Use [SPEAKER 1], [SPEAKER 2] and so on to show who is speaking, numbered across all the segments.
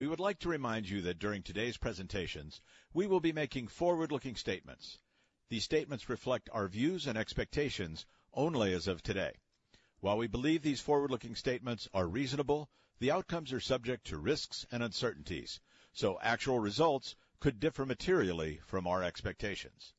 [SPEAKER 1] ...We would like to remind you that during today's presentations, we will be making forward-looking statements. These statements reflect our views and expectations only as of today. While we believe these forward-looking statements are reasonable, the outcomes are subject to risks and uncertainties, so actual results could differ materially from our expectations.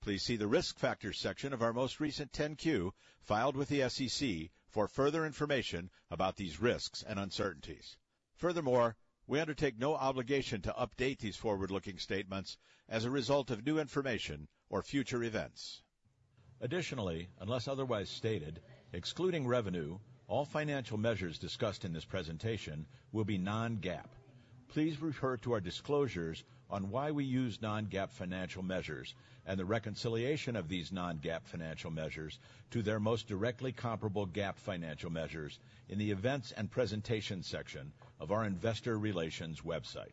[SPEAKER 1] Please see the Risk Factors section of our most recent 10-Q, filed with the SEC, for further information about these risks and uncertainties. Furthermore, we undertake no obligation to update these forward-looking statements as a result of new information or future events. Additionally, unless otherwise stated, excluding revenue, all financial measures discussed in this presentation will be non-GAAP. Please refer to our disclosures on why we use non-GAAP financial measures and the reconciliation of these non-GAAP financial measures to their most directly comparable GAAP financial measures in the Events and Presentation section of our Investor Relations website.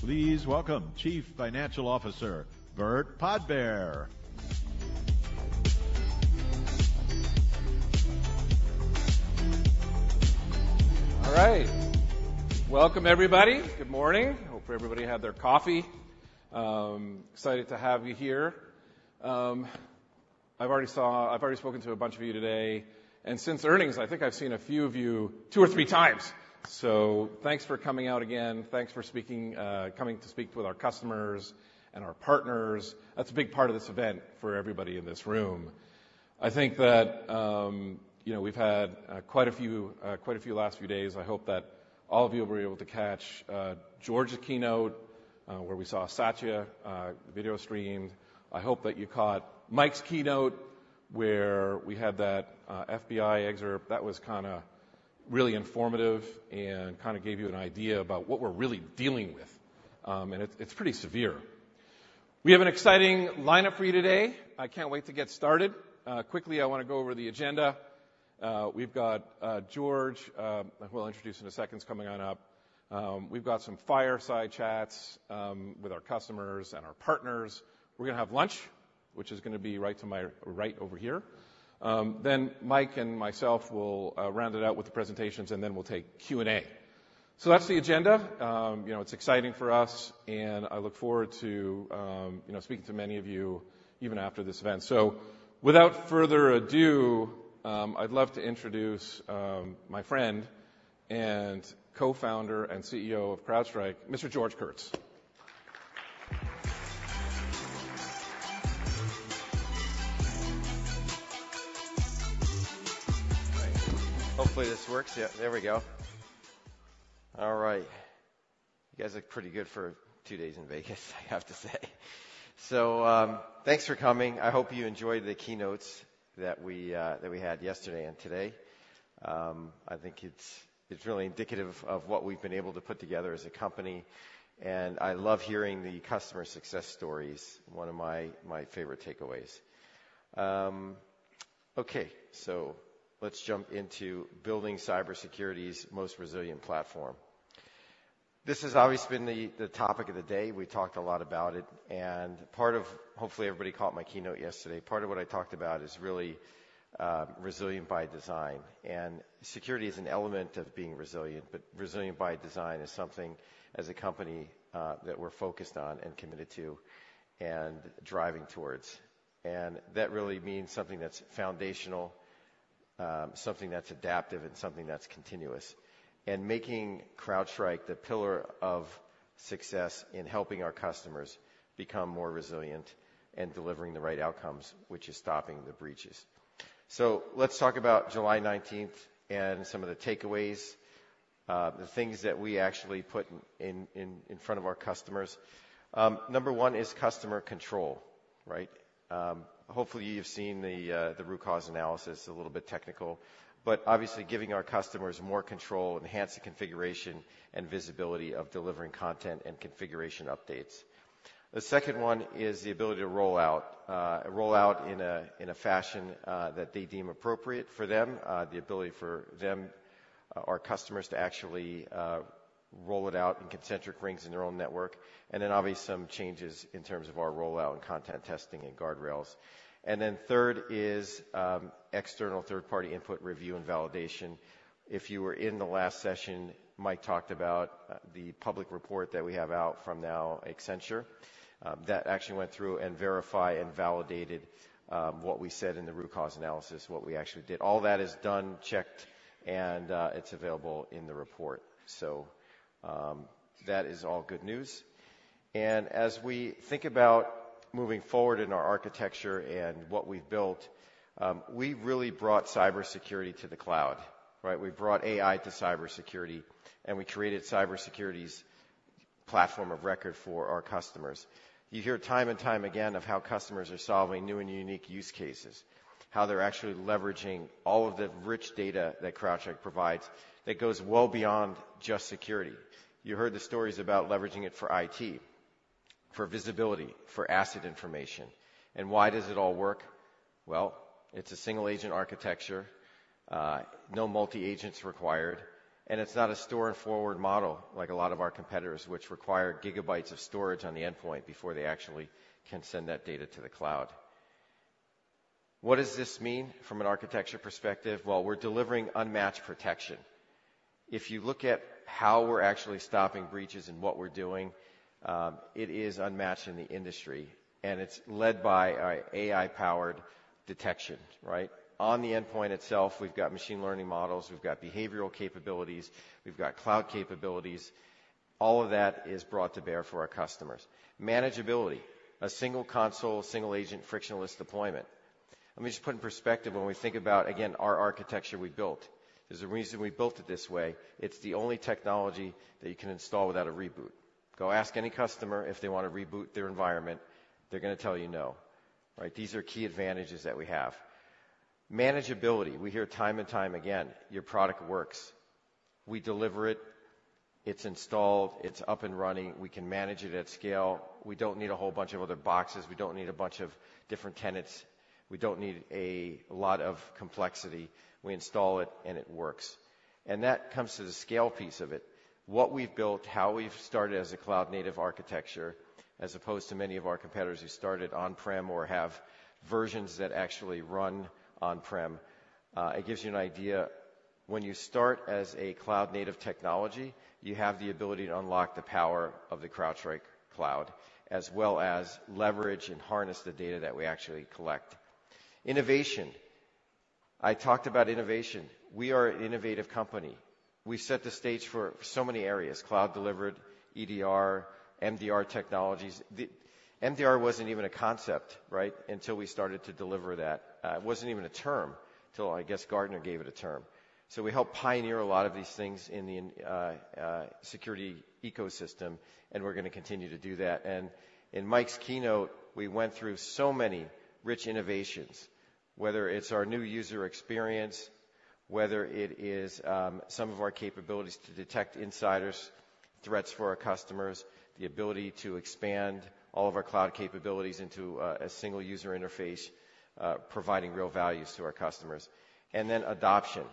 [SPEAKER 1] Please welcome Chief Financial Officer, Burt Podbere.
[SPEAKER 2] All right. Welcome, everybody. Good morning. I hope everybody had their coffee. Excited to have you here. I've already spoken to a bunch of you today, and since earnings, I think I've seen a few of you two or three times. So thanks for coming out again. Thanks for coming to speak with our customers and our partners. That's a big part of this event for everybody in this room. I think that, you know, we've had quite a few last few days. I hope that all of you were able to catch George's keynote, where we saw Satya video streamed. I hope that you caught Mike's keynote, where we had that FBI excerpt. That was kinda really informative and kinda gave you an idea about what we're really dealing with, and it's pretty severe. We have an exciting lineup for you today. I can't wait to get started. Quickly, I wanna go over the agenda. We've got George, who I'll introduce in a second, is coming on up. We've got some fireside chats with our customers and our partners. We're gonna have lunch, which is gonna be right to my right over here. Then Mike and myself will round it out with the presentations, and then we'll take Q&A. So that's the agenda. You know, it's exciting for us, and I look forward to, you know, speaking to many of you even after this event. Without further ado, I'd love to introduce my friend and co-founder and CEO of CrowdStrike, Mr. George Kurtz.
[SPEAKER 3] Hopefully this works. Yeah, there we go. All right. You guys look pretty good for two days in Vegas, I have to say. So, thanks for coming. I hope you enjoyed the keynotes that we had yesterday and today. I think it's really indicative of what we've been able to put together as a company, and I love hearing the customer success stories, one of my favorite takeaways. Okay, so let's jump into building cybersecurity's most resilient platform. This has always been the topic of the day. We talked a lot about it, and part of... Hopefully, everybody caught my keynote yesterday. Part of what I talked about is really resilient by design, and security is an element of being resilient, but resilient by design is something, as a company, that we're focused on and committed to and driving towards. And that really means something that's foundational, something that's adaptive, and something that's continuous. And making CrowdStrike the pillar of success in helping our customers become more resilient and delivering the right outcomes, which is stopping the breaches. So let's talk about July nineteenth and some of the takeaways, the things that we actually put in front of our customers. Number one is customer control, right? Hopefully, you've seen the root cause analysis, a little bit technical, but obviously giving our customers more control, enhance the configuration and visibility of delivering content and configuration updates. The second one is the ability to roll out in a fashion that they deem appropriate for them, the ability for them, our customers, to actually roll it out in concentric rings in their own network, and then obviously some changes in terms of our rollout and content testing and guardrails. Then third is external third-party input review and validation. If you were in the last session, Mike talked about the public report that we have out now from Accenture. That actually went through and verified and validated what we said in the root cause analysis, what we actually did. All that is done, checked, and it's available in the report. So that is all good news. As we think about moving forward in our architecture and what we've built, we've really brought cybersecurity to the cloud, right? We've brought AI to cybersecurity, and we created cybersecurity's platform of record for our customers. You hear time and time again of how customers are solving new and unique use cases, how they're actually leveraging all of the rich data that CrowdStrike provides, that goes well beyond just security. You heard the stories about leveraging it for IT, for visibility, for asset information. Why does it all work? It's a single agent architecture, no multi agents required, and it's not a store and forward model like a lot of our competitors, which require gigabytes of storage on the endpoint before they actually can send that data to the cloud. What does this mean from an architecture perspective? We're delivering unmatched protection. If you look at how we're actually stopping breaches and what we're doing, it is unmatched in the industry, and it's led by our AI-powered detection, right? On the endpoint itself, we've got machine learning models, we've got behavioral capabilities, we've got cloud capabilities. All of that is brought to bear for our customers. Manageability, a single console, single agent, frictionless deployment. Let me just put in perspective when we think about, again, our architecture we built. There's a reason we built it this way. It's the only technology that you can install without a reboot. Go ask any customer if they want to reboot their environment, they're gonna tell you, "No." Right? These are key advantages that we have. Manageability, we hear time and time again, "Your product works." We deliver it, it's installed, it's up and running. We can manage it at scale. We don't need a whole bunch of other boxes. We don't need a bunch of different tenants. We don't need a lot of complexity. We install it, and it works. And that comes to the scale piece of it. What we've built, how we've started as a cloud-native architecture, as opposed to many of our competitors who started on-prem or have versions that actually run on-prem, it gives you an idea. When you start as a cloud-native technology, you have the ability to unlock the power of the CrowdStrike cloud, as well as leverage and harness the data that we actually collect. Innovation. I talked about innovation. We are an innovative company. We set the stage for so many areas: cloud-delivered, EDR, MDR technologies. The MDR wasn't even a concept, right, until we started to deliver that. It wasn't even a term till, I guess, Gartner gave it a term, so we helped pioneer a lot of these things in the security ecosystem, and we're gonna continue to do that, and in Mike's keynote, we went through so many rich innovations, whether it's our new user experience, whether it is some of our capabilities to detect insider threats for our customers, the ability to expand all of our cloud capabilities into a single user interface, providing real values to our customers. And then adoption.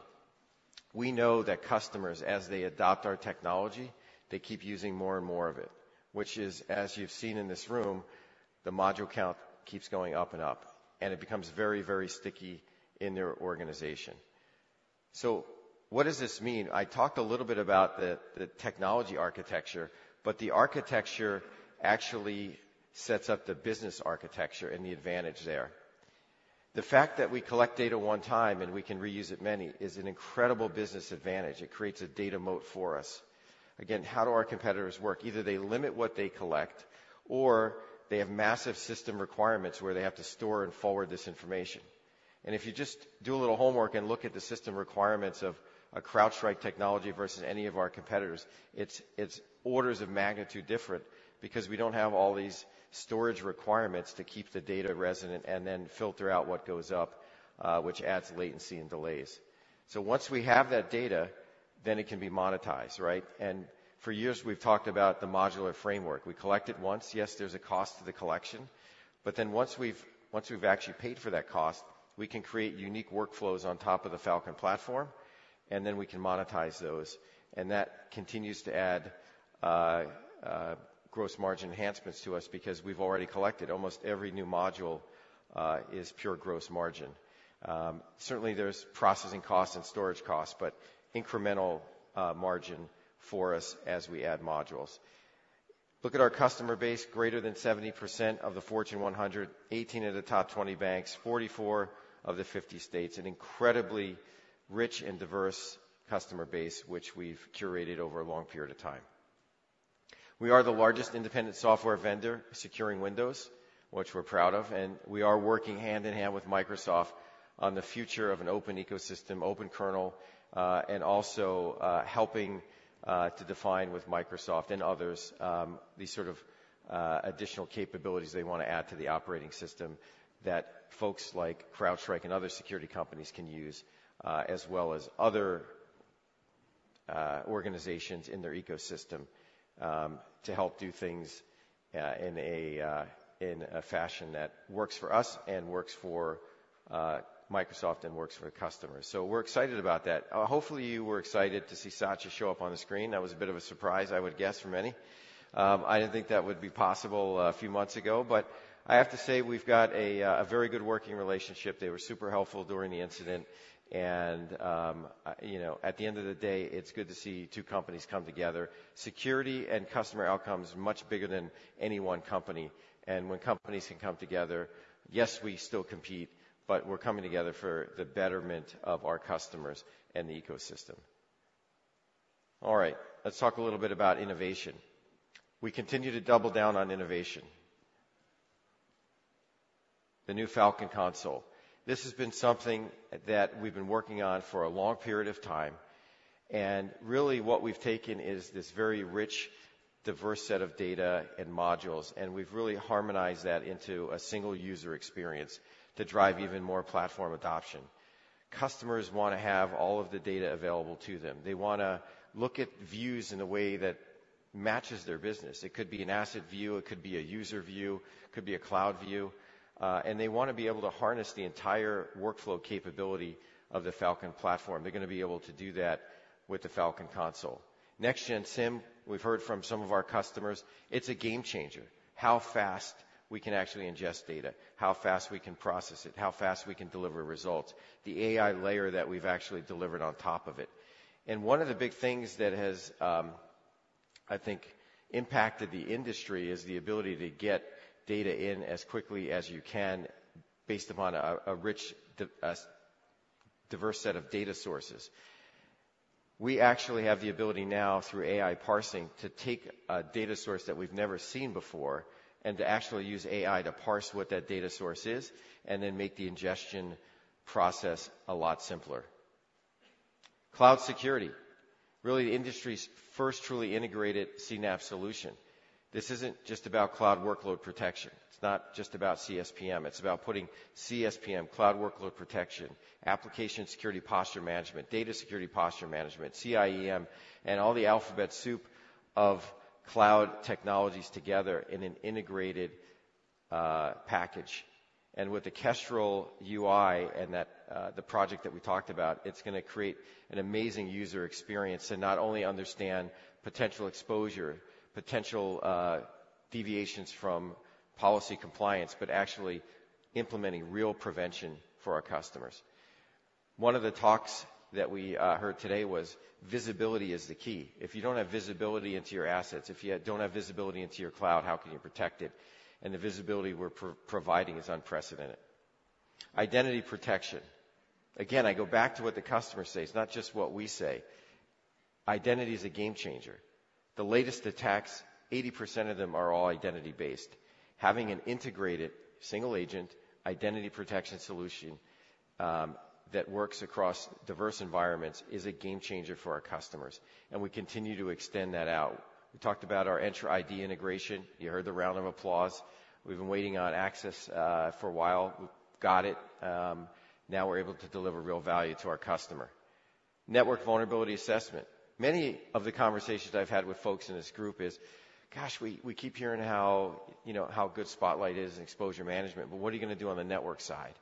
[SPEAKER 3] We know that customers, as they adopt our technology, they keep using more and more of it, which is, as you've seen in this room, the module count keeps going up and up, and it becomes very, very sticky in their organization. So what does this mean? I talked a little bit about the technology architecture, but the architecture actually sets up the business architecture and the advantage there. The fact that we collect data one time, and we can reuse it many times, is an incredible business advantage. It creates a data moat for us. Again, how do our competitors work? Either they limit what they collect, or they have massive system requirements where they have to store and forward this information, and if you just do a little homework and look at the system requirements of a CrowdStrike technology versus any of our competitors, it's orders of magnitude different because we don't have all these storage requirements to keep the data resident and then filter out what goes up, which adds latency and delays, so once we have that data, then it can be monetized, right? And for years, we've talked about the modular framework. We collect it once. Yes, there's a cost to the collection, but then once we've actually paid for that cost, we can create unique workflows on top of the Falcon platform, and then we can monetize those. And that continues to add gross margin enhancements to us because we've already collected. Almost every new module is pure gross margin. Certainly, there's processing costs and storage costs, but incremental margin for us as we add modules. Look at our customer base, greater than 70% of the Fortune 100, 18 of the top 20 banks, 44 of the 50 states, an incredibly rich and diverse customer base, which we've curated over a long period of time. We are the largest independent software vendor securing Windows, which we're proud of, and we are working hand in hand with Microsoft on the future of an open ecosystem, open kernel, and also, helping to define with Microsoft and others, these sort of additional capabilities they wanna add to the operating system that folks like CrowdStrike and other security companies can use, as well as other organizations in their ecosystem, to help do things, in a fashion that works for us and works for Microsoft, and works for the customers. So we're excited about that. Hopefully, you were excited to see Satya show up on the screen. That was a bit of a surprise, I would guess, for many. I didn't think that would be possible a few months ago, but I have to say, we've got a very good working relationship. They were super helpful during the incident, and you know, at the end of the day, it's good to see two companies come together. Security and customer outcome is much bigger than any one company, and when companies can come together, yes, we still compete, but we're coming together for the betterment of our customers and the ecosystem. All right, let's talk a little bit about innovation. We continue to double down on innovation. The new Falcon Console. This has been something that we've been working on for a long period of time, and really, what we've taken is this very rich, diverse set of data and modules, and we've really harmonized that into a single user experience to drive even more platform adoption. Customers wanna have all of the data available to them. They wanna look at views in a way that matches their business. It could be an asset view, it could be a user view, it could be a cloud view, and they wanna be able to harness the entire workflow capability of the Falcon platform. They're gonna be able to do that with the Falcon Console. Next-Gen SIEM, we've heard from some of our customers, it's a game changer, how fast we can actually ingest data, how fast we can process it, how fast we can deliver results, the AI layer that we've actually delivered on top of it. And one of the big things that has, I think, impacted the industry, is the ability to get data in as quickly as you can, based upon a rich, diverse set of data sources. We actually have the ability now, through AI parsing, to take a data source that we've never seen before, and to actually use AI to parse what that data source is, and then make the ingestion process a lot simpler. Cloud Security, really, the industry's first truly integrated CNAPP solution. This isn't just about cloud workload protection, it's not just about CSPM, it's about putting CSPM, Cloud Workload Protection, Application Security Posture Management, Data Security Posture Management, CIEM, and all the alphabet soup of cloud technologies together in an integrated package. And with the Kestrel UI and that, the project that we talked about, it's gonna create an amazing user experience, to not only understand potential exposure, potential deviations from policy compliance, but actually implementing real prevention for our customers. One of the talks that we heard today was, visibility is the key. If you don't have visibility into your assets, if you don't have visibility into your cloud, how can you protect it? And the visibility we're providing is unprecedented. Identity Protection. Again, I go back to what the customer says, not just what we say. Identity is a game changer. The latest attacks, 80% of them are all identity-based. Having an integrated, single-agent, Identity Protection solution, that works across diverse environments, is a game changer for our customers, and we continue to extend that out. We talked about our Entra ID integration. You heard the round of applause. We've been waiting on Okta for a while. We've got it. Now we're able to deliver real value to our customer. Network Vulnerability Assessment. Many of the conversations I've had with folks in this group is, "Gosh, we keep hearing how, you know, how good Spotlight is in exposure management, but what are you gonna do on the network side?"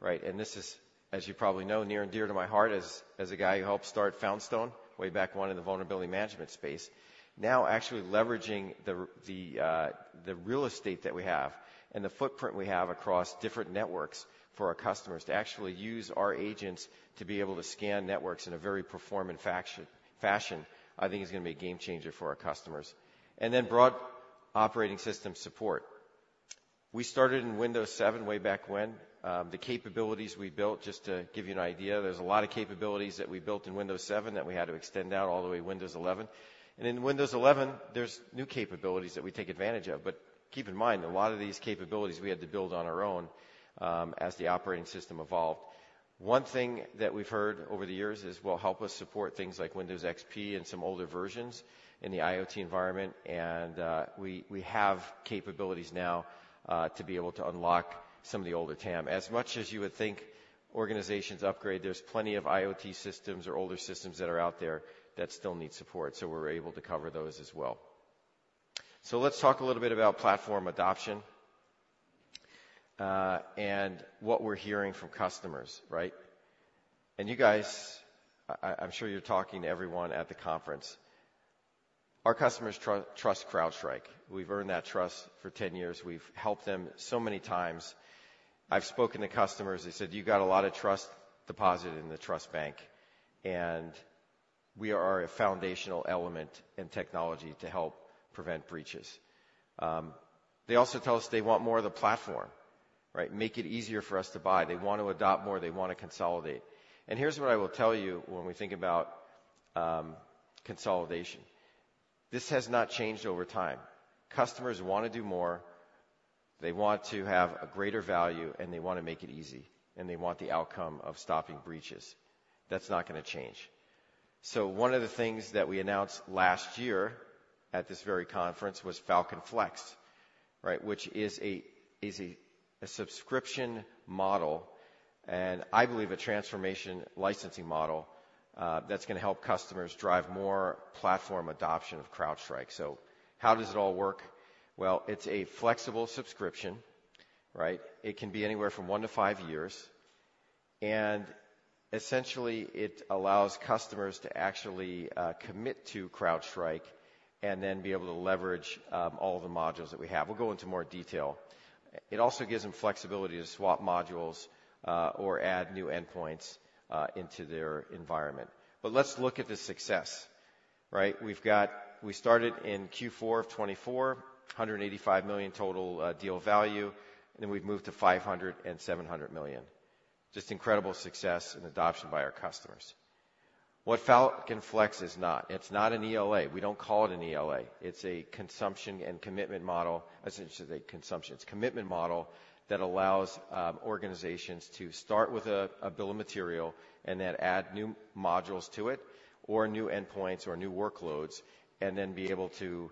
[SPEAKER 3] Right, and this is, as you probably know, near and dear to my heart, as a guy who helped start Foundstone way back when in the vulnerability management space. Now actually leveraging the real estate that we have, and the footprint we have across different networks for our customers, to actually use our agents to be able to scan networks in a very performant fashion, I think is gonna be a game changer for our customers. And then broad operating system support. We started in Windows 7 way back when. The capabilities we built, just to give you an idea, there's a lot of capabilities that we built in Windows 7, that we had to extend out all the way to Windows 11. And in Windows 11, there's new capabilities that we take advantage of, but keep in mind, a lot of these capabilities we had to build on our own, as the operating system evolved. One thing that we've heard over the years is, well, help us support things like Windows XP and some older versions in the IoT environment, and we have capabilities now to be able to unlock some of the older TAM. As much as you would think organizations upgrade, there's plenty of IoT systems or older systems that are out there that still need support, so we're able to cover those as well. So let's talk a little bit about platform adoption and what we're hearing from customers, right? And you guys, I'm sure you're talking to everyone at the conference. Our customers trust CrowdStrike. We've earned that trust for ten years. We've helped them so many times. I've spoken to customers, they said, "You've got a lot of trust deposited in the trust bank," and we are a foundational element in technology to help prevent breaches. They also tell us they want more of the platform, right? "Make it easier for us to buy." They want to adopt more, they want to consolidate. And here's what I will tell you when we think about, consolidation. This has not changed over time. Customers want to do more, they want to have a greater value, and they want to make it easy, and they want the outcome of stopping breaches. That's not gonna change. So one of the things that we announced last year, at this very conference, was Falcon Flex, right? Which is a subscription model, and I believe a transformation licensing model, that's gonna help customers drive more platform adoption of CrowdStrike. So how does it all work? It's a flexible subscription, right? It can be anywhere from one to five years, and essentially, it allows customers to actually commit to CrowdStrike, and then be able to leverage all the modules that we have. We'll go into more detail. It also gives them flexibility to swap modules or add new endpoints into their environment. But let's look at the success, right? We've got. We started in Q4 of 2024, $185 million total deal value, and then we've moved to $507 million. Just incredible success and adoption by our customers. What Falcon Flex is not: It's not an ELA. We don't call it an ELA. It's a consumption and commitment model... I shouldn't say consumption. It's commitment model, that allows organizations to start with a bill of material, and then add new modules to it, or new endpoints, or new workloads, and then be able to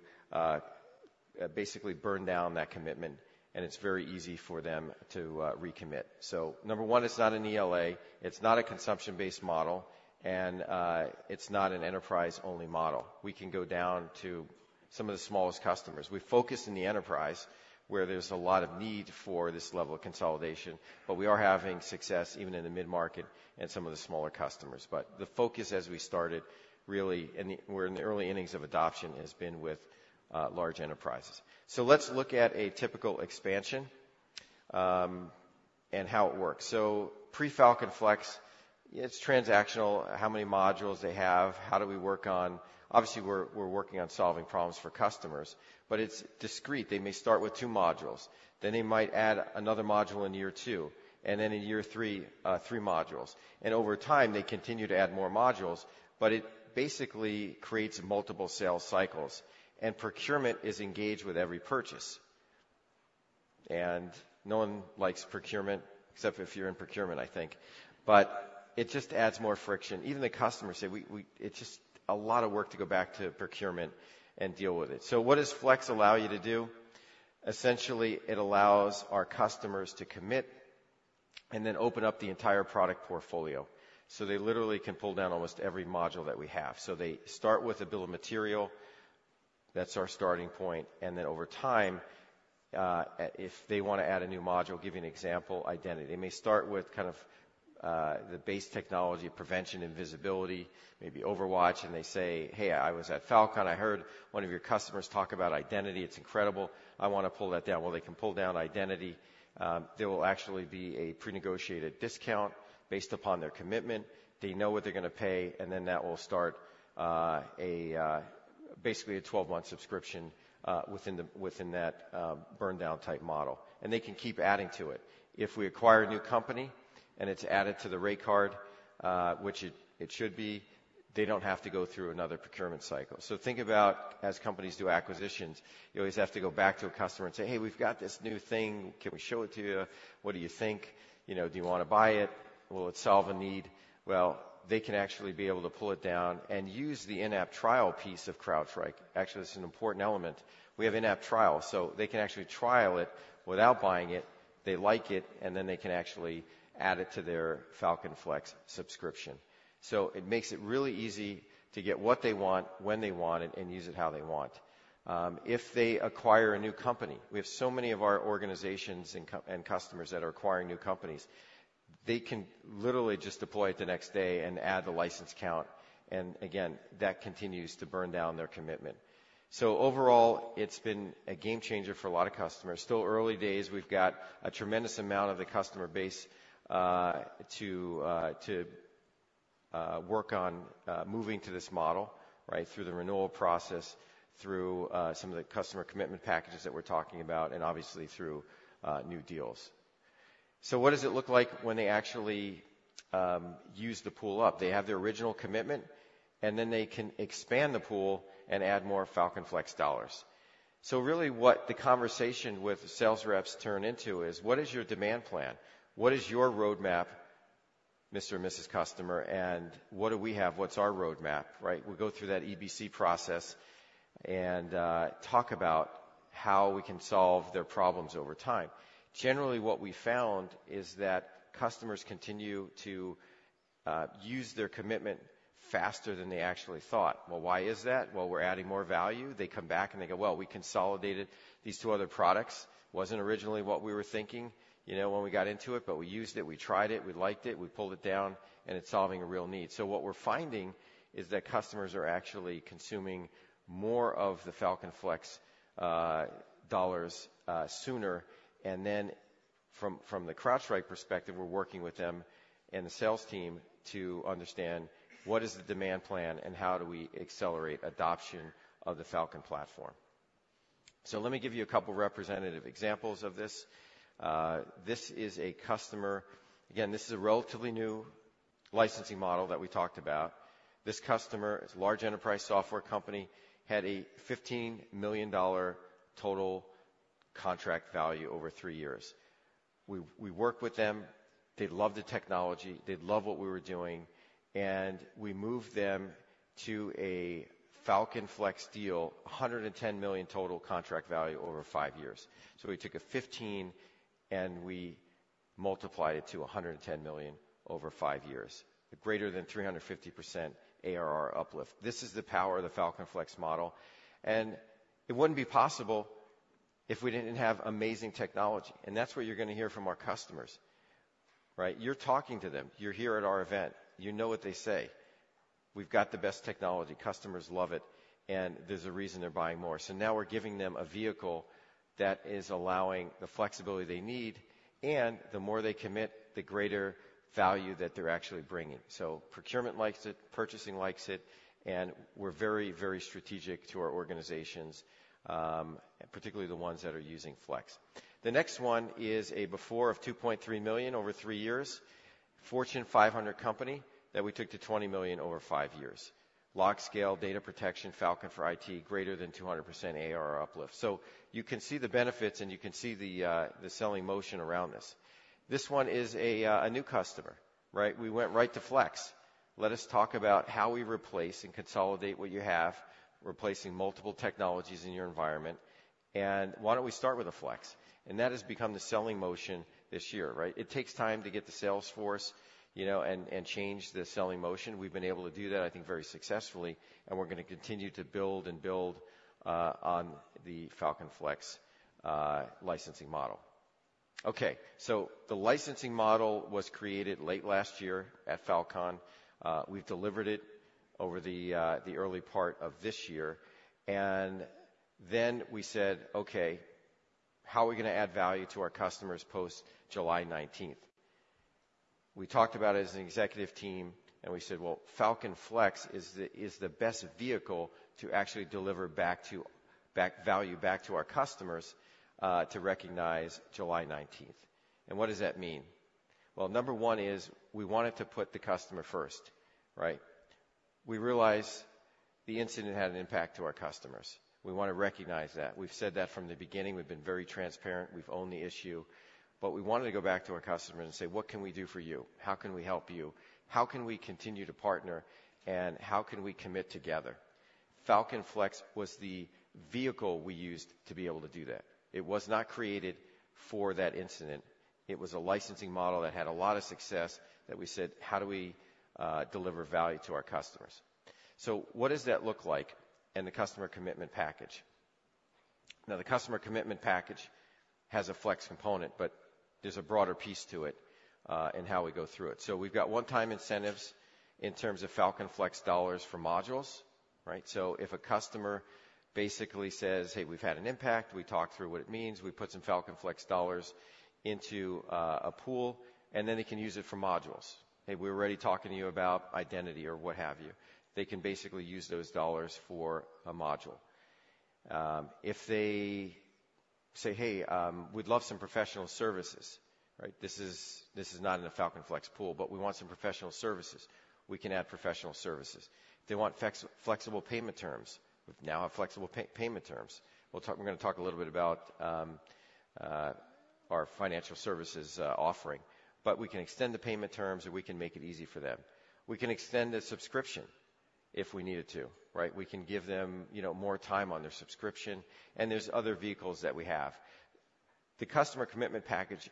[SPEAKER 3] basically burn down that commitment, and it's very easy for them to recommit. So number one, it's not an ELA, it's not a consumption-based model, and it's not an enterprise-only model. We can go down to some of the smallest customers. We focus in the enterprise, where there's a lot of need for this level of consolidation, but we are having success even in the mid-market and some of the smaller customers. But the focus as we started, really, and we're in the early innings of adoption, has been with large enterprises. So let's look at a typical expansion, and how it works. So pre-Falcon Flex, it's transactional, how many modules they have, how do we work on. Obviously, we're working on solving problems for customers, but it's discrete. They may start with two modules, then they might add another module in year two, and then in year three, three modules. And over time, they continue to add more modules, but it basically creates multiple sales cycles, and procurement is engaged with every purchase. And no one likes procurement, except if you're in procurement, I think, but it just adds more friction. Even the customers say, "It's just a lot of work to go back to procurement and deal with it." So what does Flex allow you to do? Essentially, it allows our customers to commit and then open up the entire product portfolio, so they literally can pull down almost every module that we have. So they start with a bill of materials. That's our starting point, and then over time, if they want to add a new module, give you an example, Identity. They may start with kind of, the base technology, prevention and visibility, maybe OverWatch, and they say, "Hey, I was at Falcon. I heard one of your customers talk about Identity. It's incredible. I want to pull that down." Well, they can pull down Identity. There will actually be a prenegotiated discount based upon their commitment. They know what they're gonna pay, and then that will start, basically a twelve-month subscription, within that, burn down type model, and they can keep adding to it. If we acquire a new company, and it's added to the rate card, which it should be, they don't have to go through another procurement cycle. So think about as companies do acquisitions, you always have to go back to a customer and say, "Hey, we've got this new thing. Can we show it to you? What do you think? You know, do you want to buy it? Will it solve a need?" Well, they can actually be able to pull it down and use the in-app trial piece of CrowdStrike. Actually, that's an important element. We have in-app trial, so they can actually trial it without buying it. They like it, and then they can actually add it to their Falcon Flex subscription. So it makes it really easy to get what they want, when they want it, and use it how they want. If they acquire a new company, we have so many of our organizations and customers that are acquiring new companies. They can literally just deploy it the next day and add the license count, and again, that continues to burn down their commitment. So overall, it's been a game changer for a lot of customers. Still early days. We've got a tremendous amount of the customer base to work on moving to this model, right, through the renewal process, through some of the Customer Commitment Packages that we're talking about, and obviously through new deals. So what does it look like when they actually use the pool up? They have their original commitment, and then they can expand the pool and add more Falcon Flex dollars. Really, what the conversation with the sales reps turns into is: What is your demand plan? What is your roadmap, Mr. and Mrs. Customer, and what do we have? What's our roadmap, right? We'll go through that EBC process and talk about how we can solve their problems over time. Generally, what we found is that customers continue to use their commitment faster than they actually thought. Why is that? We're adding more value. They come back, and they go, "Well, we consolidated these two other products. Wasn't originally what we were thinking, you know, when we got into it, but we used it, we tried it, we liked it, we pulled it down, and it's solving a real need." So what we're finding is that customers are actually consuming more of the Falcon Flex dollars sooner, and then from the CrowdStrike perspective, we're working with them and the sales team to understand what is the demand plan and how do we accelerate adoption of the Falcon platform. So let me give you a couple representative examples of this. This is a customer. Again, this is a relatively new licensing model that we talked about. This customer, it's a large enterprise software company, had a $15 million total contract value over three years. We worked with them. They loved the technology. They loved what we were doing, and we moved them to a Falcon Flex deal, $110 million total contract value over five years. So we took a $15 million, and we multiplied it to $110 million over five years, greater than 350% ARR uplift. This is the power of the Falcon Flex model, and it wouldn't be possible if we didn't have amazing technology, and that's what you're gonna hear from our customers, right? You're talking to them. You're here at our event. You know what they say. We've got the best technology. Customers love it, and there's a reason they're buying more. So now we're giving them a vehicle that is allowing the flexibility they need, and the more they commit, the greater value that they're actually bringing. So procurement likes it, purchasing likes it, and we're very, very strategic to our organizations, particularly the ones that are using Flex. The next one is a before of $2.3 million over three years, Fortune 500 company, that we took to $20 million over five years. LogScale, Data Protection, Falcon for IT, greater than 200% ARR uplift. So you can see the benefits, and you can see the selling motion around this. This one is a new customer, right? We went right to Flex. Let us talk about how we replace and consolidate what you have, replacing multiple technologies in your environment, and why don't we start with a Flex? And that has become the selling motion this year, right? It takes time to get the sales force, you know, and change the selling motion. We've been able to do that, I think, very successfully, and we're gonna continue to build and build on the Falcon Flex licensing model. Okay, so the licensing model was created late last year at Falcon. We've delivered it over the early part of this year, and then we said, "Okay, how are we gonna add value to our customers post July nineteenth?" We talked about it as an executive team, and we said, "Well, Falcon Flex is the, is the best vehicle to actually deliver back to, back value back to our customers to recognize July nineteenth." And what does that mean? Well, number one is, we wanted to put the customer first, right? We realize the incident had an impact to our customers. We want to recognize that. We've said that from the beginning. We've been very transparent. We've owned the issue, but we wanted to go back to our customers and say, "What can we do for you? How can we help you? How can we continue to partner, and how can we commit together?" Falcon Flex was the vehicle we used to be able to do that. It was not created for that incident. It was a licensing model that had a lot of success, that we said, "How do we deliver value to our customers?" So what does that look like in the Customer Commitment Package? Now, the Customer Commitment Package has a Flex component, but there's a broader piece to it, and how we go through it. So we've got one-time incentives in terms of Falcon Flex dollars for modules, right? So if a customer basically says, "Hey, we've had an impact," we talk through what it means. We put some Falcon Flex dollars into a pool, and then they can use it for modules. "Hey, we're already talking to you about Identity," or what have you. They can basically use those dollars for a module. If they say, "Hey, we'd love some professional services," right? "This is not in a Falcon Flex pool, but we want some professional services." We can add professional services. They want flexible payment terms, we now have flexible payment terms. We'll talk. We're gonna talk a little bit about our financial services offering, but we can extend the payment terms, and we can make it easy for them. We can extend the subscription if we needed to, right? We can give them, you know, more time on their subscription, and there's other vehicles that we have. The Customer Commitment Package,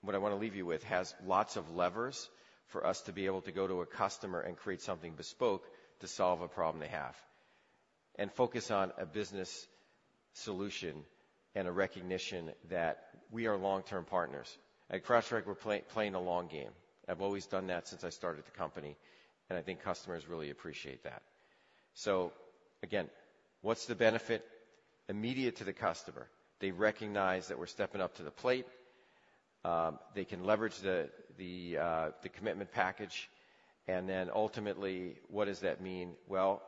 [SPEAKER 3] what I want to leave you with, has lots of levers for us to be able to go to a customer and create something bespoke to solve a problem they have and focus on a business solution and a recognition that we are long-term partners. At CrowdStrike, we're playing the long game. I've always done that since I started the company, and I think customers really appreciate that. So again, what's the benefit immediate to the customer? They recognize that we're stepping up to the plate. They can leverage the commitment package, and then ultimately, what does that mean? Well,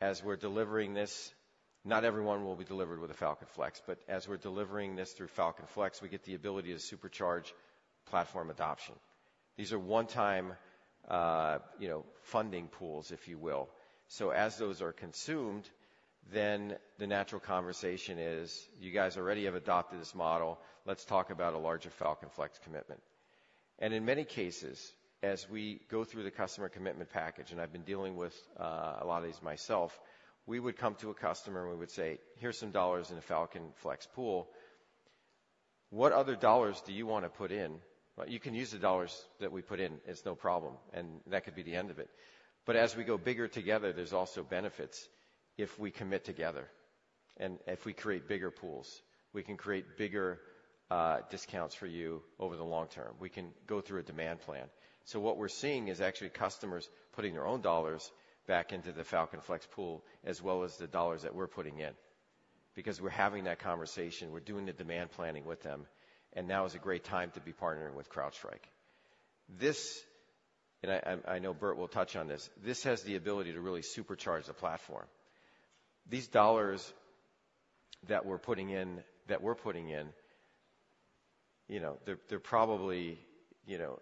[SPEAKER 3] as we're delivering this, not everyone will be delivered with a Falcon Flex, but as we're delivering this through Falcon Flex, we get the ability to supercharge platform adoption. These are one-time, you know, funding pools, if you will. So as those are consumed, then the natural conversation is, "You guys already have adopted this model. Let's talk about a larger Falcon Flex commitment." And in many cases, as we go through the Customer Commitment Package, and I've been dealing with a lot of these myself, we would come to a customer, and we would say, "Here's some dollars in a Falcon Flex pool. What other dollars do you want to put in? You can use the dollars that we put in, it's no problem," and that could be the end of it. But as we go bigger together, there's also benefits if we commit together and if we create bigger pools. We can create bigger discounts for you over the long term. We can go through a demand plan. So what we're seeing is actually customers putting their own dollars back into the Falcon Flex pool, as well as the dollars that we're putting in, because we're having that conversation, we're doing the demand planning with them, and now is a great time to be partnering with CrowdStrike. This, and I know Burt will touch on this, this has the ability to really supercharge the platform. These dollars that we're putting in, you know, they're probably, you know,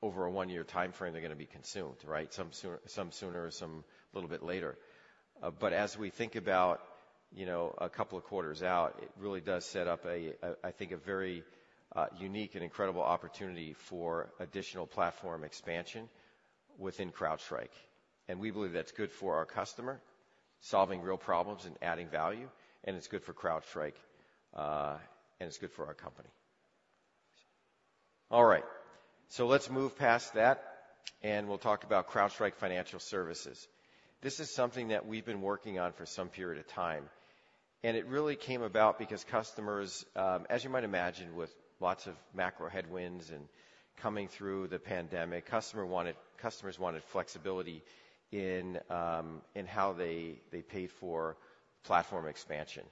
[SPEAKER 3] over a one-year timeframe, they're gonna be consumed, right? Some sooner, some a little bit later. But as we think about, you know, a couple of quarters out, it really does set up a, I think, a very unique and incredible opportunity for additional platform expansion within CrowdStrike. And we believe that's good for our customer, solving real problems and adding value, and it's good for CrowdStrike, and it's good for our company. All right, so let's move past that, and we'll talk about CrowdStrike Financial Services. This is something that we've been working on for some period of time, and it really came about because customers. As you might imagine, with lots of macro headwinds and coming through the pandemic, customers wanted flexibility in how they paid for platform expansion.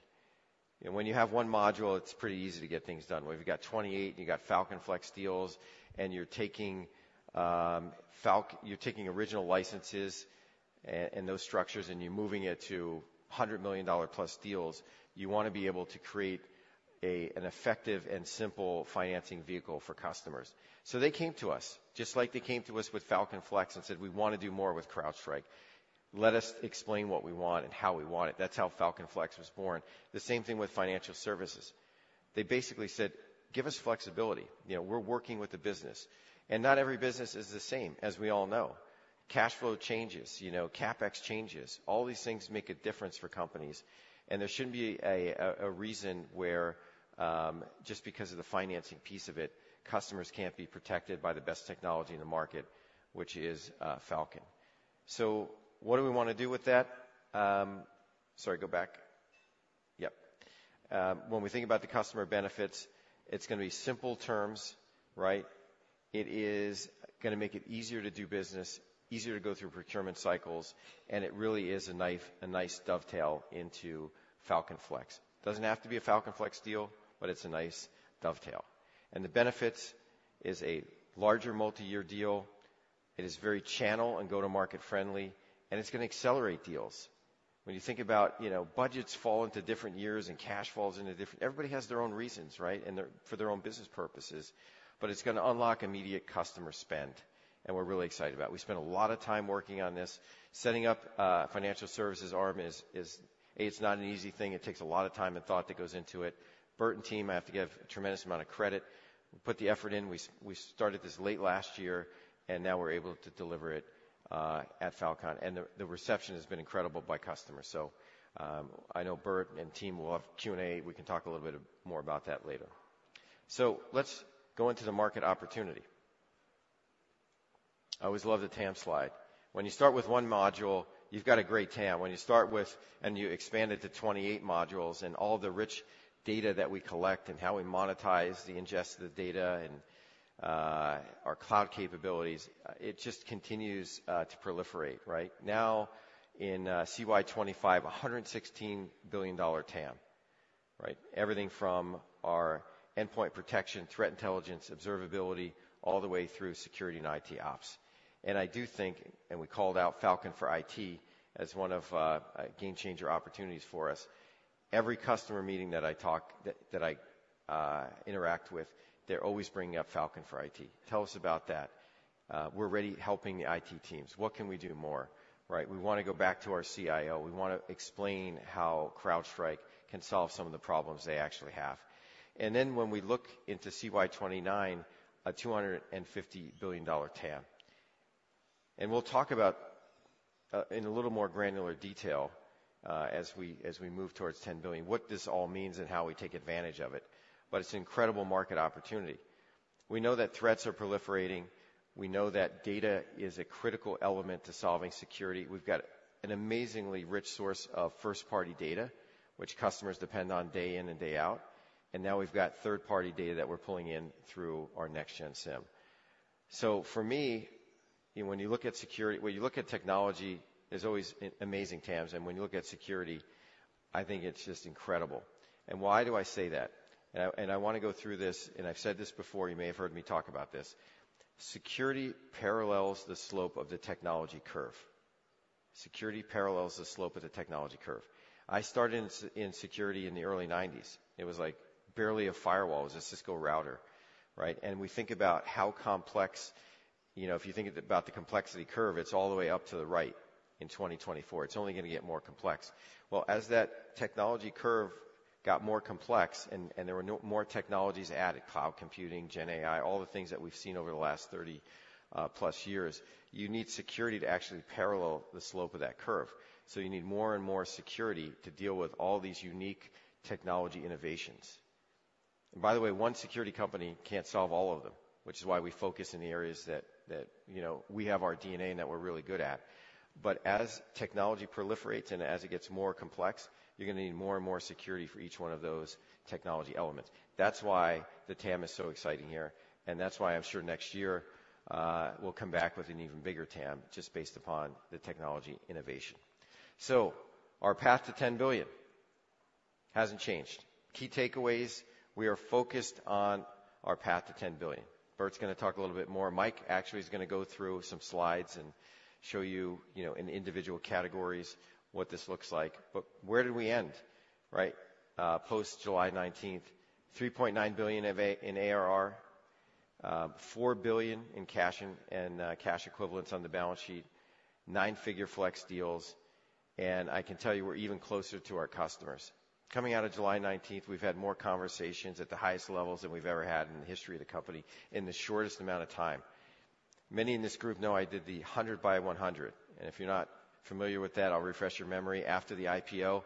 [SPEAKER 3] And when you have one module, it's pretty easy to get things done. When you've got 28, and you've got Falcon Flex deals, and you're taking original licenses and those structures, and you're moving it to $100 million-plus deals, you want to be able to create an effective and simple financing vehicle for customers. So they came to us, just like they came to us with Falcon Flex, and said, "We want to do more with CrowdStrike." Let us explain what we want and how we want it. That's how Falcon Flex was born. The same thing with financial services. They basically said, "Give us flexibility. You know, we're working with the business." And not every business is the same, as we all know. Cash flow changes, you know, CapEx changes. All these things make a difference for companies, and there shouldn't be a reason where just because of the financing piece of it, customers can't be protected by the best technology in the market, which is Falcon. So what do we want to do with that? Sorry, go back. Yep. When we think about the customer benefits, it's gonna be simple terms, right? It is gonna make it easier to do business, easier to go through procurement cycles, and it really is a nice dovetail into Falcon Flex. Doesn't have to be a Falcon Flex deal, but it's a nice dovetail. And the benefits is a larger multi-year deal. It is very channel and go-to-market friendly, and it's gonna accelerate deals. When you think about, you know, budgets fall into different years, and cash falls into different... Everybody has their own reasons, right? And they're for their own business purposes, but it's gonna unlock immediate customer spend, and we're really excited about it. We spent a lot of time working on this. Setting up a financial services arm is. A, it's not an easy thing. It takes a lot of time and thought that goes into it. Burt and team, I have to give a tremendous amount of credit, put the effort in. We started this late last year, and now we're able to deliver it at Falcon. And the reception has been incredible by customers. So, I know Burt and team will have Q&A. We can talk a little bit more about that later. So let's go into the market opportunity. I always love the TAM slide. When you start with one module, you've got a great TAM. When you start with and you expand it to 28 modules, and all the rich data that we collect and how we monetize the ingested data and, our cloud capabilities, it just continues, to proliferate, right? Now, in CY 2025, a $116 billion TAM, right? Everything from our endpoint protection, threat intelligence, observability, all the way through security and IT Ops. And I do think, and we called out Falcon for IT, as one of, a game changer opportunities for us. Every customer meeting that I interact with, they're always bringing up Falcon for IT. "Tell us about that. We're already helping the IT teams. What can we do more?" Right? We wanna go back to our CIO. We wanna explain how CrowdStrike can solve some of the problems they actually have. And then when we look into CY 2029, a $250 billion TAM. And we'll talk about, in a little more granular detail, as we move towards $10 billion, what this all means and how we take advantage of it, but it's an incredible market opportunity. We know that threats are proliferating. We know that data is a critical element to solving security. We've got an amazingly rich source of first-party data, which customers depend on day in and day out, and now we've got third-party data that we're pulling in through our next-gen SIEM. So for me, when you look at security. When you look at technology, there's always amazing TAMs, and when you look at security, I think it's just incredible. And why do I say that? I wanna go through this, and I've said this before, you may have heard me talk about this: Security parallels the slope of the technology curve. Security parallels the slope of the technology curve. I started in security in the early 1990s. It was, like, barely a firewall. It was a Cisco router, right? And we think about how complex, you know, if you think about the complexity curve, it's all the way up to the right in 2024. It's only gonna get more complex. Well, as that technology curve got more complex and there were more technologies added, cloud computing, GenAI, all the things that we've seen over the last 30 plus years, you need security to actually parallel the slope of that curve. So you need more and more security to deal with all these unique technology innovations. And by the way, one security company can't solve all of them, which is why we focus in the areas that, you know, we have our DNA and that we're really good at. But as technology proliferates and as it gets more complex, you're gonna need more and more security for each one of those technology elements. That's why the TAM is so exciting here, and that's why I'm sure next year, we'll come back with an even bigger TAM, just based upon the technology innovation. So our path to 10 billion hasn't changed. Key takeaways, we are focused on our path to 10 billion. Burt's gonna talk a little bit more. Mike actually is gonna go through some slides and show you, you know, in individual categories, what this looks like. But where did we end, right? Post July nineteenth, $3.9 billion in ARR, $4 billion in cash and cash equivalents on the balance sheet, nine-figure Flex deals, and I can tell you, we're even closer to our customers. Coming out of July nineteenth, we've had more conversations at the highest levels than we've ever had in the history of the company, in the shortest amount of time. Many in this group know I did the 100 by 100, and if you're not familiar with that, I'll refresh your memory. After the IPO,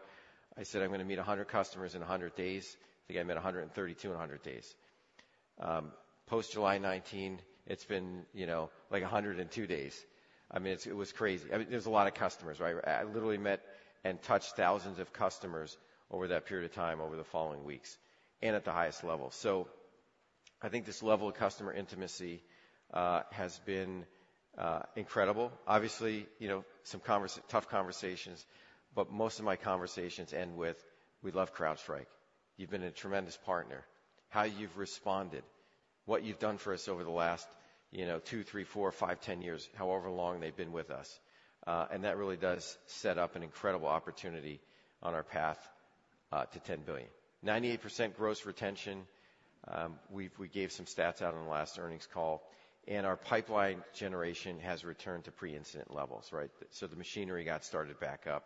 [SPEAKER 3] I said, "I'm gonna meet 100 customers in 100 days." I think I met 132 in 100 days. Post July nineteen, it's been, you know, like 102 days. I mean, it was crazy. I mean, there's a lot of customers, right? I literally met and touched thousands of customers over that period of time, over the following weeks, and at the highest level. So I think this level of customer intimacy has been incredible. Obviously, you know, some tough conversations, but most of my conversations end with, "We love CrowdStrike. You've been a tremendous partner, how you've responded, what you've done for us over the last, you know, two, three, four, five, ten years," however long they've been with us. And that really does set up an incredible opportunity on our path to ten billion. 98% gross retention, we gave some stats out on the last earnings call, and our pipeline generation has returned to pre-incident levels, right? So the machinery got started back up.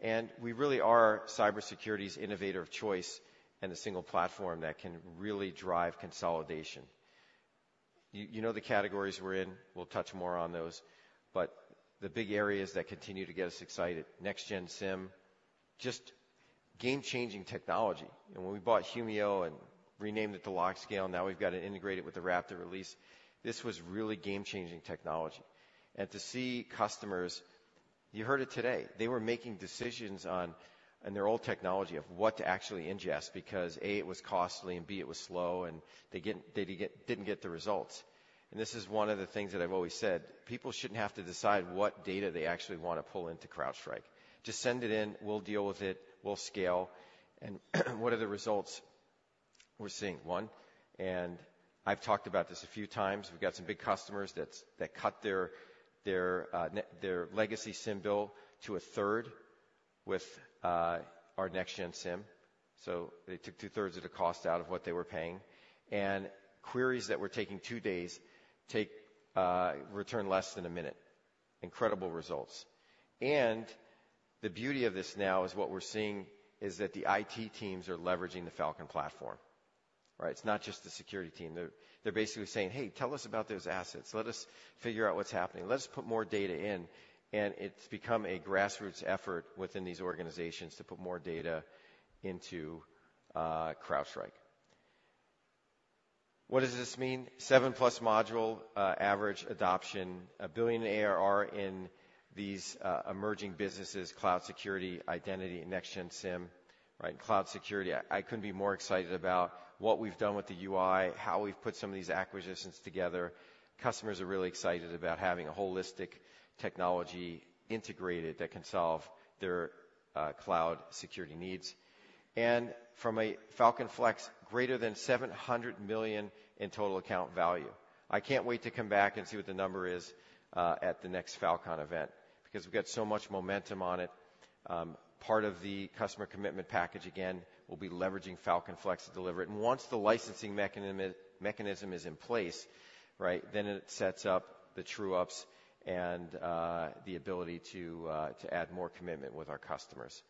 [SPEAKER 3] And we really are cybersecurity's innovator of choice, and a single platform that can really drive consolidation. You know the categories we're in. We'll touch more on those, but the big areas that continue to get us excited, Next-Gen SIEM, just game-changing technology. And when we bought Humio and renamed it to LogScale, now we've got it integrated with the Raptor release. This was really game-changing technology. And to see customers, you heard it today, they were making decisions on their old technology of what to actually ingest, because A, it was costly, and B, it was slow, and they didn't get the results. And this is one of the things that I've always said, "People shouldn't have to decide what data they actually want to pull into CrowdStrike. Just send it in, we'll deal with it, we'll scale." And what are the results we're seeing? One, and I've talked about this a few times, we've got some big customers that cut their legacy SIEM bill to a third with our Next-Gen SIEM. So they took two-thirds of the cost out of what they were paying. And queries that were taking two days take return less than a minute. Incredible results. And the beauty of this now is what we're seeing is that the IT teams are leveraging the Falcon platform, right? It's not just the security team. They're basically saying, "Hey, tell us about those assets. Let us figure out what's happening. Let us put more data in." And it's become a grassroots effort within these organizations to put more data into CrowdStrike. What does this mean? Seven-plus module average adoption, $1 billion ARR in these emerging businesses, Cloud Security, Identity, and Next-Gen SIEM, right? Cloud Security, I couldn't be more excited about what we've done with the UI, how we've put some of these acquisitions together. Customers are really excited about having a holistic technology integrated that can solve their Cloud Security needs. From a Falcon Flex, greater than $700 million in total account value. I can't wait to come back and see what the number is at the next Falcon event, because we've got so much momentum on it. Part of the Customer Commitment Package, again, will be leveraging Falcon Flex to deliver it. Once the licensing mechanism is in place, right, then it sets up the true ups and the ability to add more commitment with our customers.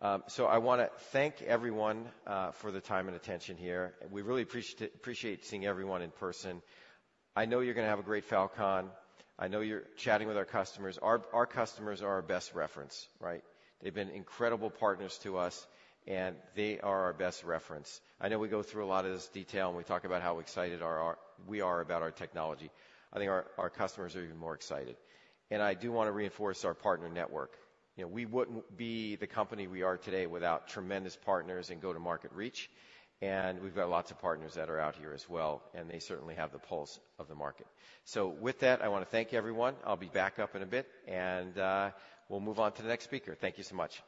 [SPEAKER 3] I wanna thank everyone for the time and attention here. We really appreciate seeing everyone in person. I know you're gonna have a great Falcon. I know you're chatting with our customers. Our customers are our best reference, right? They've been incredible partners to us, and they are our best reference. I know we go through a lot of this detail, and we talk about how excited we are about our technology. I think our customers are even more excited. I do want to reinforce our partner network. You know, we wouldn't be the company we are today without tremendous partners and go-to-market reach, and we've got lots of partners that are out here as well, and they certainly have the pulse of the market. With that, I want to thank everyone. I'll be back up in a bit, and we'll move on to the next speaker. Thank you so much.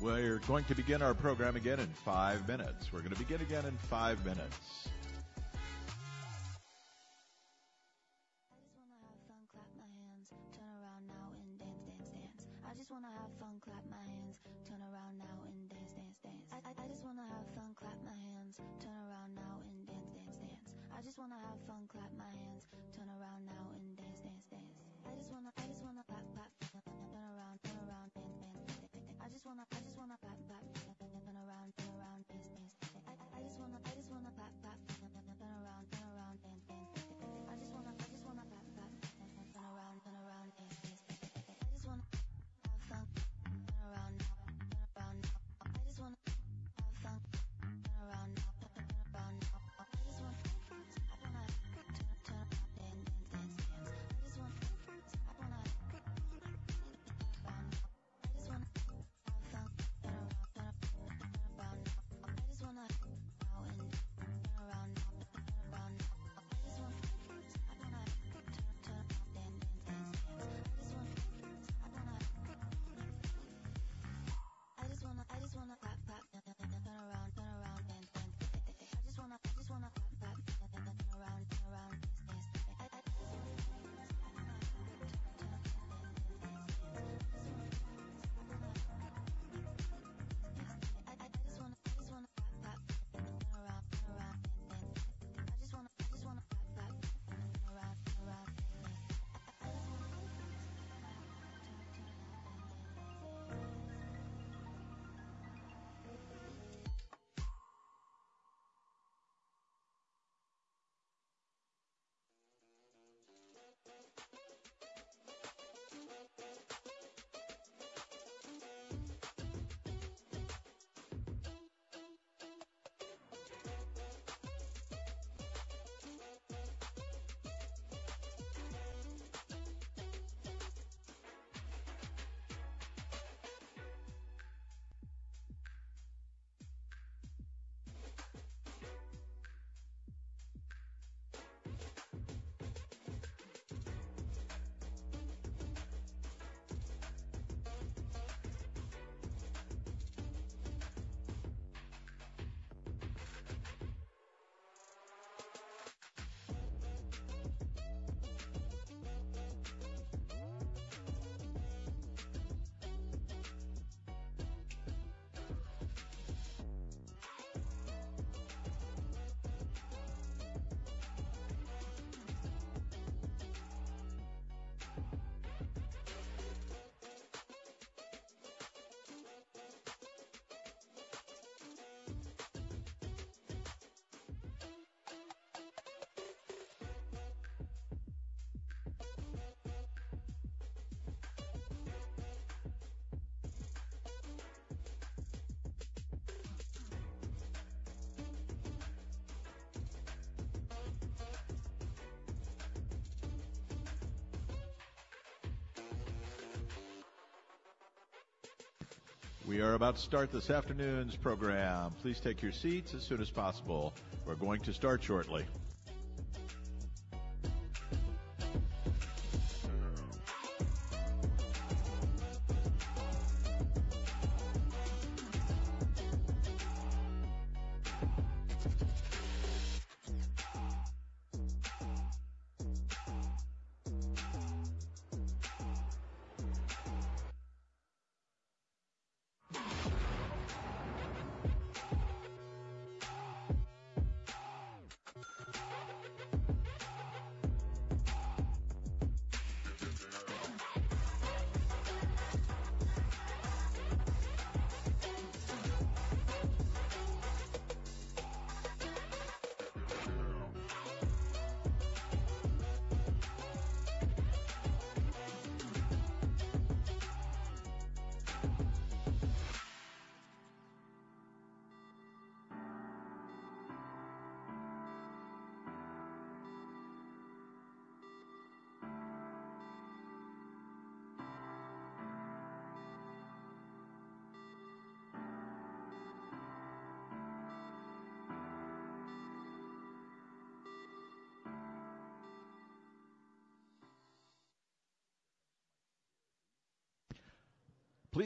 [SPEAKER 4] We're going to begin our program again in five minutes. We're gonna begin again in five minutes.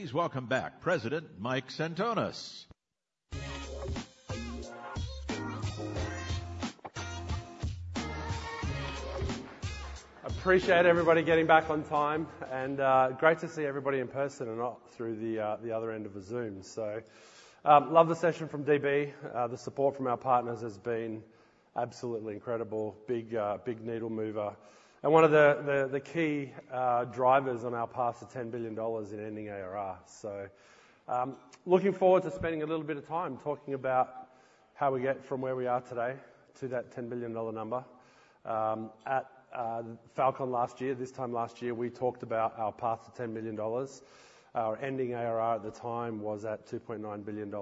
[SPEAKER 4] Please welcome back President Mike Sentonas.
[SPEAKER 5] Appreciate everybody getting back on time and, great to see everybody in person and not through the other end of a Zoom. So, love the session from DB. The support from our partners has been absolutely incredible. Big needle mover and one of the key drivers on our path to $10 billion in ending ARR. So, looking forward to spending a little bit of time talking about how we get from where we are today to that $10 billion number. At Falcon last year, this time last year, we talked about our path to $10 billion. Our ending ARR at the time was $2.9 billion,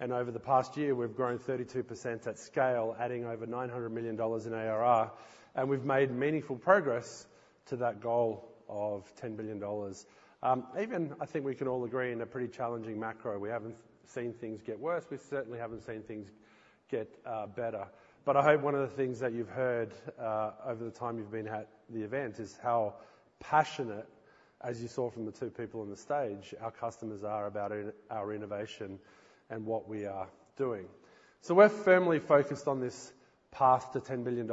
[SPEAKER 5] and over the past year, we've grown 32% at scale, adding over $900 million in ARR, and we've made meaningful progress to that goal of $10 billion. Even I think we can all agree, in a pretty challenging macro, we haven't seen things get worse. We certainly haven't seen things get better. But I hope one of the things that you've heard over the time you've been at the event is how passionate, as you saw from the two people on the stage, our customers are about in our innovation and what we are doing. So we're firmly focused on this path to $10 billion.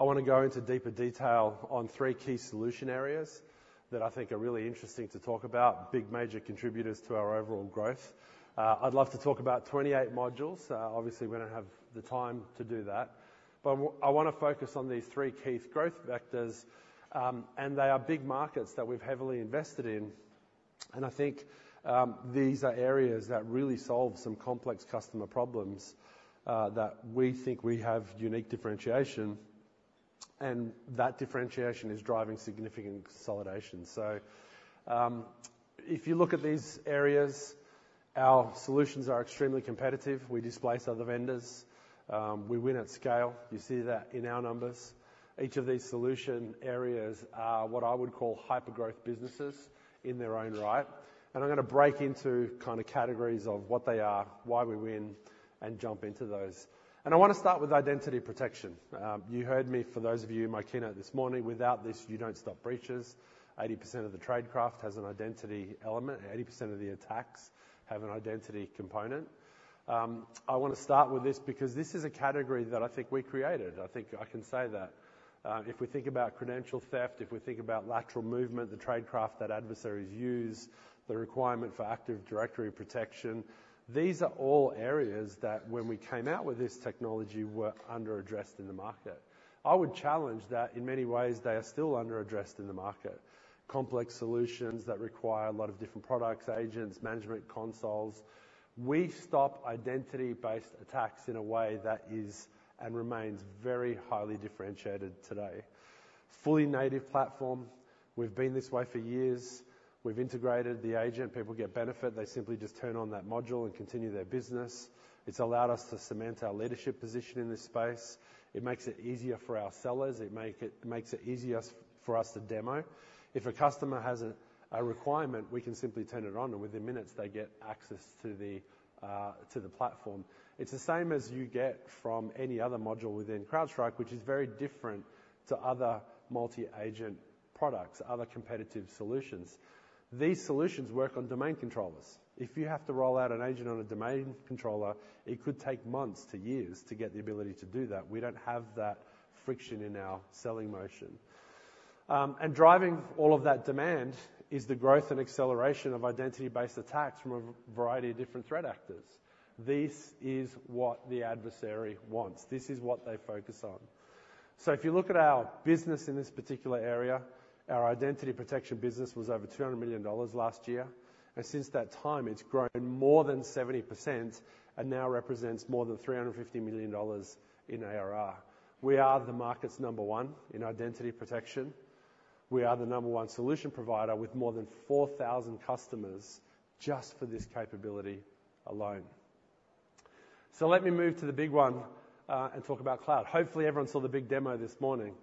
[SPEAKER 5] I want to go into deeper detail on three key solution areas that I think are really interesting to talk about. Big, major contributors to our overall growth. I'd love to talk about 28 modules. Obviously, we don't have the time to do that, but I want to focus on these three key growth vectors, and they are big markets that we've heavily invested in, and I think these are areas that really solve some complex customer problems that we think we have unique differentiation, and that differentiation is driving significant consolidation. If you look at these areas, our solutions are extremely competitive. We displace other vendors. We win at scale. You see that in our numbers. Each of these solution areas are what I would call hyper-growth businesses in their own right, and I'm going to break into kind of categories of what they are, why we win, and jump into those. I want to start with Identity Protection. You heard me, for those of you in my keynote this morning, without this, you don't stop breaches. 80% of the tradecraft has an identity element, and 80% of the attacks have an identity component. I want to start with this because this is a category that I think we created. I think I can say that. If we think about credential theft, if we think about lateral movement, the tradecraft that adversaries use, the requirement for Active Directory protection, these are all areas that, when we came out with this technology, were under-addressed in the market. I would challenge that in many ways, they are still under-addressed in the market. Complex solutions that require a lot of different products, agents, management consoles. We stop identity-based attacks in a way that is and remains very highly differentiated today. Fully native platform. We've been this way for years. We've integrated the agent. People get benefit. They simply just turn on that module and continue their business. It's allowed us to cement our leadership position in this space. It makes it easier for our sellers. It makes it easier for us to demo. If a customer has a requirement, we can simply turn it on, and within minutes they get access to the platform. It's the same as you get from any other module within CrowdStrike, which is very different to other multi-agent products, other competitive solutions. These solutions work on domain controllers. If you have to roll out an agent on a domain controller, it could take months to years to get the ability to do that. We don't have that friction in our selling motion. And driving all of that demand is the growth and acceleration of identity-based attacks from a variety of different threat actors. This is what the adversary wants. This is what they focus on. So if you look at our business in this particular area, our Identity Protection business was over $200 million last year, and since that time, it's grown more than 70% and now represents more than $350 million in ARR. We are the market's number one in Identity Protection. We are the number one solution provider with more than 4,000 customers just for this capability alone. So let me move to the big one, and talk about cloud. Hopefully, everyone saw the big demo this morning.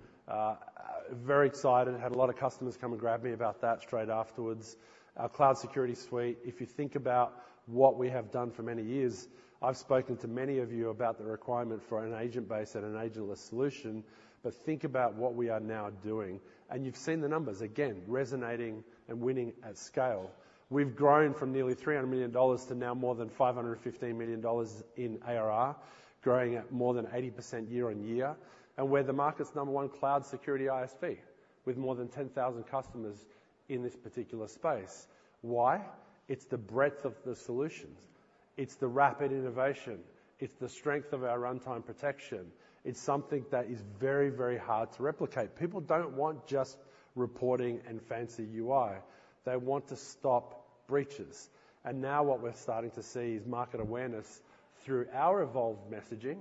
[SPEAKER 5] Very excited. Had a lot of customers come and grab me about that straight afterwards. Our Cloud Security suite, if you think about what we have done for many years, I've spoken to many of you about the requirement for an agent-based and an agentless solution, but think about what we are now doing, and you've seen the numbers, again, resonating and winning at scale. We've grown from nearly $300 million to now more than $515 million in ARR, growing at more than 80% year on year, and we're the market's number one Cloud Security CSPM, with more than 10,000 customers in this particular space. Why? It's the breadth of the solutions. It's the rapid innovation. It's the strength of our runtime protection. It's something that is very, very hard to replicate. People don't want just reporting and fancy UI. They want to stop breaches. Now what we're starting to see is market awareness through our evolved messaging,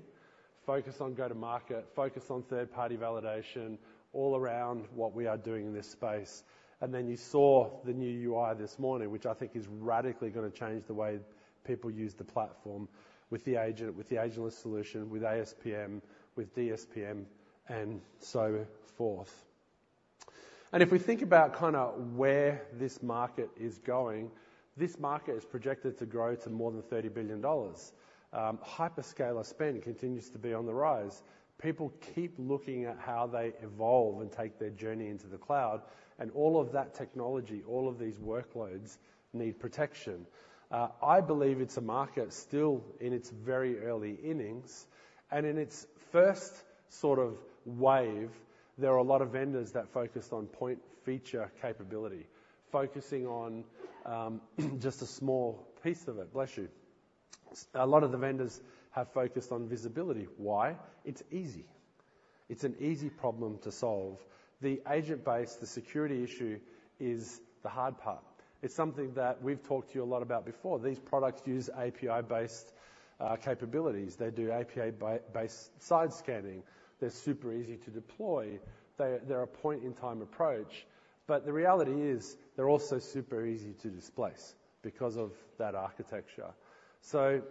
[SPEAKER 5] focus on go-to-market, focus on third-party validation, all around what we are doing in this space. You saw the new UI this morning, which I think is radically gonna change the way people use the platform with the agent, with the agentless solution, with ASPM, with DSPM, and so forth. If we think about kinda where this market is going, this market is projected to grow to more than $30 billion. Hyperscaler spend continues to be on the rise. People keep looking at how they evolve and take their journey into the cloud, and all of that technology, all of these workloads, need protection. I believe it's a market still in its very early innings, and in its first sort of wave, there are a lot of vendors that focused on point feature capability, focusing on just a small piece of it. Bless you. A lot of the vendors have focused on visibility. Why? It's easy. It's an easy problem to solve. The agent base, the security issue, is the hard part. It's something that we've talked to you a lot about before. These products use API-based capabilities. They do API-based side scanning. They're super easy to deploy. They're a point-in-time approach, but the reality is, they're also super easy to displace because of that architecture. So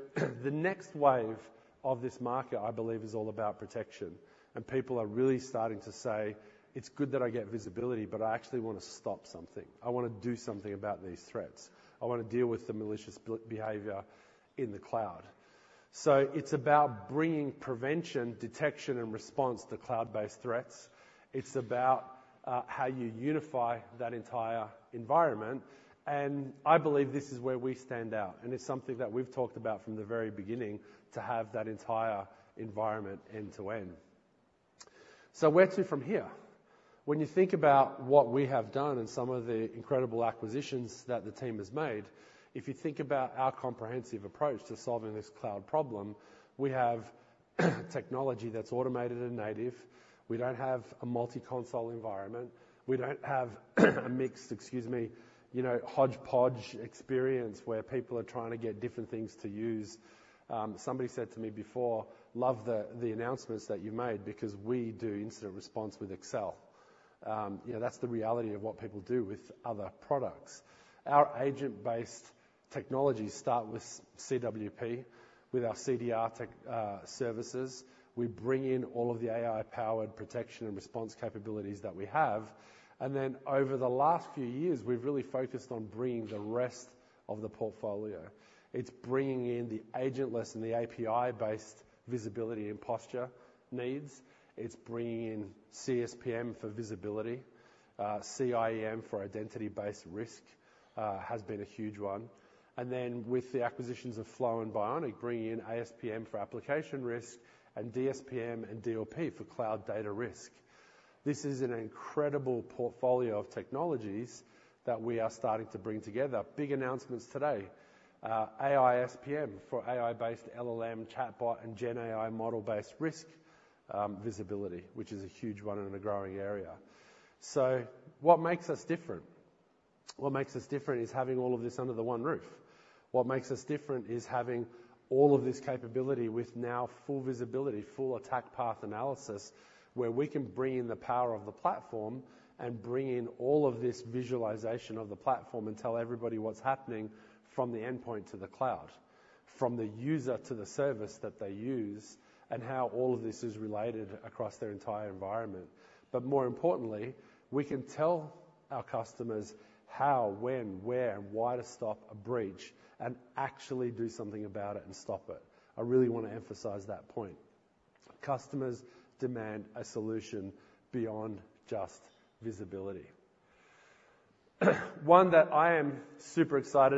[SPEAKER 5] the next wave of this market, I believe, is all about protection, and people are really starting to say, "It's good that I get visibility, but I actually wanna stop something. I wanna do something about these threats. I wanna deal with the malicious behavior in the cloud." So it's about bringing prevention, detection, and response to cloud-based threats. It's about how you unify that entire environment, and I believe this is where we stand out, and it's something that we've talked about from the very beginning, to have that entire environment end to end. So where to from here? When you think about what we have done and some of the incredible acquisitions that the team has made, if you think about our comprehensive approach to solving this cloud problem, we have technology that's automated and native. We don't have a multi-console environment. We don't have a mixed, excuse me, you know, hodgepodge experience where people are trying to get different things to use. Somebody said to me before, "Love the, the announcements that you made because we do incident response with Excel." You know, that's the reality of what people do with other products. Our agent-based technologies start with CWP, with our CDR tech, services. We bring in all of the AI-powered protection and response capabilities that we have, and then over the last few years, we've really focused on bringing the rest of the portfolio. It's bringing in the agentless and the API-based visibility and posture needs. It's bringing in CSPM for visibility. CIEM for identity-based risk has been a huge one. And then, with the acquisitions of Flow and Bionic, bringing in ASPM for application risk and DSPM and DLP for cloud data risk. This is an incredible portfolio of technologies that we are starting to bring together. Big announcements today. AI-SPM for AI-based LLM, chatbot, and GenAI model-based risk visibility, which is a huge one and a growing area. So what makes us different? What makes us different is having all of this under the one roof. What makes us different is having all of this capability with now full visibility, full attack path analysis, where we can bring in the power of the platform and bring in all of this visualization of the platform and tell everybody what's happening from the endpoint to the cloud, from the user to the service that they use, and how all of this is related across their entire environment. But more importantly, we can tell our customers how, when, where, and why to stop a breach and actually do something about it and stop it. I really wanna emphasize that point. Customers demand a solution beyond just visibility. One that I wanna talk about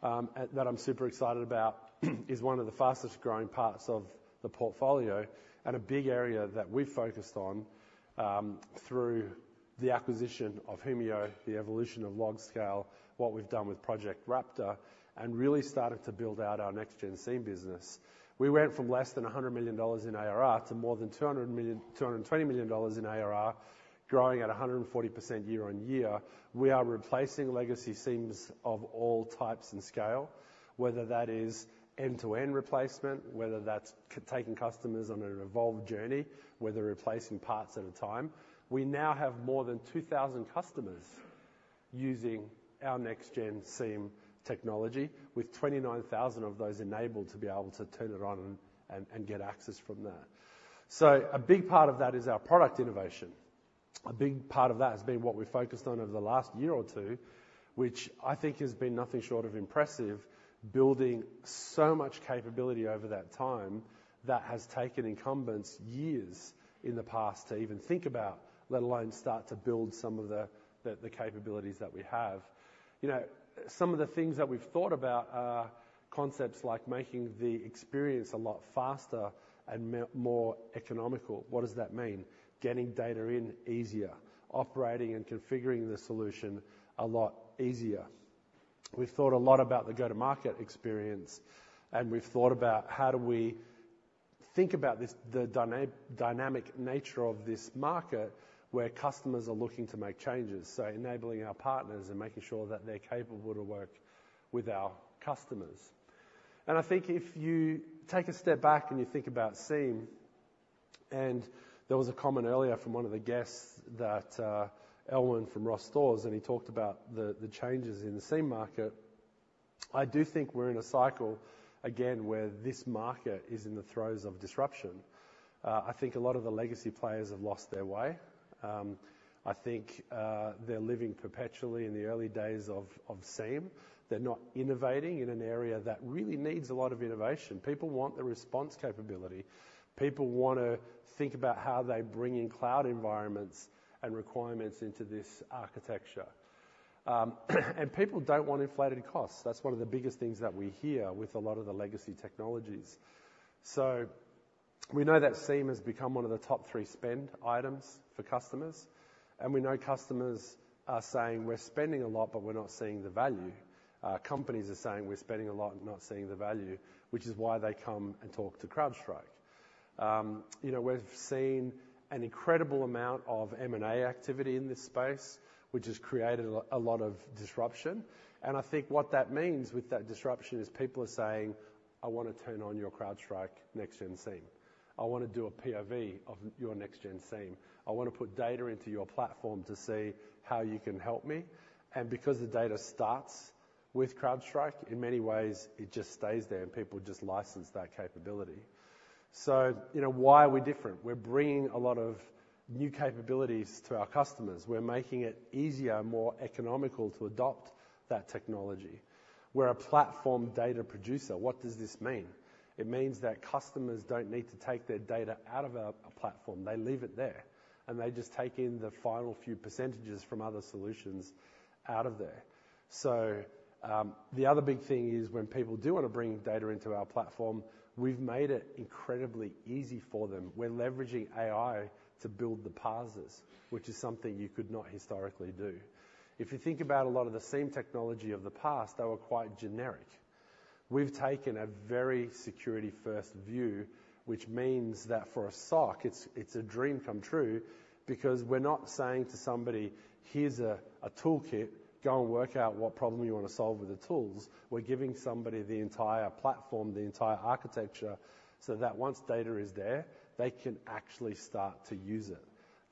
[SPEAKER 5] and that I'm super excited about is one of the fastest-growing parts of the portfolio and a big area that we've focused on through the acquisition of Humio, the evolution of LogScale, what we've done with Project Raptor, and really started to build out our next-gen SIEM business. We went from less than $100 million in ARR to more than $200 million–$220 million in ARR, growing at 140% year on year. We are replacing legacy SIEMs of all types and scale, whether that is end-to-end replacement, whether that's taking customers on an evolved journey, whether replacing parts at a time. We now have more than two thousand customers using our next-gen SIEM technology, with twenty-nine thousand of those enabled to be able to turn it on and get access from there, so a big part of that is our product innovation. A big part of that has been what we've focused on over the last year or two, which I think has been nothing short of impressive, building so much capability over that time, that has taken incumbents years in the past to even think about, let alone start to build some of the capabilities that we have. You know, some of the things that we've thought about are concepts like making the experience a lot faster and more economical. What does that mean? Getting data in easier, operating and configuring the solution a lot easier. We've thought a lot about the go-to-market experience, and we've thought about how do we think about this, the dynamic nature of this market, where customers are looking to make changes, so enabling our partners and making sure that they're capable to work with our customers. And I think if you take a step back and you think about SIEM, and there was a comment earlier from one of the guests that, Elwin from Ross Stores, and he talked about the changes in the SIEM market. I do think we're in a cycle again, where this market is in the throes of disruption. I think a lot of the legacy players have lost their way. I think they're living perpetually in the early days of SIEM. They're not innovating in an area that really needs a lot of innovation. People want the response capability. People want to think about how they bring in cloud environments and requirements into this architecture, and people don't want inflated costs. That's one of the biggest things that we hear with a lot of the legacy technologies. So we know that SIEM has become one of the top three spend items for customers, and we know customers are saying, "We're spending a lot, but we're not seeing the value." Companies are saying, "We're spending a lot and not seeing the value," which is why they come and talk to CrowdStrike. You know, we've seen an incredible amount of M&A activity in this space, which has created a lot of disruption, and I think what that means with that disruption is people are saying, "I wanna turn on your CrowdStrike Next-Gen SIEM. I wanna do a POV of your Next-Gen SIEM. I wanna put data into your platform to see how you can help me." And because the data starts with CrowdStrike, in many ways, it just stays there, and people just license that capability. So, you know, why are we different? We're bringing a lot of new capabilities to our customers. We're making it easier and more economical to adopt that technology. We're a platform data producer. What does this mean? It means that customers don't need to take their data out of our platform. They leave it there, and they just take in the final few percentages from other solutions out of there. So, the other big thing is when people do wanna bring data into our platform, we've made it incredibly easy for them. We're leveraging AI to build the parsers, which is something you could not historically do. If you think about a lot of the SIEM technology of the past, they were quite generic. We've taken a very security-first view, which means that for a SOC, it's a dream come true because we're not saying to somebody, "Here's a toolkit. Go and work out what problem you want to solve with the tools." We're giving somebody the entire platform, the entire architecture, so that once data is there, they can actually start to use it.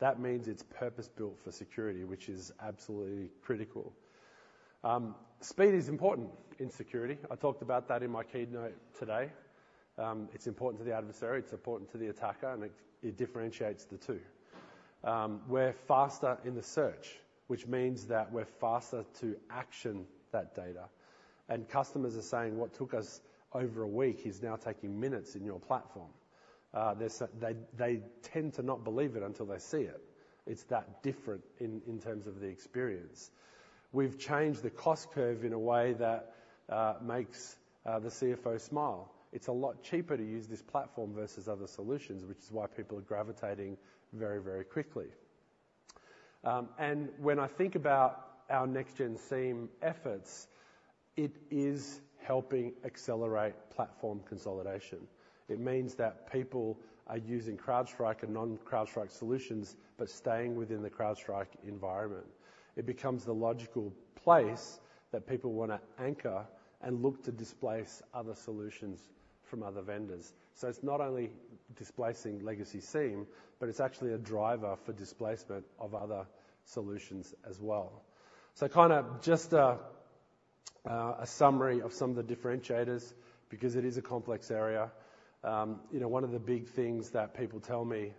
[SPEAKER 5] That means it's purpose-built for security, which is absolutely critical. Speed is important in security. I talked about that in my keynote today. It's important to the adversary, it's important to the attacker, and it differentiates the two. We're faster in the search, which means that we're faster to action that data. And customers are saying, "What took us over a week is now taking minutes in your platform." They tend to not believe it until they see it. It's that different in terms of the experience. We've changed the cost curve in a way that makes the CFO smile. It's a lot cheaper to use this platform versus other solutions, which is why people are gravitating very quickly. And when I think about our Next-Gen SIEM efforts, it is helping accelerate platform consolidation. It means that people are using CrowdStrike and non-CrowdStrike solutions, but staying within the CrowdStrike environment. It becomes the logical place that people wanna anchor and look to displace other solutions from other vendors. So it's not only displacing legacy SIEM, but it's actually a driver for displacement of other solutions as well. So kind of just a summary of some of the differentiators, because it is a complex area. You know, one of the big things that people tell me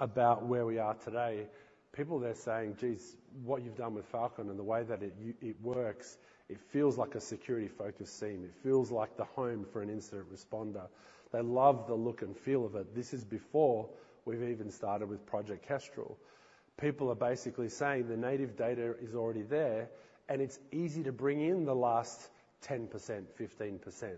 [SPEAKER 5] about where we are today, people, they're saying, "Geez, what you've done with Falcon and the way that it works, it feels like a security-focused SIEM. It feels like the home for an incident responder." They love the look and feel of it. This is before we've even started with Project Kestrel. People are basically saying the native data is already there, and it's easy to bring in the last 10%, 15%.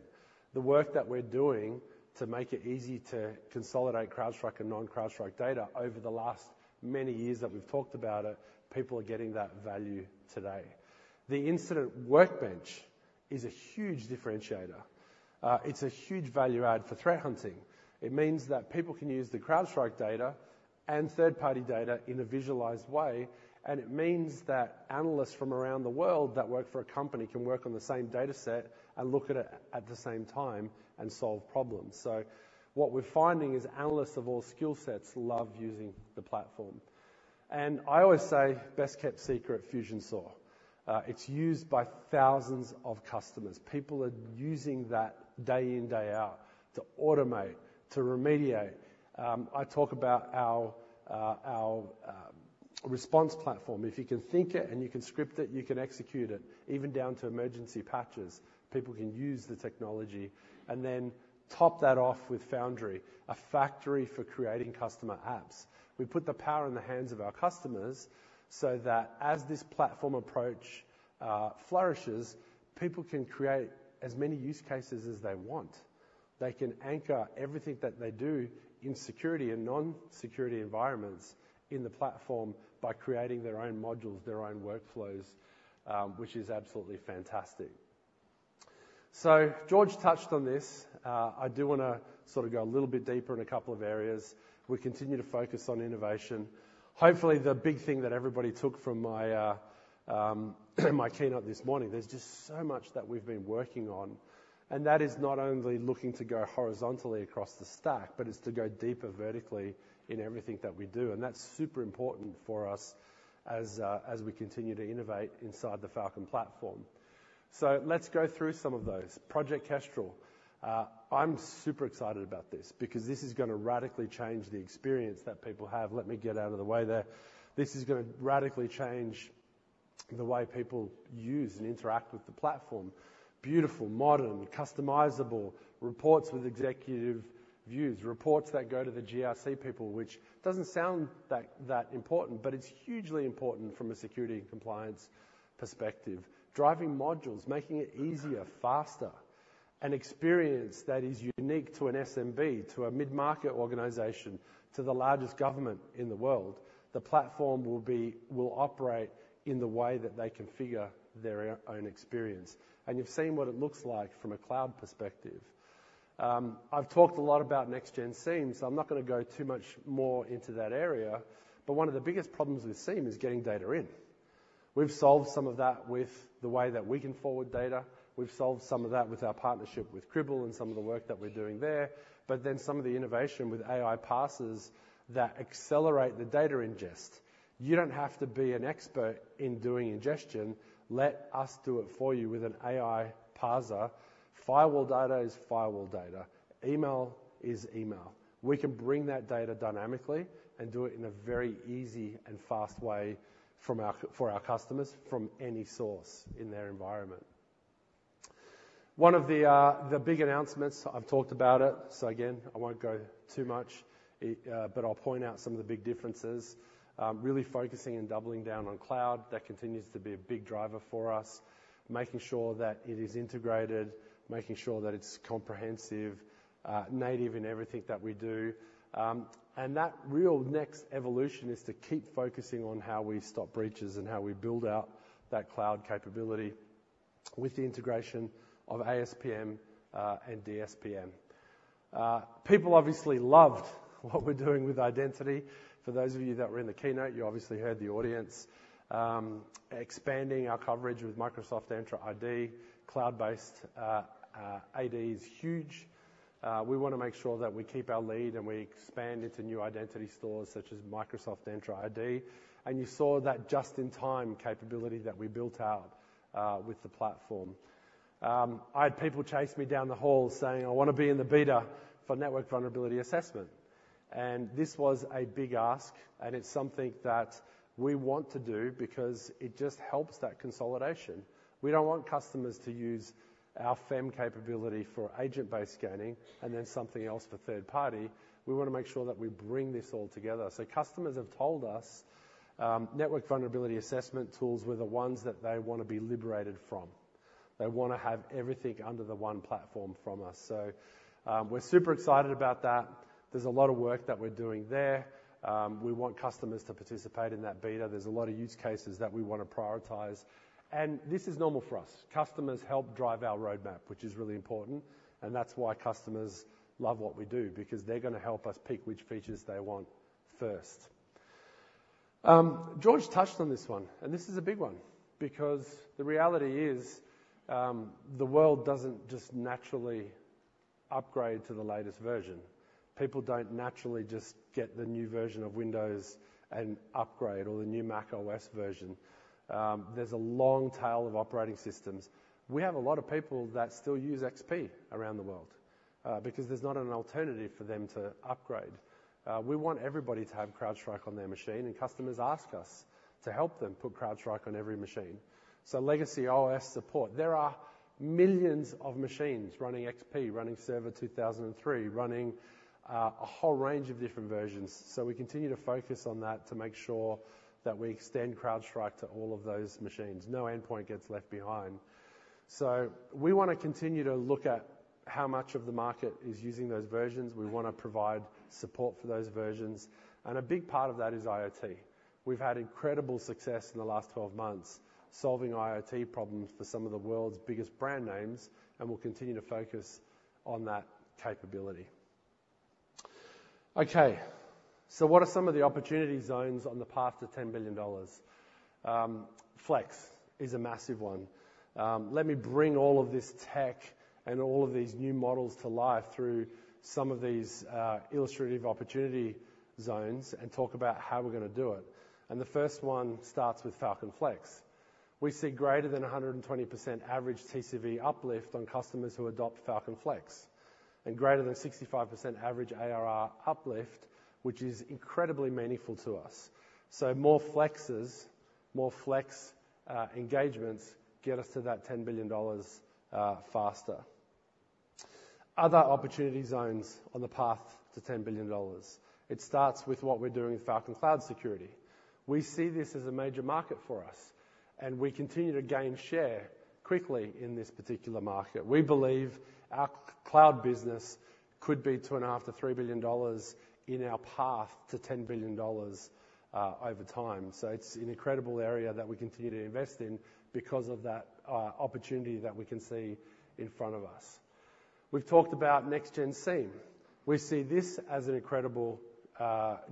[SPEAKER 5] The work that we're doing to make it easy to consolidate CrowdStrike and non-CrowdStrike data over the last many years that we've talked about it, people are getting that value today. The Incident Workbench is a huge differentiator. It's a huge value add for threat hunting. It means that people can use the CrowdStrike data and third-party data in a visualized way, and it means that analysts from around the world that work for a company can work on the same dataset and look at it at the same time and solve problems. So what we're finding is analysts of all skill sets love using the platform. And I always say, best kept secret, Fusion SOAR. It's used by thousands of customers. People are using that day in, day out to automate, to remediate. I talk about our response platform. If you can think it and you can script it, you can execute it, even down to emergency patches. People can use the technology, and then top that off with Foundry, a factory for creating customer apps. We put the power in the hands of our customers so that as this platform approach flourishes, people can create as many use cases as they want. They can anchor everything that they do in security and non-security environments in the platform by creating their own modules, their own workflows, which is absolutely fantastic, so George touched on this. I do wanna sort of go a little bit deeper in a couple of areas. We continue to focus on innovation. Hopefully, the big thing that everybody took from my keynote this morning, there's just so much that we've been working on, and that is not only looking to go horizontally across the stack, but it's to go deeper vertically in everything that we do. That's super important for us as we continue to innovate inside the Falcon platform. So let's go through some of those. Project Kestrel. I'm super excited about this because this is gonna radically change the experience that people have. Let me get out of the way there. This is gonna radically change the way people use and interact with the platform. Beautiful, modern, customizable reports with executive views, reports that go to the GRC people, which doesn't sound that important, but it's hugely important from a security and compliance perspective. Driving modules, making it easier, faster, an experience that is unique to an SMB, to a mid-market organization, to the largest government in the world. The platform will operate in the way that they configure their own experience, and you've seen what it looks like from a cloud perspective. I've talked a lot about Next-Gen SIEM, so I'm not gonna go too much more into that area. But one of the biggest problems with SIEM is getting data in. We've solved some of that with the way that we can forward data. We've solved some of that with our partnership with Cribl and some of the work that we're doing there, but then some of the innovation with AI parsers that accelerate the data ingest. You don't have to be an expert in doing ingestion. Let us do it for you with an AI parser. Firewall data is firewall data. Email is email. We can bring that data dynamically and do it in a very easy and fast way from our for our customers from any source in their environment. One of the big announcements, I've talked about it, so again, I won't go too much, but I'll point out some of the big differences. Really focusing and doubling down on cloud, that continues to be a big driver for us, making sure that it is integrated, making sure that it's comprehensive, native in everything that we do, and that real next evolution is to keep focusing on how we stop breaches and how we build out that cloud capability with the integration of ASPM and DSPM. People obviously loved what we're doing with Identity. For those of you that were in the keynote, you obviously heard the audience. Expanding our coverage with Microsoft Entra ID, cloud-based AD is huge. We wanna make sure that we keep our lead, and we expand into new identity stores such as Microsoft Entra ID, and you saw that just-in-time capability that we built out with the platform. I had people chase me down the hall saying, "I want to be in the beta for network vulnerability assessment." And this was a big ask, and it's something that we want to do because it just helps that consolidation. We don't want customers to use our FIM capability for agent-based scanning and then something else for third-party. We want to make sure that we bring this all together. So customers have told us, network vulnerability assessment tools were the ones that they want to be liberated from. They want to have everything under the one platform from us. So, we're super excited about that. There's a lot of work that we're doing there. We want customers to participate in that beta. There's a lot of use cases that we want to prioritize, and this is normal for us. Customers help drive our roadmap, which is really important, and that's why customers love what we do, because they're gonna help us pick which features they want first. George touched on this one, and this is a big one, because the reality is, the world doesn't just naturally upgrade to the latest version. People don't naturally just get the new version of Windows and upgrade, or the new macOS version. There's a long tail of operating systems. We have a lot of people that still use XP around the world, because there's not an alternative for them to upgrade. We want everybody to have CrowdStrike on their machine, and customers ask us to help them put CrowdStrike on every machine. So legacy OS support, there are millions of machines running XP, running Server 2003, running, a whole range of different versions. So we continue to focus on that to make sure that we extend CrowdStrike to all of those machines. No endpoint gets left behind. So we want to continue to look at how much of the market is using those versions. We want to provide support for those versions, and a big part of that is IoT. We've had incredible success in the last twelve months solving IoT problems for some of the world's biggest brand names, and we'll continue to focus on that capability. Okay, so what are some of the opportunity zones on the path to $10 billion? Flex is a massive one. Let me bring all of this tech and all of these new models to life through some of these, illustrative opportunity zones and talk about how we're gonna do it. And the first one starts with Falcon Flex. We see greater than 120% average TCV uplift on customers who adopt Falcon Flex, and greater than 65% average ARR uplift, which is incredibly meaningful to us. So more Flexes, more Flex, engagements, get us to that $10 billion faster. Other opportunity zones on the path to $10 billion. It starts with what we're doing with Falcon Cloud Security. We see this as a major market for us, and we continue to gain share quickly in this particular market. We believe our cloud business could be $2.5-$3 billion in our path to $10 billion over time. So it's an incredible area that we continue to invest in because of that opportunity that we can see in front of us. We've talked about Next-Gen SIEM. We see this as an incredible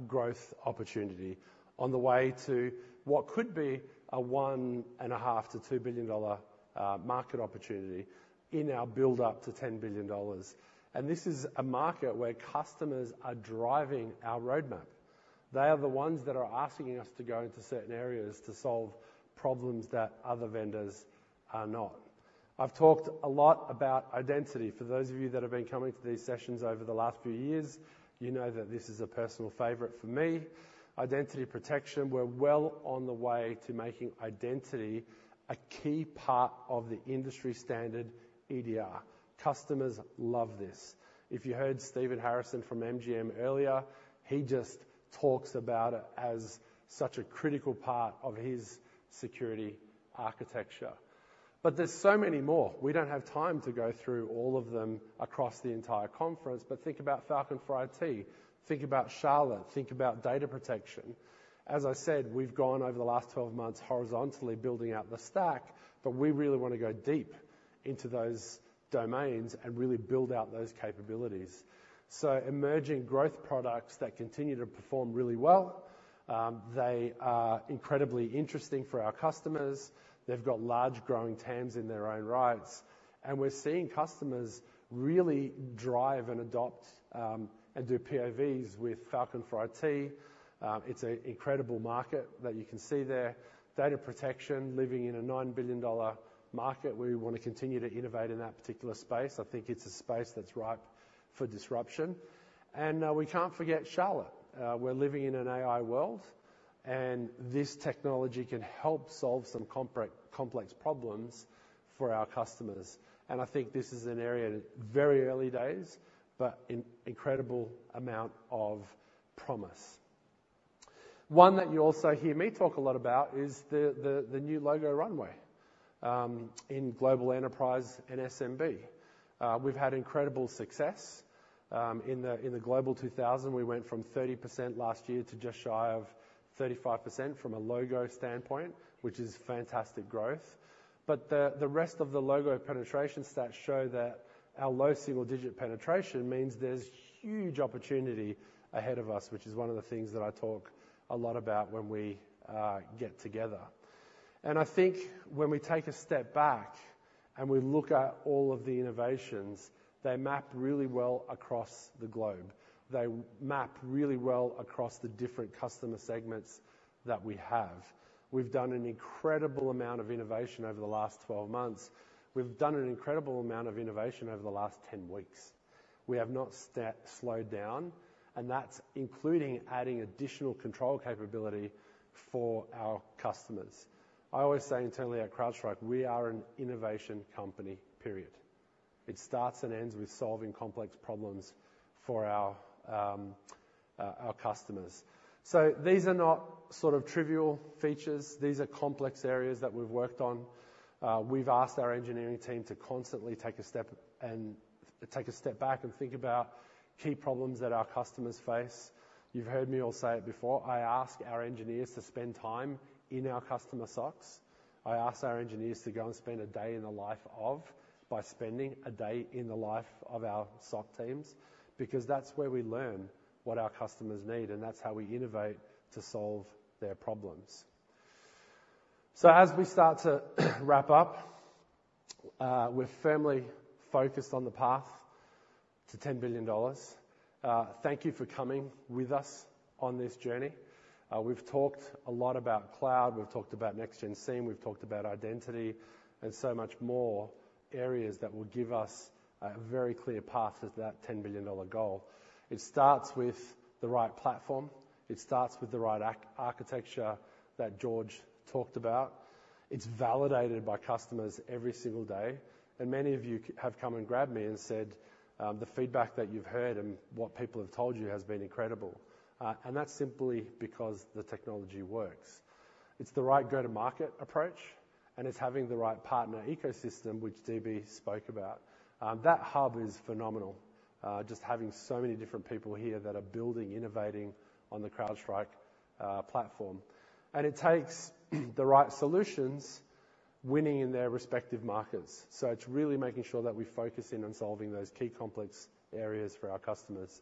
[SPEAKER 5] growth opportunity on the way to what could be a $1.5-$2 billion market opportunity in our build-up to $10 billion. And this is a market where customers are driving our roadmap. They are the ones that are asking us to go into certain areas to solve problems that other vendors are not. I've talked a lot about Identity. For those of you that have been coming to these sessions over the last few years, you know that this is a personal favorite for me. Identity Protection, we're well on the way to making Identity a key part of the industry-standard EDR. Customers love this. If you heard Stephen Harrison from MGM earlier, he just talks about it as such a critical part of his security architecture. But there's so many more. We don't have time to go through all of them across the entire conference, but think about Falcon for IT. Think about Charlotte. Think about Data Protection. As I said, we've gone over the last twelve months horizontally building out the stack, but we really want to go deep into those domains and really build out those capabilities, so emerging growth products that continue to perform really well, they are incredibly interesting for our customers. They've got large, growing TAMs in their own rights, and we're seeing customers really drive and adopt, and do POVs with Falcon for IT. It's an incredible market that you can see there. Data Protection, living in a $9 billion market, we want to continue to innovate in that particular space. I think it's a space that's ripe for disruption, and we can't forget Charlotte. We're living in an AI world, and this technology can help solve some complex problems for our customers. I think this is an area, very early days, but an incredible amount of promise. One that you also hear me talk a lot about is the new logo runway in global enterprise and SMB. We've had incredible success in the Global 2000. We went from 30% last year to just shy of 35% from a logo standpoint, which is fantastic growth, but the rest of the logo penetration stats show that our low single-digit penetration means there's huge opportunity ahead of us, which is one of the things that I talk a lot about when we get together. I think when we take a step back and we look at all of the innovations, they map really well across the globe. They map really well across the different customer segments that we have. We've done an incredible amount of innovation over the last 12 months. We've done an incredible amount of innovation over the last 10 weeks. We have not slowed down, and that's including adding additional control capability for our customers. I always say internally at CrowdStrike, we are an innovation company, period. It starts and ends with solving complex problems for our customers. So these are not sort of trivial features. These are complex areas that we've worked on. We've asked our engineering team to constantly take a step back and think about key problems that our customers face. You've heard me say it all before, I ask our engineers to spend time in our customer SOCs. I ask our engineers to go and spend a day in the life of our SOC teams, because that's where we learn what our customers need, and that's how we innovate to solve their problems. So as we start to wrap up, we're firmly focused on the path to $10 billion. Thank you for coming with us on this journey. We've talked a lot about cloud, we've talked about Next-Gen SIEM, we've talked about Identity and so much more areas that will give us a very clear path to that $10 billion goal. It starts with the right platform. It starts with the right architecture that George talked about. It's validated by customers every single day, and many of you have come and grabbed me and said, the feedback that you've heard and what people have told you has been incredible. And that's simply because the technology works. It's the right go-to-market approach, and it's having the right partner ecosystem, which DB spoke about. That hub is phenomenal, just having so many different people here that are building, innovating on the CrowdStrike platform. And it takes the right solutions, winning in their respective markets. So it's really making sure that we focus in on solving those key complex areas for our customers.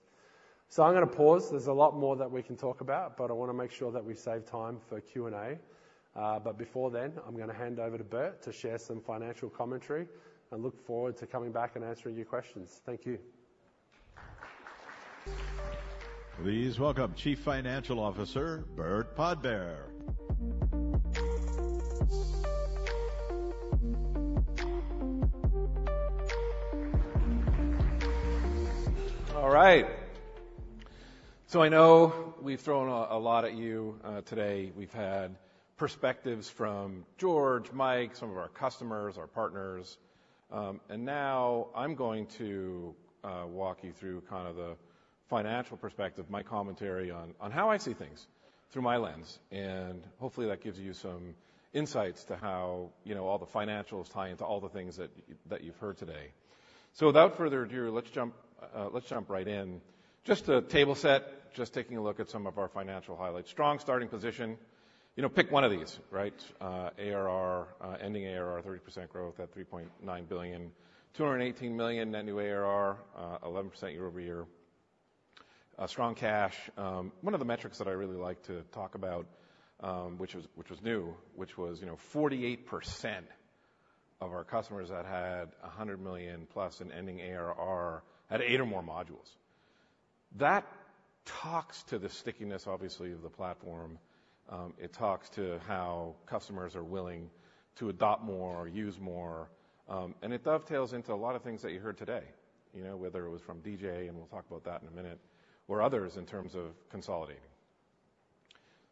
[SPEAKER 5] So I'm gonna pause. There's a lot more that we can talk about, but I wanna make sure that we save time for Q&A. But before then, I'm gonna hand over to Burt to share some financial commentary. I look forward to coming back and answering your questions. Thank you.
[SPEAKER 1] Please welcome Chief Financial Officer, Burt Podbere.
[SPEAKER 2] All right. So I know we've thrown a lot at you today. We've had perspectives from George, Mike, some of our customers, our partners. And now I'm going to walk you through kind of the financial perspective, my commentary on how I see things through my lens, and hopefully that gives you some insights to how, you know, all the financials tie into all the things that you've heard today. So without further ado, let's jump right in. Just a table set, just taking a look at some of our financial highlights. Strong starting position. You know, pick one of these, right? ARR, ending ARR, 30% growth at $3.9 billion. $218 million net new ARR, 11% year over year. Strong cash. One of the metrics that I really like to talk about, which was, you know, 48% of our customers that had 100 million plus in ending ARR had 8 or more modules. That talks to the stickiness, obviously, of the platform. It talks to how customers are willing to adopt more, use more, and it dovetails into a lot of things that you heard today, you know, whether it was from DB, and we'll talk about that in a minute, or others, in terms of consolidating.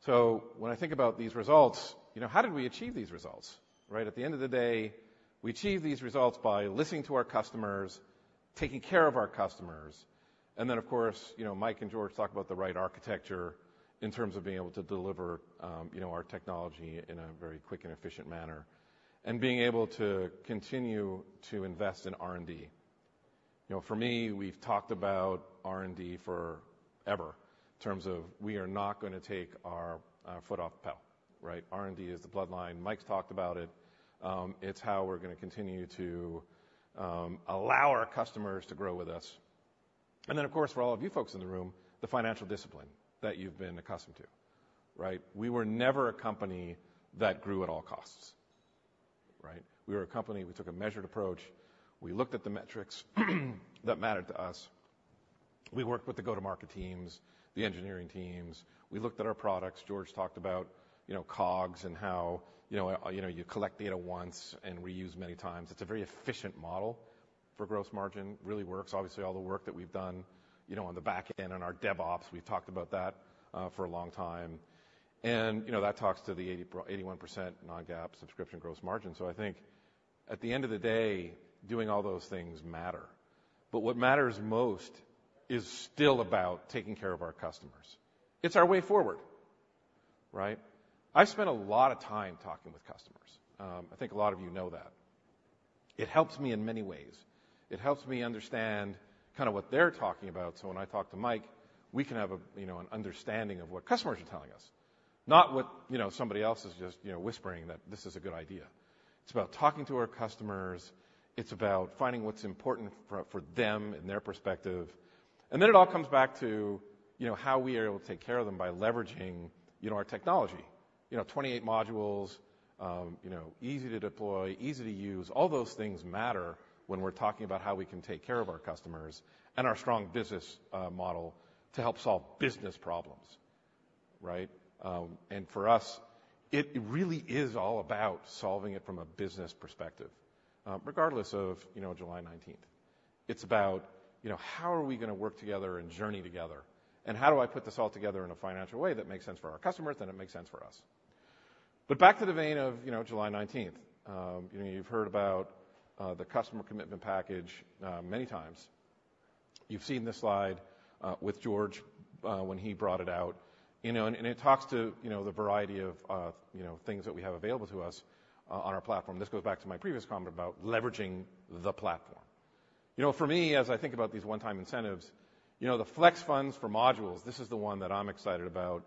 [SPEAKER 2] So when I think about these results, you know, how did we achieve these results? Right at the end of the day, we achieve these results by listening to our customers, taking care of our customers, and then, of course, you know, Mike and George talk about the right architecture in terms of being able to deliver, you know, our technology in a very quick and efficient manner, and being able to continue to invest in R&D. You know, for me, we've talked about R&D forever, in terms of we are not gonna take our foot off the pedal, right? R&D is the bloodline. Mike's talked about it. It's how we're gonna continue to allow our customers to grow with us. And then, of course, for all of you folks in the room, the financial discipline that you've been accustomed to, right? We were never a company that grew at all costs, right? We were a company. We took a measured approach. We looked at the metrics that mattered to us. We worked with the go-to-market teams, the engineering teams. We looked at our products. George talked about, you know, COGS and how, you know, you collect data once and reuse many times. It's a very efficient model for gross margin. Really works. Obviously, all the work that we've done, you know, on the back end and on our DevOps, we've talked about that for a long time, and, you know, that talks to the 81% non-GAAP subscription gross margin. So I think at the end of the day, doing all those things matter, but what matters most is still about taking care of our customers. It's our way forward, right? I spent a lot of time talking with customers. I think a lot of you know that. It helps me in many ways. It helps me understand kind of what they're talking about, so when I talk to Mike, we can have a, you know, an understanding of what customers are telling us, not what, you know, somebody else is just, you know, whispering that this is a good idea. It's about talking to our customers. It's about finding what's important for them and their perspective. And then it all comes back to, you know, how we are able to take care of them by leveraging, you know, our technology. You know, 28 modules, you know, easy to deploy, easy to use. All those things matter when we're talking about how we can take care of our customers and our strong business model to help solve business problems, right? And for us, it really is all about solving it from a business perspective, regardless of, you know, July nineteenth. It's about, you know, how are we gonna work together and journey together, and how do I put this all together in a financial way that makes sense for our customers, and it makes sense for us? But back to the vein of, you know, July nineteenth. You know, you've heard about the Customer Commitment Package many times. You've seen this slide with George when he brought it out, you know, and it talks to, you know, the variety of things that we have available to us on our platform. This goes back to my previous comment about leveraging the platform. You know, for me, as I think about these one-time incentives, you know, the Flex Funds for modules, this is the one that I'm excited about,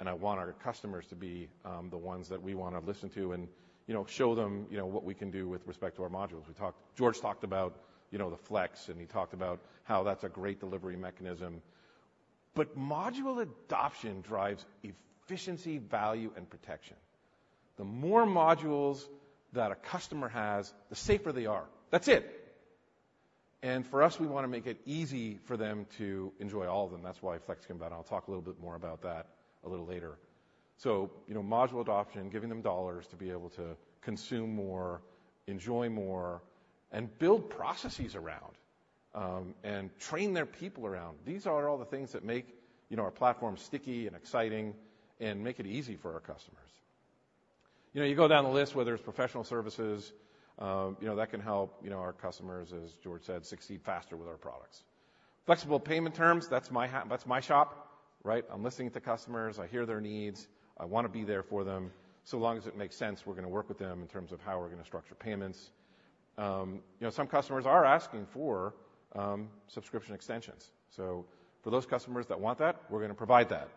[SPEAKER 2] and I want our customers to be the ones that we wanna listen to and, you know, show them, you know, what we can do with respect to our modules. We talked... George talked about, you know, the Flex, and he talked about how that's a great delivery mechanism, but module adoption drives efficiency, value, and protection. The more modules that a customer has, the safer they are. That's it. And for us, we wanna make it easy for them to enjoy all of them. That's why Flex came about. I'll talk a little bit more about that a little later. So you know, module adoption, giving them dollars to be able to consume more, enjoy more, and build processes around and train their people around. These are all the things that make, you know, our platform sticky and exciting and make it easy for our customers. You know, you go down the list, whether it's professional services, you know, that can help, you know, our customers, as George said, succeed faster with our products. Flexible payment terms, that's my shop, right? I'm listening to customers. I hear their needs. I wanna be there for them. So long as it makes sense, we're gonna work with them in terms of how we're gonna structure payments. You know, some customers are asking for subscription extensions, so for those customers that want that, we're gonna provide that.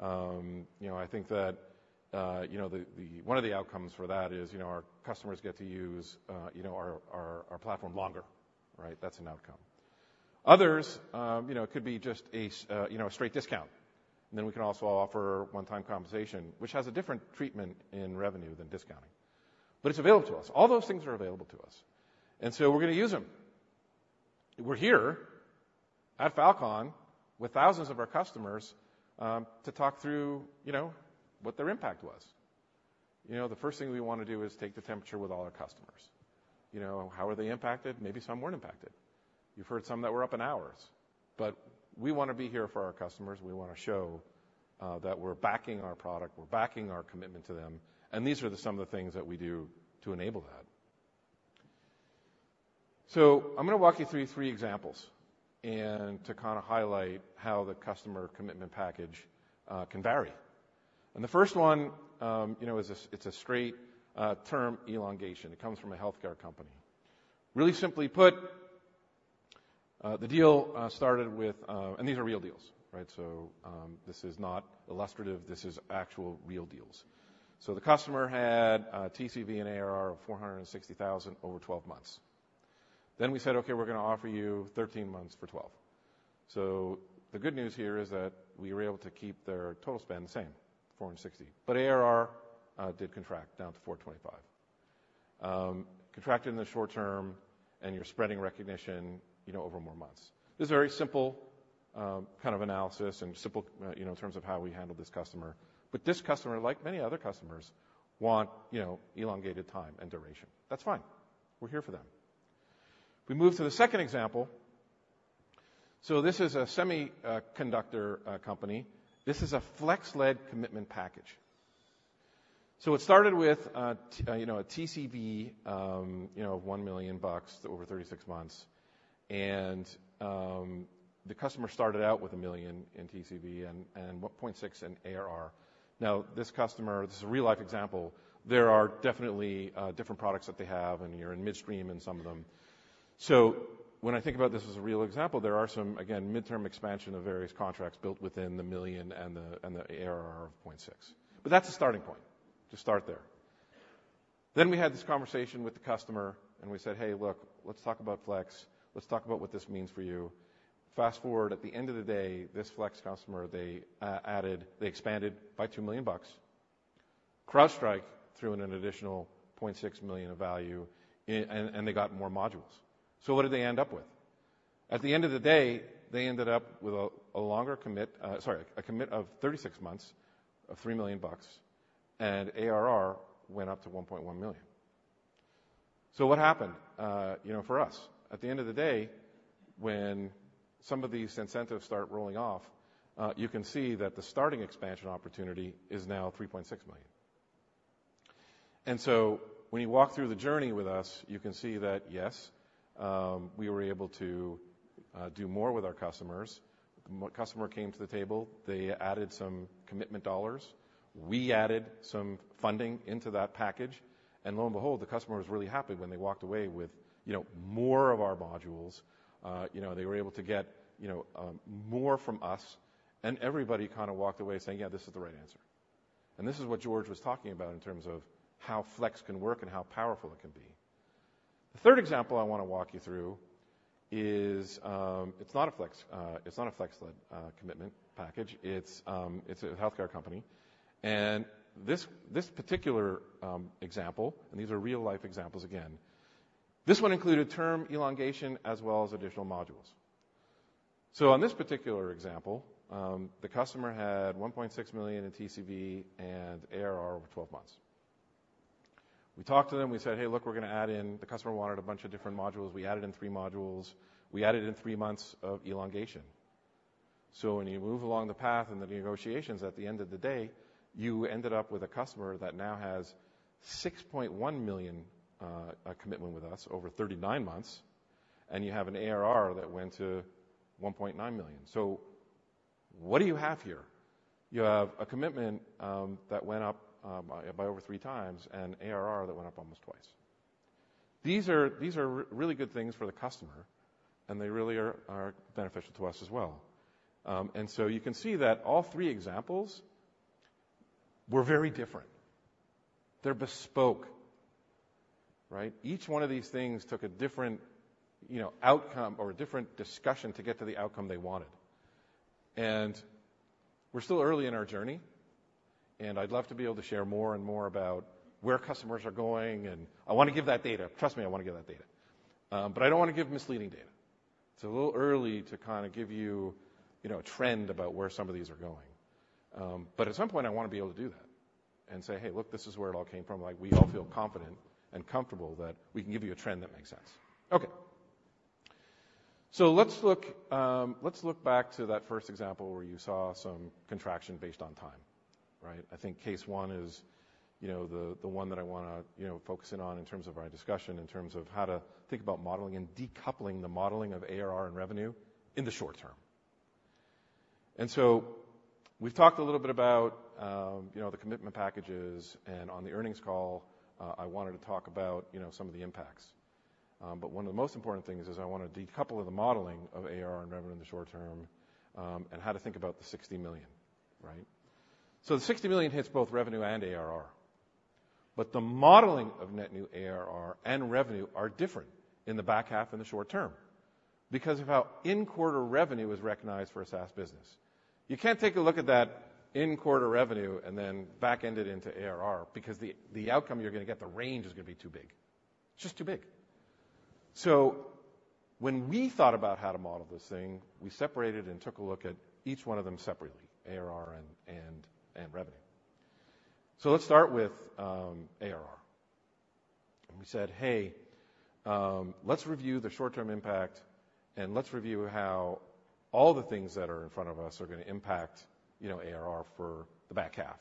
[SPEAKER 2] You know, I think that, you know, the one of the outcomes for that is, you know, our customers get to use, you know, our platform longer, right? That's an outcome. Others, you know, it could be just a straight discount, and then we can also offer one-time compensation, which has a different treatment in revenue than discounting, but it's available to us. All those things are available to us, and so we're gonna use them. We're here at Falcon with thousands of our customers, to talk through, you know, what their impact was. You know, the first thing we wanna do is take the temperature with all our customers. You know, how are they impacted? Maybe some weren't impacted. You've heard some that were up in hours, but we wanna be here for our customers, we wanna show that we're backing our product, we're backing our commitment to them, and these are some of the things that we do to enable that. I'm gonna walk you through three examples to kinda highlight how the Customer Commitment Package can vary. The first one, you know, is a straight term elongation. It comes from a healthcare company. Really simply put, the deal started with... And these are real deals, right? This is not illustrative; this is actual real deals. So the customer had TCV and ARR of $460,000 over 12 months. Then we said, "Okay, we're gonna offer you thirteen months for twelve." So the good news here is that we were able to keep their total spend the same, $460, but ARR did contract down to $425. Contracted in the short term, and you're spreading recognition, you know, over more months. This is a very simple, kind of analysis and simple, you know, in terms of how we handle this customer. But this customer, like many other customers, want, you know, elongated time and duration. That's fine. We're here for them. We move to the second example. So this is a semiconductor company. This is a Flex-led commitment package. So it started with you know a TCV you know of $1 million over 36 months, and the customer started out with a million in TCV and point six in ARR. Now, this customer, this is a real-life example, there are definitely different products that they have, and you're in midstream in some of them. So when I think about this as a real example, there are some, again, midterm expansion of various contracts built within the million and the ARR of point six. But that's a starting point, to start there. Then we had this conversation with the customer, and we said, "Hey, look, let's talk about Flex. Let's talk about what this means for you." Fast forward, at the end of the day, this Flex customer, they expanded by $2 million. CrowdStrike threw in an additional $0.6 million of value, and they got more modules. So what did they end up with? At the end of the day, they ended up with a longer commit, a commit of 36 months, of $3 million, and ARR went up to $1.1 million. So what happened, you know, for us? At the end of the day, when some of these incentives start rolling off, you can see that the starting expansion opportunity is now $3.6 million. And so when you walk through the journey with us, you can see that, yes, we were able to do more with our customers. When customer came to the table, they added some commitment dollars, we added some funding into that package, and lo and behold, the customer was really happy when they walked away with, you know, more of our modules. You know, they were able to get, you know, more from us, and everybody kinda walked away saying, "Yeah, this is the right answer." And this is what George was talking about in terms of how Flex can work and how powerful it can be. The third example I wanna walk you through is, it's not a Flex-led commitment package, it's a healthcare company. And this particular example, and these are real-life examples again, this one included term elongation as well as additional modules. So on this particular example, the customer had $1.6 million in TCV and ARR over 12 months. We talked to them, we said, "Hey, look, we're gonna add in..." The customer wanted a bunch of different modules. We added in three modules. We added in three months of elongation. So when you move along the path in the negotiations, at the end of the day, you ended up with a customer that now has $6.1 million commitment with us over 39 months, and you have an ARR that went to $1.9 million. So what do you have here? You have a commitment that went up by over three times and ARR that went up almost twice. These are really good things for the customer, and they really are beneficial to us as well. and so you can see that all three examples were very different. They're bespoke, right? Each one of these things took a different, you know, outcome or a different discussion to get to the outcome they wanted. And we're still early in our journey, and I'd love to be able to share more and more about where customers are going, and I wanna give that data. Trust me, I wanna give that data, but I don't wanna give misleading data. It's a little early to kinda give you, you know, a trend about where some of these are going. but at some point, I wanna be able to do that and say, "Hey, look, this is where it all came from, like, we all feel confident and comfortable that we can give you a trend that makes sense." Okay. So let's look, let's look back to that first example where you saw some contraction based on time, right? I think case one is, you know, the one that I wanna, you know, focus in on in terms of our discussion, in terms of how to think about modeling and decoupling the modeling of ARR and revenue in the short term. And so we've talked a little bit about, you know, the commitment packages, and on the earnings call, I wanted to talk about, you know, some of the impacts. But one of the most important things is I wanna decouple of the modeling of ARR and revenue in the short term, and how to think about the $60 million, right? The $60 million hits both revenue and ARR, but the modeling of net new ARR and revenue are different in the back half and the short term, because of how in-quarter revenue is recognized for a SaaS business. You can't take a look at that in-quarter revenue and then back-end it into ARR, because the outcome you're gonna get, the range is gonna be too big. Just too big. When we thought about how to model this thing, we separated and took a look at each one of them separately, ARR and revenue. Let's start with ARR. We said, "Hey, let's review the short-term impact, and let's review how all the things that are in front of us are gonna impact, you know, ARR for the back half."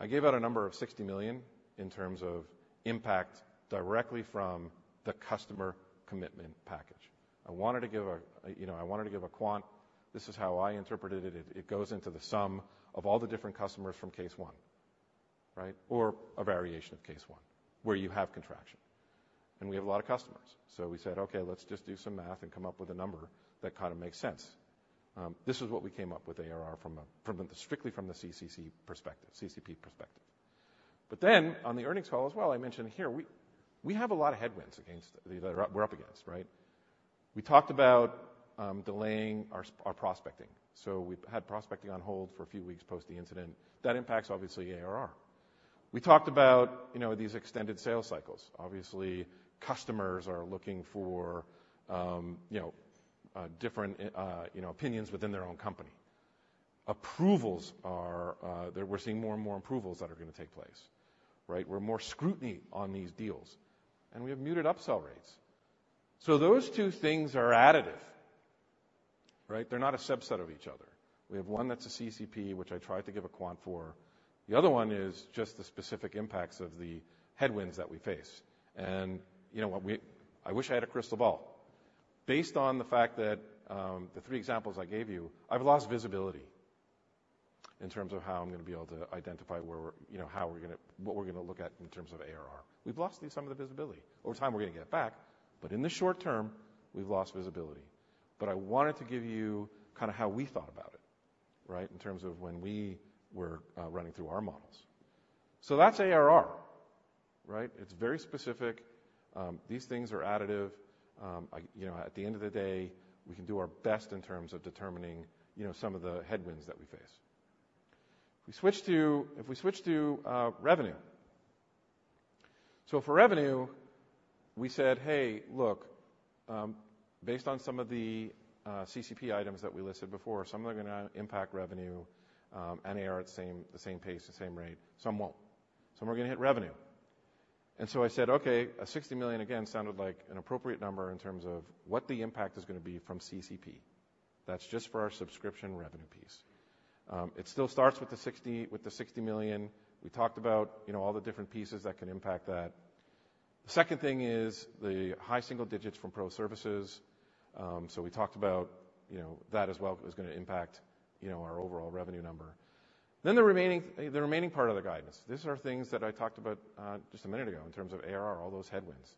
[SPEAKER 2] I gave out a number of $60 million in terms of impact directly from the Customer Commitment Package. I wanted to give a quant, you know. This is how I interpreted it. It goes into the sum of all the different customers from case one, right? Or a variation of case one, where you have contraction, and we have a lot of customers. We said, "Okay, let's just do some math and come up with a number that kinda makes sense." This is what we came up with, ARR from a strictly from the CCP perspective. But then, on the earnings call as well, I mentioned here, we have a lot of headwinds against... we're up against, right? We talked about delaying our prospecting. So we had prospecting on hold for a few weeks post the incident. That impacts, obviously, ARR. We talked about, you know, these extended sales cycles. Obviously, customers are looking for, you know, different opinions within their own company. Approvals are there. We're seeing more and more approvals that are gonna take place, right? We're more scrutiny on these deals, and we have muted upsell rates. So those two things are additive, right? They're not a subset of each other. We have one that's a CCP, which I tried to give a quant for. The other one is just the specific impacts of the headwinds that we face. And you know what? I wish I had a crystal ball. Based on the fact that the three examples I gave you, I've lost visibility in terms of how I'm gonna be able to identify where we're, you know, what we're gonna look at in terms of ARR. We've lost some of the visibility. Over time, we're gonna get it back, but in the short term, we've lost visibility. But I wanted to give you kinda how we thought about it, right, in terms of when we were running through our models. So that's ARR, right? It's very specific. These things are additive. You know, at the end of the day, we can do our best in terms of determining, you know, some of the headwinds that we face. If we switch to revenue. So for revenue, we said, "Hey, look, based on some of the CCP items that we listed before, some are gonna impact revenue, and they are at the same, the same pace, the same rate, some won't. Some are gonna hit revenue." And so I said, "Okay," a $60 million, again, sounded like an appropriate number in terms of what the impact is gonna be from CCP. That's just for our subscription revenue piece. It still starts with the $60, with the $60 million. We talked about, you know, all the different pieces that can impact that. The second thing is the high single digits from pro services. So we talked about, you know, that as well, it was gonna impact, you know, our overall revenue number. Then the remaining, the remaining part of the guidance. These are things that I talked about just a minute ago in terms of ARR, all those headwinds.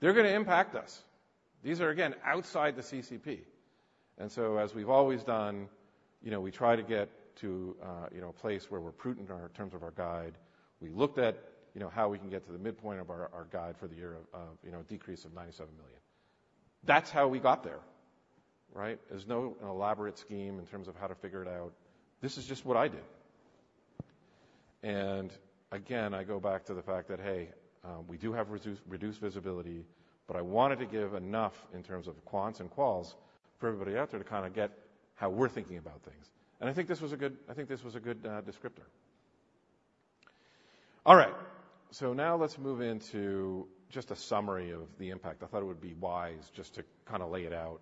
[SPEAKER 2] They're gonna impact us. These are, again, outside the CCP, and so, as we've always done, you know, we try to get to a place where we're prudent in terms of our guide. We looked at you know how we can get to the midpoint of our guide for the year of you know a decrease of $97 million. That's how we got there, right? There's no elaborate scheme in terms of how to figure it out. This is just what I did. And again, I go back to the fact that, hey, we do have reduced visibility, but I wanted to give enough in terms of quants and quals for everybody out there to kinda get how we're thinking about things. I think this was a good descriptor. All right, now let's move into just a summary of the impact. I thought it would be wise just to kinda lay it out.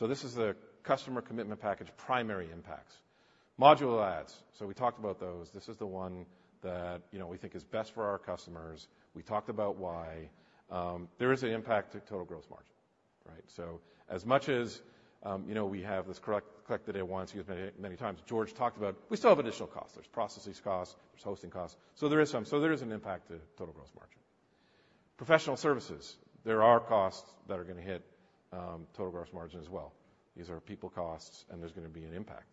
[SPEAKER 2] This is the Customer Commitment Package, primary impacts. Module adds. We talked about those. This is the one that, you know, we think is best for our customers. We talked about why. There is an impact to total gross margin, right? So as much as, you know, we have this correct, correct that at once, many times George talked about, we still have additional costs. There's processes costs, there's hosting costs, so there is an impact to total gross margin. Professional services. There are costs that are gonna hit total gross margin as well. These are people costs, and there's gonna be an impact.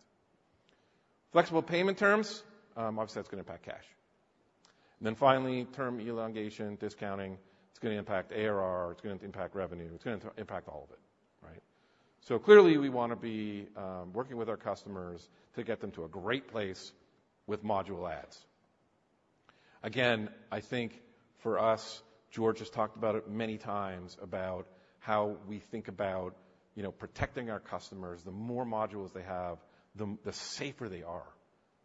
[SPEAKER 2] Flexible payment terms, obviously, that's gonna impact cash. And then finally, term elongation, discounting, it's gonna impact ARR, it's gonna impact revenue, it's gonna impact all of it, right? So clearly, we wanna be working with our customers to get them to a great place with module adds. Again, I think for us, George has talked about it many times, about how we think about, you know, protecting our customers. The more modules they have, the safer they are,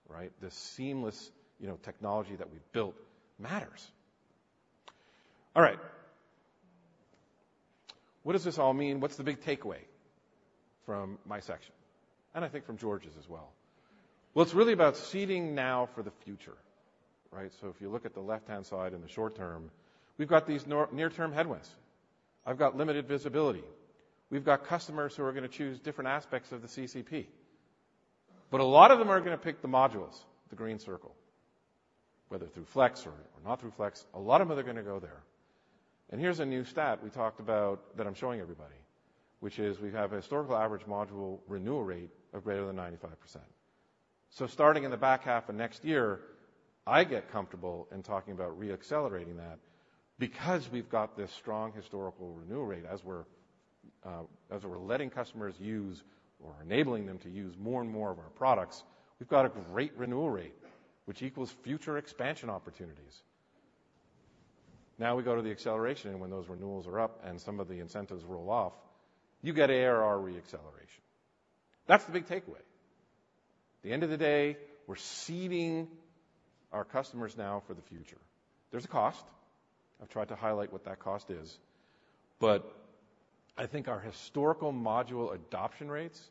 [SPEAKER 2] right? The seamless, you know, technology that we've built matters. All right. What does this all mean? What's the big takeaway from my section, and I think from George's as well? Well, it's really about seeding now for the future, right? So if you look at the left-hand side, in the short term, we've got these near-term headwinds. I've got limited visibility. We've got customers who are gonna choose different aspects of the CCP, but a lot of them are gonna pick the modules, the green circle, whether through Flex or not through Flex, a lot of them are gonna go there. And here's a new stat we talked about that I'm showing everybody, which is we have a historical average module renewal rate of greater than 95%.... So starting in the back half of next year, I get comfortable in talking about re-accelerating that because we've got this strong historical renewal rate. As we're letting customers use or enabling them to use more and more of our products, we've got a great renewal rate, which equals future expansion opportunities. Now we go to the acceleration, and when those renewals are up and some of the incentives roll off, you get ARR re-acceleration. That's the big takeaway. At the end of the day, we're seeding our customers now for the future. There's a cost. I've tried to highlight what that cost is, but I think our historical module adoption rates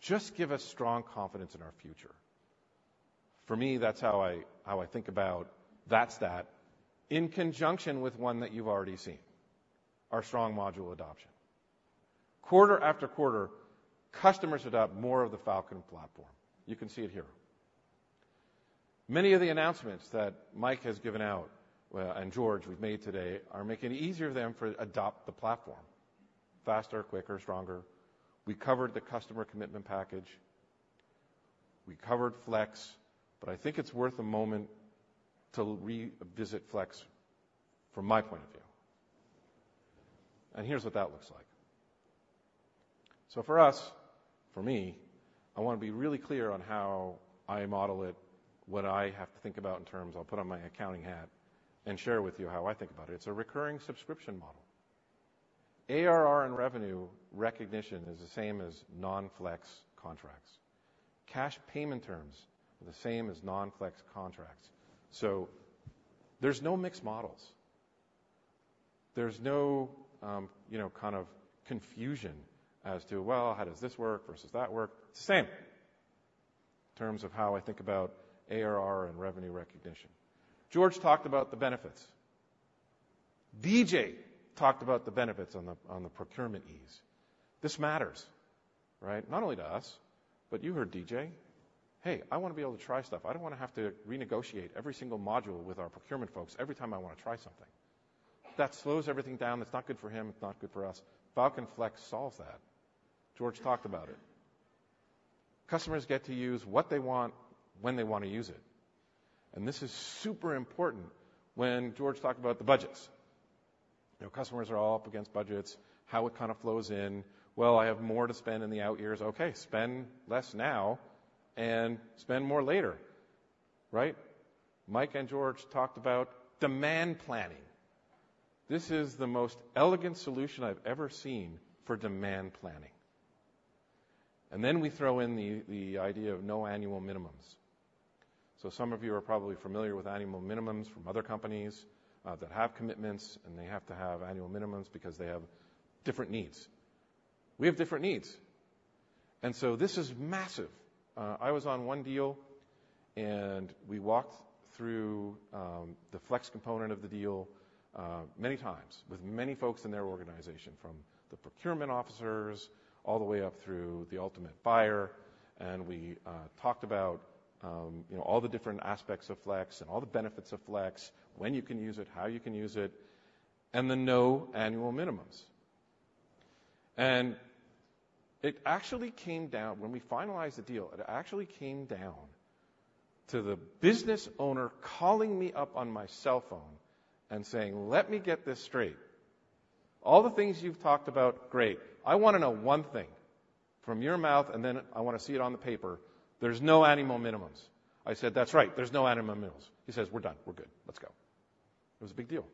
[SPEAKER 2] just give us strong confidence in our future. For me, that's how I think about-- That's that, in conjunction with one that you've already seen, our strong module adoption. Quarter after quarter, customers adopt more of the Falcon platform. You can see it here. Many of the announcements that Mike has given out, well, and George, we've made today, are making it easier for them to adopt the platform faster, quicker, stronger. We covered the Customer Commitment Package. We covered Flex, but I think it's worth a moment to revisit Flex from my point of view, and here's what that looks like. So for us, for me, I want to be really clear on how I model it, what I have to think about in terms... I'll put on my accounting hat and share with you how I think about it. It's a recurring subscription model. ARR and revenue recognition is the same as non-Flex contracts. Cash payment terms are the same as non-Flex contracts, so there's no mixed models. There's no, you know, kind of confusion as to, Well, how does this work versus that work? Same in terms of how I think about ARR and revenue recognition. George talked about the benefits. DB talked about the benefits on the procurement ease. This matters, right? Not only to us, but you heard DB. Hey, I want to be able to try stuff. I don't want to have to renegotiate every single module with our procurement folks every time I want to try something." That slows everything down. It's not good for him. It's not good for us. Falcon Flex solves that. George talked about it. Customers get to use what they want when they want to use it, and this is super important when George talked about the budgets. You know, customers are all up against budgets, how it kind of flows in. Well, I have more to spend in the out years. Okay, spend less now and spend more later, right? Mike and George talked about demand planning. This is the most elegant solution I've ever seen for demand planning. And then we throw in the, the idea of no annual minimums. So some of you are probably familiar with annual minimums from other companies that have commitments, and they have to have annual minimums because they have different needs. We have different needs, and so this is massive. I was on one deal, and we walked through the Flex component of the deal many times with many folks in their organization, from the procurement officers all the way up through the ultimate buyer. And we talked about you know all the different aspects of Flex and all the benefits of Flex, when you can use it, how you can use it, and the no annual minimums. And it actually came down. When we finalized the deal, it actually came down to the business owner calling me up on my cell phone and saying, "Let me get this straight. All the things you've talked about, great. I want to know one thing from your mouth, and then I want to see it on the paper. "There's no annual minimums." I said, "That's right, there's no annual minimums." He says, "We're done. We're good. Let's go." It was a big deal.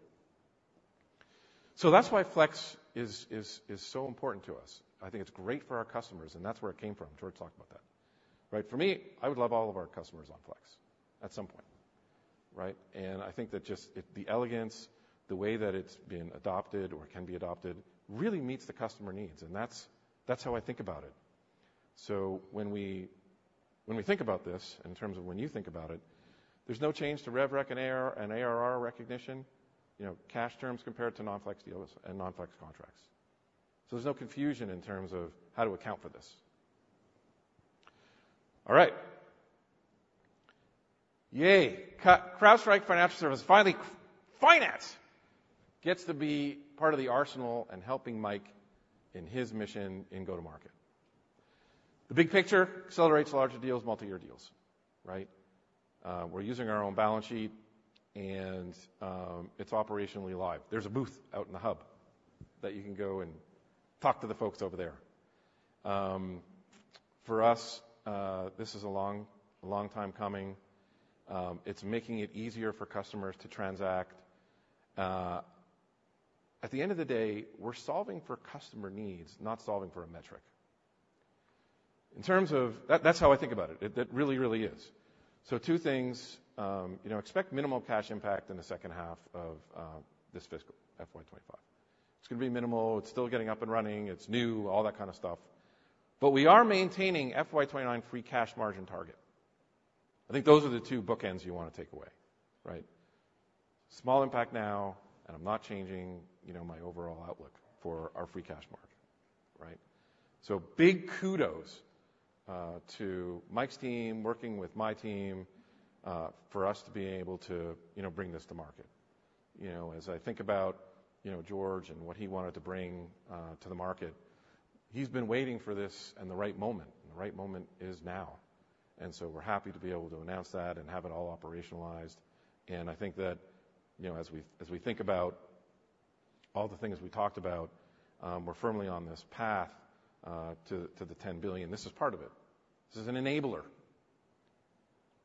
[SPEAKER 2] So that's why Flex is so important to us. I think it's great for our customers, and that's where it came from. George talked about that, right? For me, I would love all of our customers on Flex at some point, right? And I think that just the elegance, the way that it's been adopted or can be adopted, really meets the customer needs, and that's how I think about it. So when we think about this in terms of when you think about it, there's no change to rev rec and ARR, and ARR recognition, you know, cash terms compared to non-Flex deals and non-Flex contracts. So there's no confusion in terms of how to account for this. All right. Yay! CrowdStrike Financial Services. Finally, Finance gets to be part of the arsenal in helping Mike in his mission in go-to-market. The big picture accelerates larger deals, multi-year deals, right? We're using our own balance sheet, and it's operationally live. There's a booth out in the hub that you can go and talk to the folks over there. For us, this is a long, long time coming. It's making it easier for customers to transact. At the end of the day, we're solving for customer needs, not solving for a metric. In terms of that, that's how I think about it. It really is. So two things, you know, expect minimal cash impact in the second half of this fiscal, FY 2025. It's gonna be minimal. It's still getting up and running. It's new, all that kind of stuff. But we are maintaining FY 2029 free cash margin target. I think those are the two bookends you want to take away, right? Small impact now, and I'm not changing, you know, my overall outlook for our free cash margin, right? So big kudos to Mike's team, working with my team, for us to be able to, you know, bring this to market. You know, as I think about, you know, George and what he wanted to bring to the market, he's been waiting for this and the right moment, and the right moment is now. And so we're happy to be able to announce that and have it all operationalized. And I think that, you know, as we think about all the things we talked about, we're firmly on this path to the ten billion. This is part of it. This is an enabler.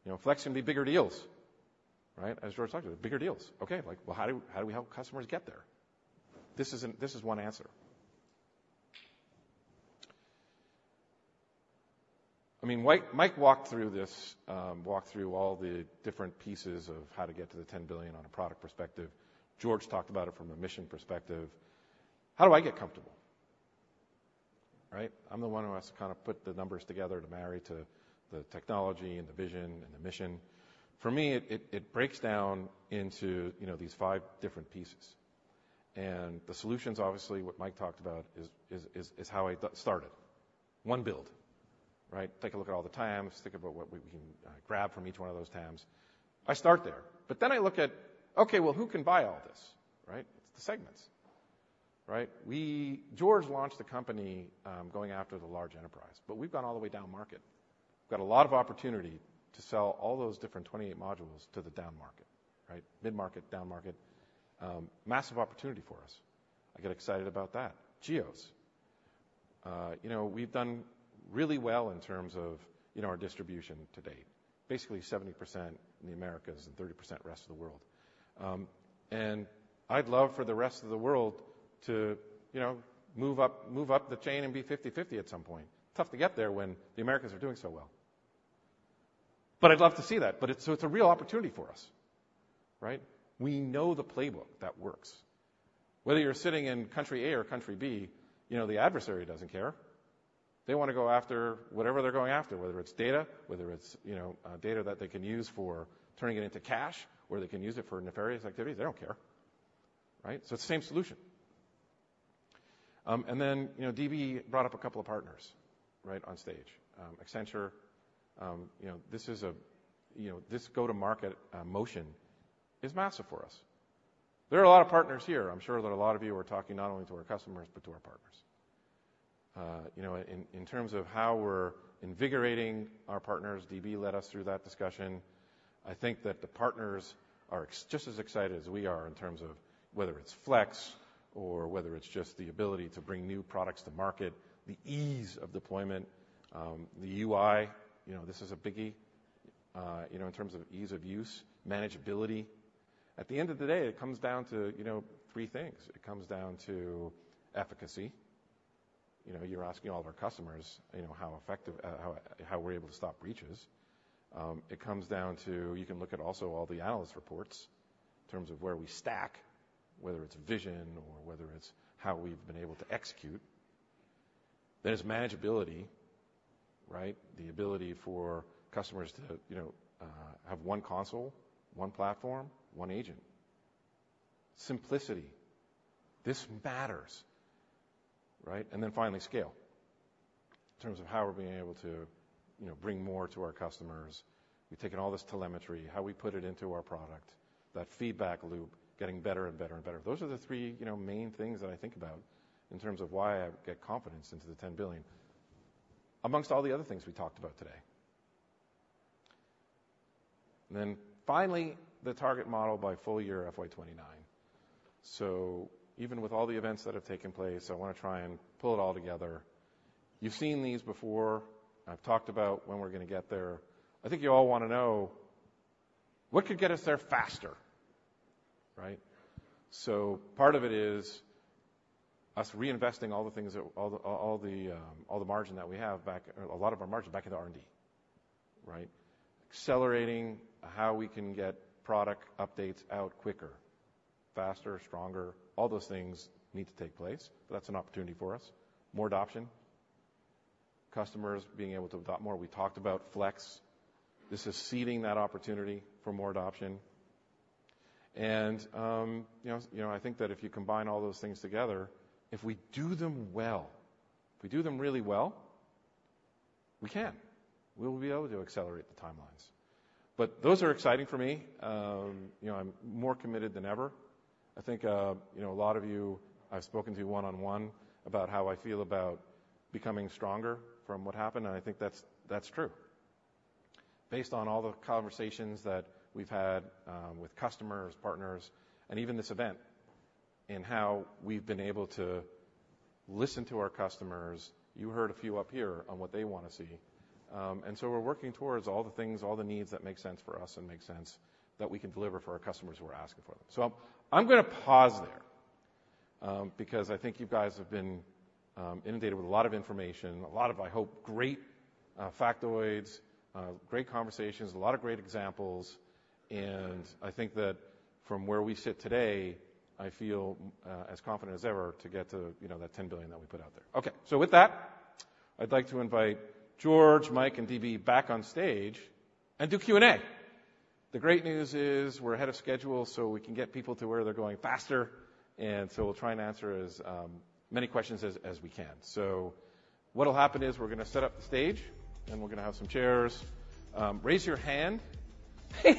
[SPEAKER 2] You know, Flex can be bigger deals, right? As George talked about, bigger deals. Okay, like, well, how do we help customers get there? This is one answer. I mean, Mike walked through this, walked through all the different pieces of how to get to the ten billion on a product perspective. George talked about it from a mission perspective. How do I get comfortable? Right? I'm the one who has to kind of put the numbers together to marry to the technology and the vision and the mission. For me, it breaks down into, you know, these five different pieces. And the solutions, obviously, what Mike talked about is how I got started. One build, right? Take a look at all the TAMs, think about what we can grab from each one of those TAMs. I start there, but then I look at, okay, well, who can buy all this, right? It's the segments, right? George launched the company, going after the large enterprise, but we've gone all the way down market. We've got a lot of opportunity to sell all those different 28 modules to the down market, right? Mid-market, down-market, massive opportunity for us. I get excited about that. Geos. You know, we've done really well in terms of, you know, our distribution to date, basically 70% in the Americas and 30% rest of the world. And I'd love for the rest of the world to, you know, move up, move up the chain and be 50/50 at some point. Tough to get there when the Americas are doing so well. But I'd love to see that, but it's so it's a real opportunity for us, right? We know the playbook that works. Whether you're sitting in country A or country B, you know, the adversary doesn't care. They wanna go after whatever they're going after, whether it's data, whether it's, you know, data that they can use for turning it into cash, or they can use it for nefarious activities, they don't care, right? So it's the same solution, and then, you know, DB brought up a couple of partners, right, on stage. Accenture, you know, this is, you know, this go-to-market motion is massive for us. There are a lot of partners here. I'm sure that a lot of you are talking not only to our customers, but to our partners. You know, in terms of how we're invigorating our partners, DB led us through that discussion. I think that the partners are just as excited as we are in terms of whether it's Flex or whether it's just the ability to bring new products to market, the ease of deployment, the UI, you know, this is a biggie. You know, in terms of ease of use, manageability. At the end of the day, it comes down to, you know, three things. It comes down to efficacy. You know, you're asking all of our customers, you know, how effective, how we're able to stop breaches. It comes down to... You can look at also all the analyst reports in terms of where we stack, whether it's vision or whether it's how we've been able to execute. There's manageability, right? The ability for customers to, you know, have one console, one platform, one agent. Simplicity. This matters, right? Finally, scale, in terms of how we're being able to, you know, bring more to our customers. We've taken all this telemetry, how we put it into our product, that feedback loop, getting better and better and better. Those are the three, you know, main things that I think about in terms of why I get confidence into the 10 billion, among all the other things we talked about today. Finally, the target model by full year FY 2029. Even with all the events that have taken place, I wanna try and pull it all together. You've seen these before, and I've talked about when we're gonna get there. I think you all wanna know: what could get us there faster, right? Part of it is us reinvesting all the margin that we have back. A lot of our margin back into R&D, right? Accelerating how we can get product updates out quicker, faster, stronger, all those things need to take place, but that's an opportunity for us. More adoption, customers being able to adopt more. We talked about Flex. This is seeding that opportunity for more adoption. And, you know, I think that if you combine all those things together, if we do them well, if we do them really well, we can. We will be able to accelerate the timelines. But those are exciting for me. You know, I'm more committed than ever. I think, you know, a lot of you, I've spoken to you one-on-one about how I feel about becoming stronger from what happened, and I think that's, that's true. Based on all the conversations that we've had with customers, partners, and even this event, and how we've been able to listen to our customers, you heard a few up here on what they wanna see, and so we're working towards all the things, all the needs that make sense for us and make sense that we can deliver for our customers who are asking for them, so I'm gonna pause there, because I think you guys have been inundated with a lot of information, a lot of, I hope, great factoids, great conversations, a lot of great examples, and I think that from where we sit today, I feel as confident as ever to get to, you know, that 10 billion that we put out there. Okay, so with that, I'd like to invite George, Mike, and DB back on stage and do Q&A. The great news is we're ahead of schedule, so we can get people to where they're going faster, and so we'll try and answer as many questions as we can. So what'll happen is we're gonna set up the stage, and we're gonna have some chairs. Raise your hand. He's already got his arm. Raise your hand. So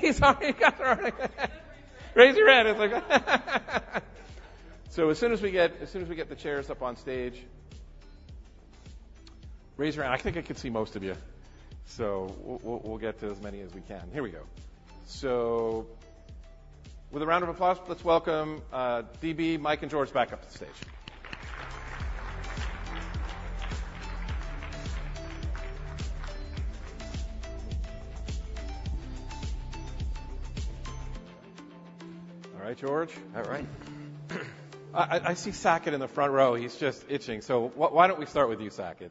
[SPEAKER 2] as soon as we get the chairs up on stage, raise your hand. I think I can see most of you, so we'll get to as many as we can. Here we go. So with a round of applause, let's welcome DB, Mike, and George back up to the stage. All right, George?
[SPEAKER 3] All right.
[SPEAKER 2] I see Saket in the front row. He's just itching. So why don't we start with you, Saket?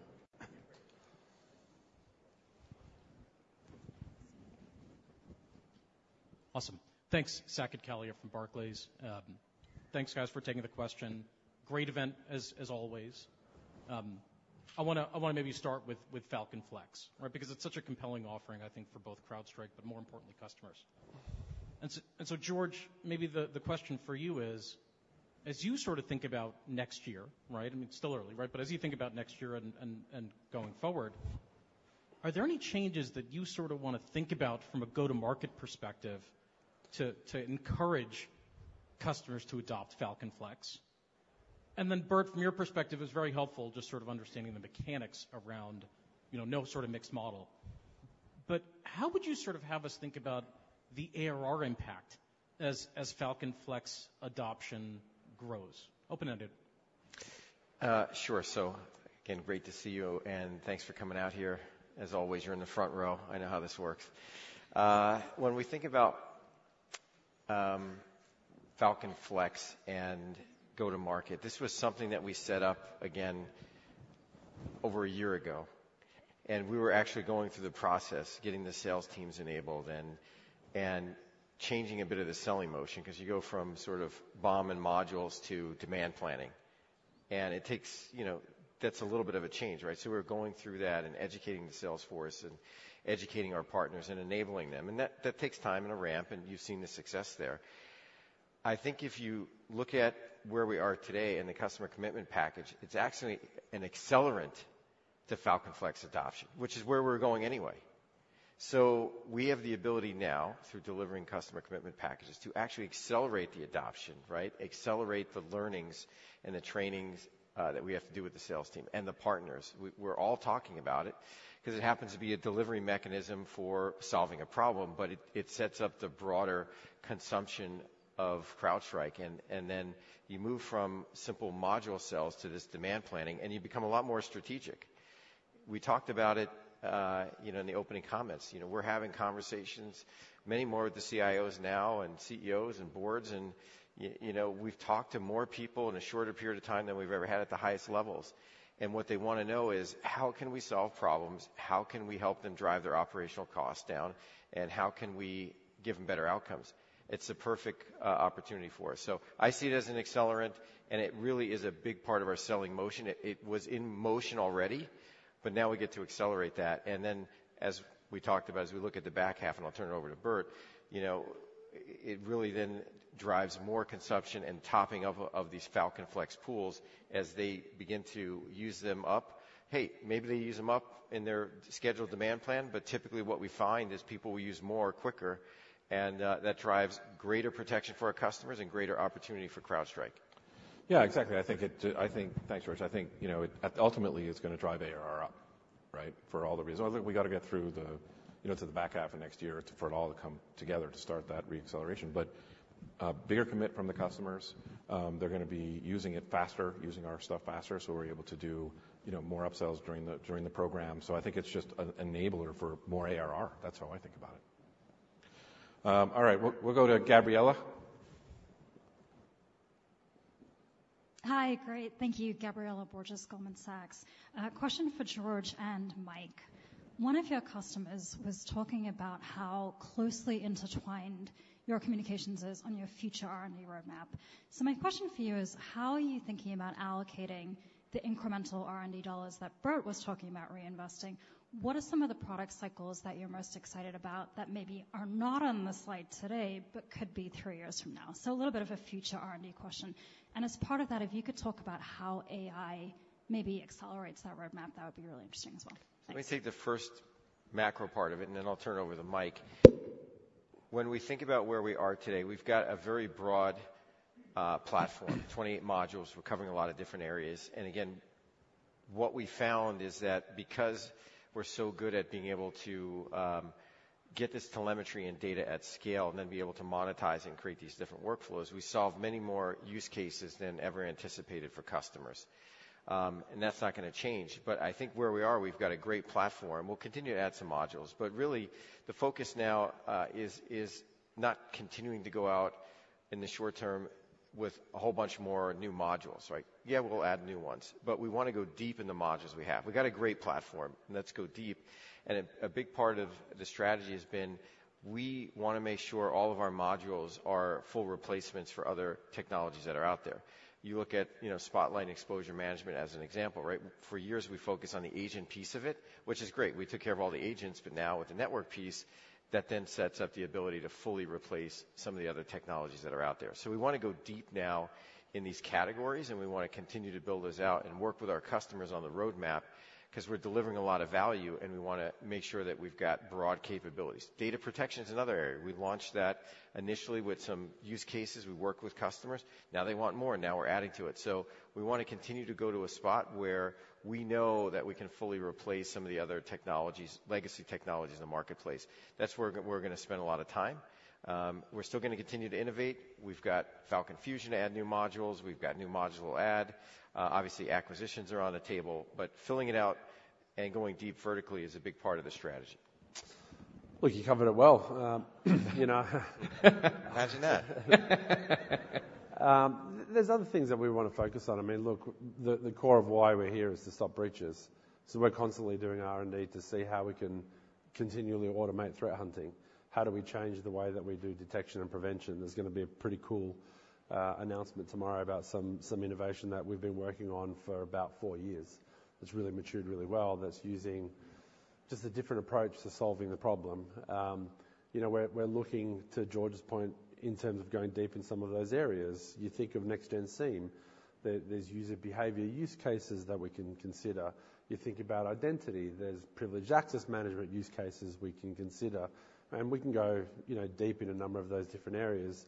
[SPEAKER 6] Awesome. Thanks. Saket Kalia from Barclays. Thanks, guys, for taking the question. Great event, as always. I wanna maybe start with Falcon Flex, right? Because it's such a compelling offering, I think, for both CrowdStrike, but more importantly, customers. And so George, maybe the question for you is, as you sort of think about next year, right? I mean, it's still early, right? But as you think about next year and going forward, are there any changes that you sort of wanna think about from a go-to-market perspective, to encourage customers to adopt Falcon Flex? And then, Burt, from your perspective, it's very helpful just sort of understanding the mechanics around, you know, no sort of mixed model. But how would you sort of have us think about the ARR impact as Falcon Flex adoption grows? Open-ended.
[SPEAKER 3] Sure. So again, great to see you, and thanks for coming out here. As always, you're in the front row. I know how this works. When we think about Falcon Flex and go-to-market, this was something that we set up again over a year ago, and we were actually going through the process, getting the sales teams enabled and changing a bit of the selling motion, 'cause you go from sort of BOM and modules to demand planning. And it takes... You know, that's a little bit of a change, right? So we're going through that and educating the sales force and educating our partners and enabling them, and that takes time and a ramp, and you've seen the success there. I think if you look at where we are today in the Customer Commitment Package, it's actually an accelerant to Falcon Flex adoption, which is where we're going anyway. So we have the ability now, through delivering Customer Commitment Packages, to actually accelerate the adoption, right? Accelerate the learnings and the trainings, that we have to do with the sales team and the partners. We, we're all talking about it, 'cause it happens to be a delivery mechanism for solving a problem, but it sets up the broader consumption of CrowdStrike. And then you move from simple module sales to this demand planning, and you become a lot more strategic. We talked about it, you know, in the opening comments. You know, we're having conversations, many more with the CIOs now and CEOs and boards, and you know, we've talked to more people in a shorter period of time than we've ever had at the highest levels. And what they wanna know is: How can we solve problems? How can we help them drive their operational costs down? And how can we give them better outcomes? It's the perfect opportunity for us. So I see it as an accelerant, and it really is a big part of our selling motion. It was in motion already, but now we get to accelerate that. And then, as we talked about, as we look at the back half, and I'll turn it over to Burt, you know, it really then drives more consumption and topping of these Falcon Flex pools as they begin to use them up. Hey, maybe they use them up in their scheduled demand plan, but typically, what we find is people will use more quicker, and that drives greater protection for our customers and greater opportunity for CrowdStrike.
[SPEAKER 2] Yeah, exactly. I think it, I think... Thanks, George. I think, you know, ultimately, it's gonna drive ARR up, right? For all the reasons. I think we gotta get through the, you know, to the back half of next year for it all to come together to start that reacceleration. But, bigger commit from the customers, they're gonna be using it faster, using our stuff faster, so we're able to do, you know, more upsells during the program. So I think it's just an enabler for more ARR. That's how I think about it. All right, we'll go to Gabriela.
[SPEAKER 7] Hi. Great. Thank you. Gabriela Borges, Goldman Sachs. Question for George and Mike. One of your customers was talking about how closely intertwined your communications is on your future R&D roadmap. So my question for you is: How are you thinking about allocating the incremental R&D dollars that Burt was talking about reinvesting? What are some of the product cycles that you're most excited about that maybe are not on the slide today, but could be three years from now? So a little bit of a future R&D question. And as part of that, if you could talk about how AI maybe accelerates that roadmap, that would be really interesting as well. Thanks.
[SPEAKER 3] Let me take the first macro part of it, and then I'll turn it over to Mike. When we think about where we are today, we've got a very broad platform, 28 modules. We're covering a lot of different areas, and again, what we found is that because we're so good at being able to get this telemetry and data at scale and then be able to monetize and create these different workflows, we solve many more use cases than ever anticipated for customers, and that's not gonna change, but I think where we are, we've got a great platform. We'll continue to add some modules, but really, the focus now is not continuing to go out in the short term with a whole bunch more new modules, right? Yeah, we'll add new ones, but we wanna go deep in the modules we have. We've got a great platform, and let's go deep. And a big part of the strategy has been, we wanna make sure all of our modules are full replacements for other technologies that are out there. You look at, you know, Spotlight and Exposure Management as an example, right? For years, we focused on the agent piece of it, which is great. We took care of all the agents, but now with the network piece, that then sets up the ability to fully replace some of the other technologies that are out there. So we wanna go deep now in these categories, and we wanna continue to build those out and work with our customers on the roadmap, 'cause we're delivering a lot of value, and we wanna make sure that we've got broad capabilities. Data Protection is another area. We've launched that initially with some use cases. We worked with customers. Now they want more, and now we're adding to it. So we wanna continue to go to a spot where we know that we can fully replace some of the other technologies, legacy technologies in the marketplace. That's where we're gonna spend a lot of time. We're still gonna continue to innovate. We've got Falcon Fusion to add new modules. We've got new module to add. Obviously, acquisitions are on the table, but filling it out and going deep vertically is a big part of the strategy.
[SPEAKER 5] You covered it well, you know.
[SPEAKER 3] Imagine that.
[SPEAKER 5] There's other things that we wanna focus on. I mean, look, the core of why we're here is to stop breaches. So we're constantly doing R&D to see how we can continually automate threat hunting. How do we change the way that we do detection and prevention? There's gonna be a pretty cool announcement tomorrow about some innovation that we've been working on for about four years. It's really matured really well, that's using just a different approach to solving the problem. You know, we're looking to George's point, in terms of going deep in some of those areas. You think of Next-Gen SIEM, there's user behavior use cases that we can consider. You think about Identity, there's privileged access management use cases we can consider, and we can go, you know, deep in a number of those different areas.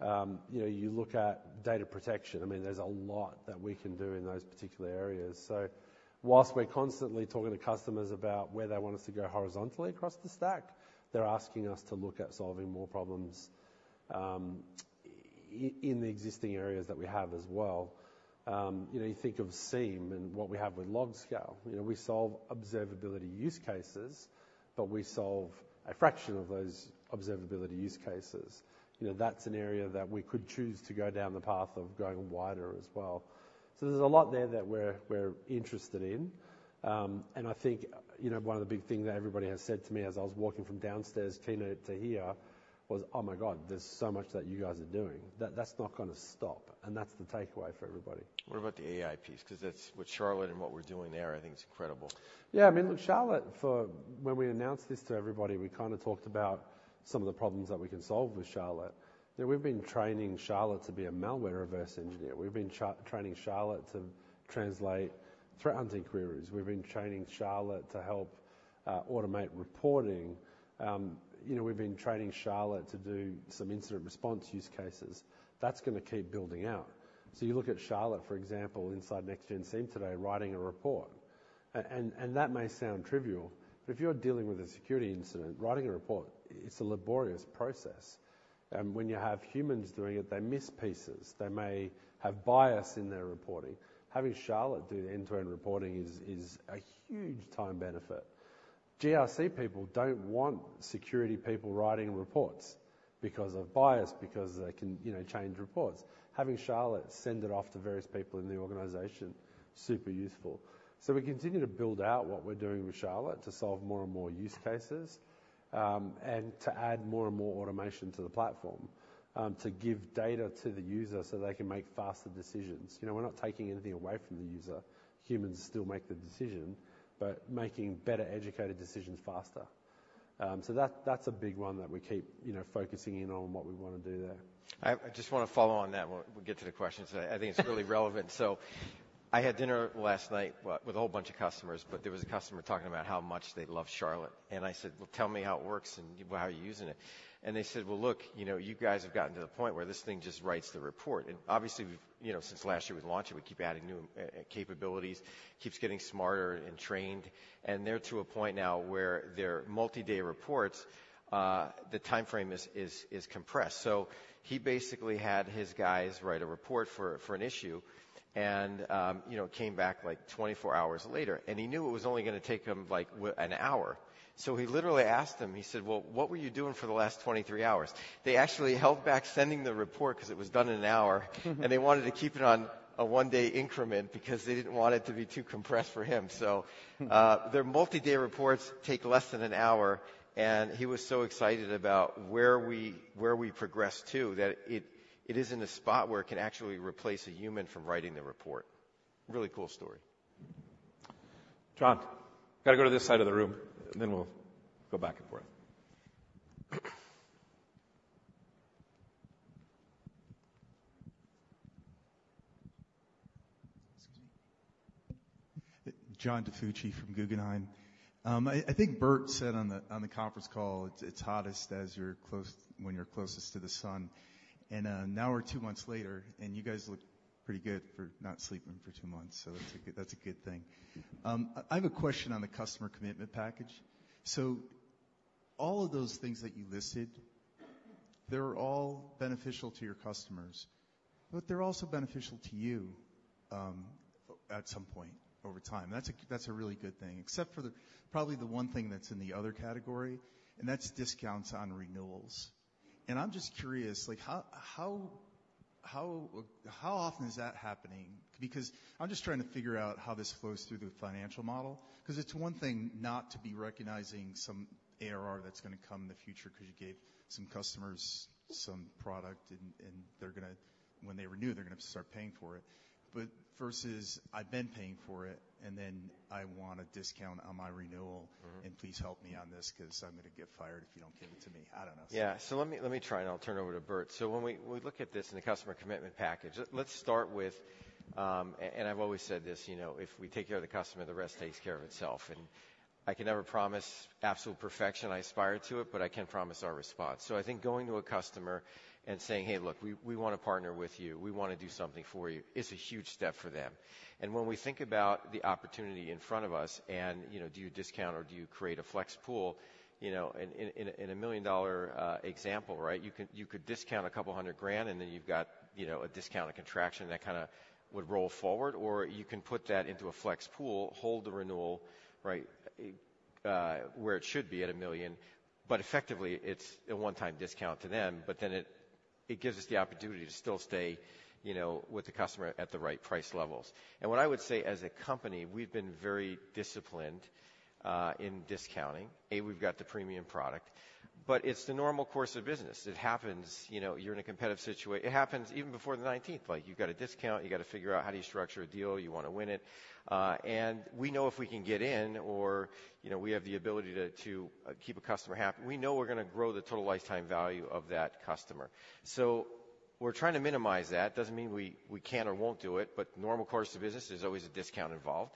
[SPEAKER 5] You know, you look at Data Protection, I mean, there's a lot that we can do in those particular areas. So while we're constantly talking to customers about where they want us to go horizontally across the stack, they're asking us to look at solving more problems, in the existing areas that we have as well. You know, you think of SIEM and what we have with LogScale. You know, we solve observability use cases, but we solve a fraction of those observability use cases. You know, that's an area that we could choose to go down the path of going wider as well. So there's a lot there that we're interested in. And I think, you know, one of the big things that everybody has said to me as I was walking from downstairs keynote to here was, "Oh, my God, there's so much that you guys are doing." That's not gonna stop, and that's the takeaway for everybody.
[SPEAKER 3] What about the AI piece? 'Cause that's with Charlotte and what we're doing there, I think is incredible.
[SPEAKER 5] Yeah, I mean, look, Charlotte, for when we announced this to everybody, we kinda talked about some of the problems that we can solve with Charlotte, that we've been training Charlotte to be a malware reverse engineer. We've been training Charlotte to translate threat hunting queries. We've been training Charlotte to help automate reporting. You know, we've been training Charlotte to do some incident response use cases. That's gonna keep building out. So you look at Charlotte, for example, inside Next-Gen SIEM today, writing a report, and that may sound trivial, but if you're dealing with a security incident, writing a report, it's a laborious process, and when you have humans doing it, they miss pieces. They may have bias in their reporting. Having Charlotte do the end-to-end reporting is a huge time benefit. GRC people don't want security people writing reports because of bias, because they can, you know, change reports. Having Charlotte send it off to various people in the organization, super useful. So we continue to build out what we're doing with Charlotte to solve more and more use cases, and to add more and more automation to the platform, to give data to the user so they can make faster decisions. You know, we're not taking anything away from the user. Humans still make the decision, but making better, educated decisions faster. So that, that's a big one that we keep, you know, focusing in on what we wanna do there.
[SPEAKER 3] I just wanna follow on that while we get to the questions. I think it's really relevant. So I had dinner last night with a whole bunch of customers, but there was a customer talking about how much they love Charlotte. And I said, "Well, tell me how it works and how you're using it." And they said, "Well, look, you know, you guys have gotten to the point where this thing just writes the report." And obviously, we've... You know, since last year we launched it, we keep adding new capabilities, keeps getting smarter and trained, and they're to a point now where their multi-day reports, the timeframe is compressed. So he basically had his guys write a report for an issue and, you know, came back, like, 24 hours later, and he knew it was only gonna take him, like, an hour. So he literally asked them, he said, "Well, what were you doing for the last 23 hours?" They actually held back sending the report because it was done in an hour. And they wanted to keep it on a one-day increment because they didn't want it to be too compressed for him. So their multi-day reports take less than an hour, and he was so excited about where we progressed to, that it is in a spot where it can actually replace a human from writing the report. Really cool story. John, gotta go to this side of the room, and then we'll go back and forth.
[SPEAKER 8] Excuse me. John DiFucci from Guggenheim. I think Burt said on the conference call, it's hottest as you're close - when you're closest to the sun, and now we're two months later, and you guys look pretty good for not sleeping for two months, so that's a good thing. I have a question on the Customer Commitment Package. So all of those things that you listed, they're all beneficial to your customers, but they're also beneficial to you at some point over time. That's a really good thing, except for probably the one thing that's in the other category, and that's discounts on renewals. And I'm just curious, like, how often is that happening? Because I'm just trying to figure out how this flows through the financial model, because it's one thing not to be recognizing some ARR that's gonna come in the future because you gave some customers some product and, and they're gonna... When they renew, they're gonna start paying for it. But versus, "I've been paying for it, and then... I want a discount on my renewal.
[SPEAKER 3] Mm-hmm.
[SPEAKER 8] And please help me on this, because I'm going to get fired if you don't give it to me. I don't know.
[SPEAKER 3] Yeah. Let me try, and I'll turn it over to Burt. So when we look at this in the Customer Commitment Package, let's start with, and I've always said this, you know, if we take care of the customer, the rest takes care of itself. And I can never promise absolute perfection. I aspire to it, but I can promise our response. So I think going to a customer and saying, "Hey, look, we want to partner with you. We want to do something for you," is a huge step for them. And when we think about the opportunity in front of us and, you know, do you discount or do you create a flex pool? You know, in a million-dollar example, right, you could discount a couple of hundred grand, and then you've got, you know, a discount, a contraction, that kind of would roll forward. Or you can put that into a flex pool, hold the renewal, right, where it should be at $1 million, but effectively, it's a one-time discount to them. But then it gives us the opportunity to still stay, you know, with the customer at the right price levels. And what I would say, as a company, we've been very disciplined in discounting. We've got the premium product, but it's the normal course of business. It happens, you know, you're in a competitive situation. It happens even before the nineteenth. Like, you've got a discount, you got to figure out how do you structure a deal. You want to win it. And we know if we can get in or, you know, we have the ability to keep a customer happy, we know we're going to grow the total lifetime value of that customer. So we're trying to minimize that. Doesn't mean we can't or won't do it, but normal course of business, there's always a discount involved.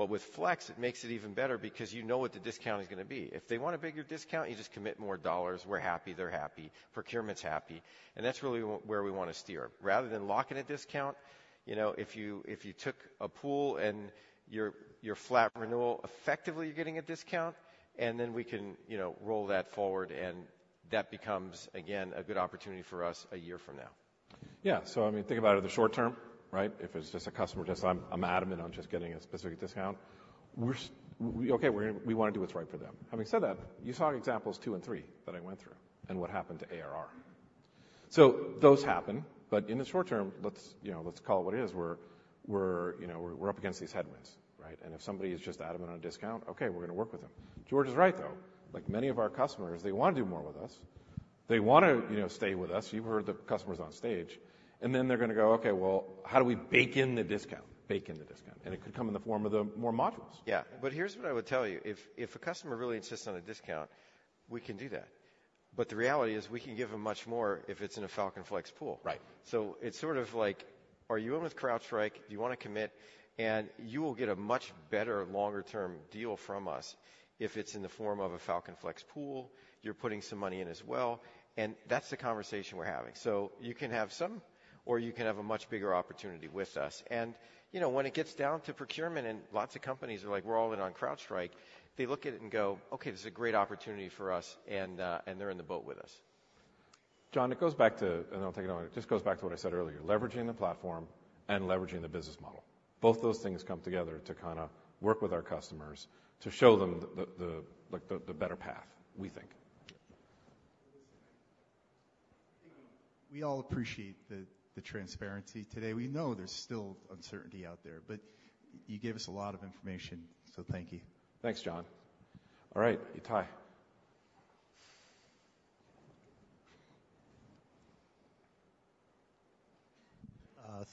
[SPEAKER 3] But with flex, it makes it even better because you know what the discount is going to be. If they want a bigger discount, you just commit more dollars. We're happy, they're happy, procurement's happy, and that's really where we want to steer. Rather than locking a discount, you know, if you took a pool and your flat renewal, effectively, you're getting a discount, and then we can, you know, roll that forward, and that becomes, again, a good opportunity for us a year from now.
[SPEAKER 2] Yeah. So, I mean, think about it in the short term, right? If it's just a customer, I'm adamant on just getting a specific discount. Okay, we're gonna. We want to do what's right for them. Having said that, you saw examples two and three that I went through and what happened to ARR. So those happen, but in the short term, let's, you know, let's call it what it is. We're, you know, up against these headwinds, right? And if somebody is just adamant on a discount, okay, we're going to work with them. George is right, though. Like, many of our customers, they want to do more with us. They want to, you know, stay with us. You've heard the customers on stage, and then they're going to go, "Okay, well, how do we bake in the discount? Bake in the discount." And it could come in the form of the more modules.
[SPEAKER 3] Yeah, but here's what I would tell you. If a customer really insists on a discount, we can do that. But the reality is, we can give them much more if it's in a Falcon Flex pool.
[SPEAKER 2] Right.
[SPEAKER 3] So it's sort of like, are you in with CrowdStrike? Do you want to commit? And you will get a much better longer-term deal from us if it's in the form of a Falcon Flex pool. You're putting some money in as well, and that's the conversation we're having. So you can have some, or you can have a much bigger opportunity with us. And, you know, when it gets down to procurement, and lots of companies are like, "We're all in on CrowdStrike," they look at it and go, "Okay, this is a great opportunity for us," and they're in the boat with us.
[SPEAKER 2] John, it goes back to... And I'll take it on. It just goes back to what I said earlier, leveraging the platform and leveraging the business model. Both those things come together to kind of work with our customers, to show them, like, the better path, we think.
[SPEAKER 8] We all appreciate the transparency today. We know there's still uncertainty out there, but you gave us a lot of information, so thank you.
[SPEAKER 2] Thanks, John. All right, Itai.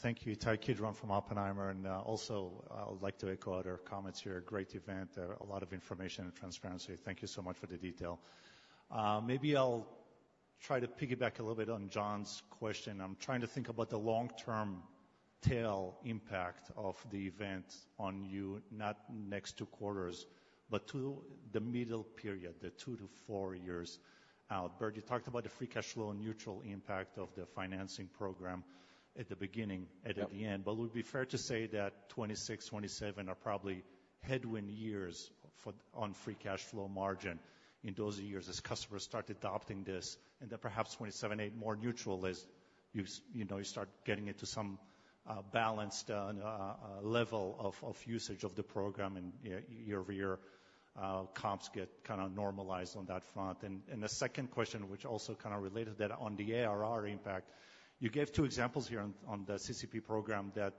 [SPEAKER 9] Thank you. Itai Kidron from Oppenheimer, and, also, I would like to echo other comments here. Great event. A lot of information and transparency. Thank you so much for the detail. Maybe I'll try to piggyback a little bit on John's question. I'm trying to think about the long-term tail impact of the event on you, not next two quarters, but to the middle period, the two to four years out. Burt, you talked about the free cash flow, neutral impact of the financing program at the beginning-
[SPEAKER 2] Yep.
[SPEAKER 9] And at the end. But would it be fair to say that 2026, 2027 are probably headwind years for, on free cash flow margin in those years, as customers start adopting this, and then perhaps 2027, 2028, more neutral as you, you know, you start getting into some balanced level of usage of the program, and year over year comps get kind of normalized on that front. And the second question, which also kind of related that on the ARR impact, you gave two examples here on the CCP program that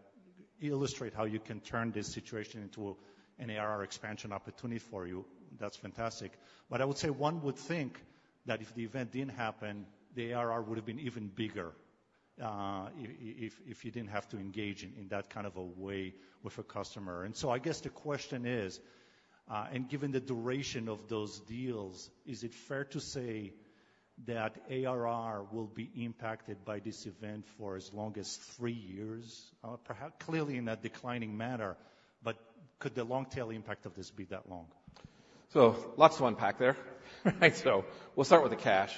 [SPEAKER 9] illustrate how you can turn this situation into an ARR expansion opportunity for you. That's fantastic. But I would say one would think that if the event didn't happen, the ARR would have been even bigger, if you didn't have to engage in, in that kind of a way with a customer. And so I guess the question is, and given the duration of those deals, is it fair to say that ARR will be impacted by this event for as long as three years, perhaps? Clearly, in a declining manner, but could the long-tail impact of this be that long?
[SPEAKER 2] So lots to unpack there, right? So we'll start with the cash,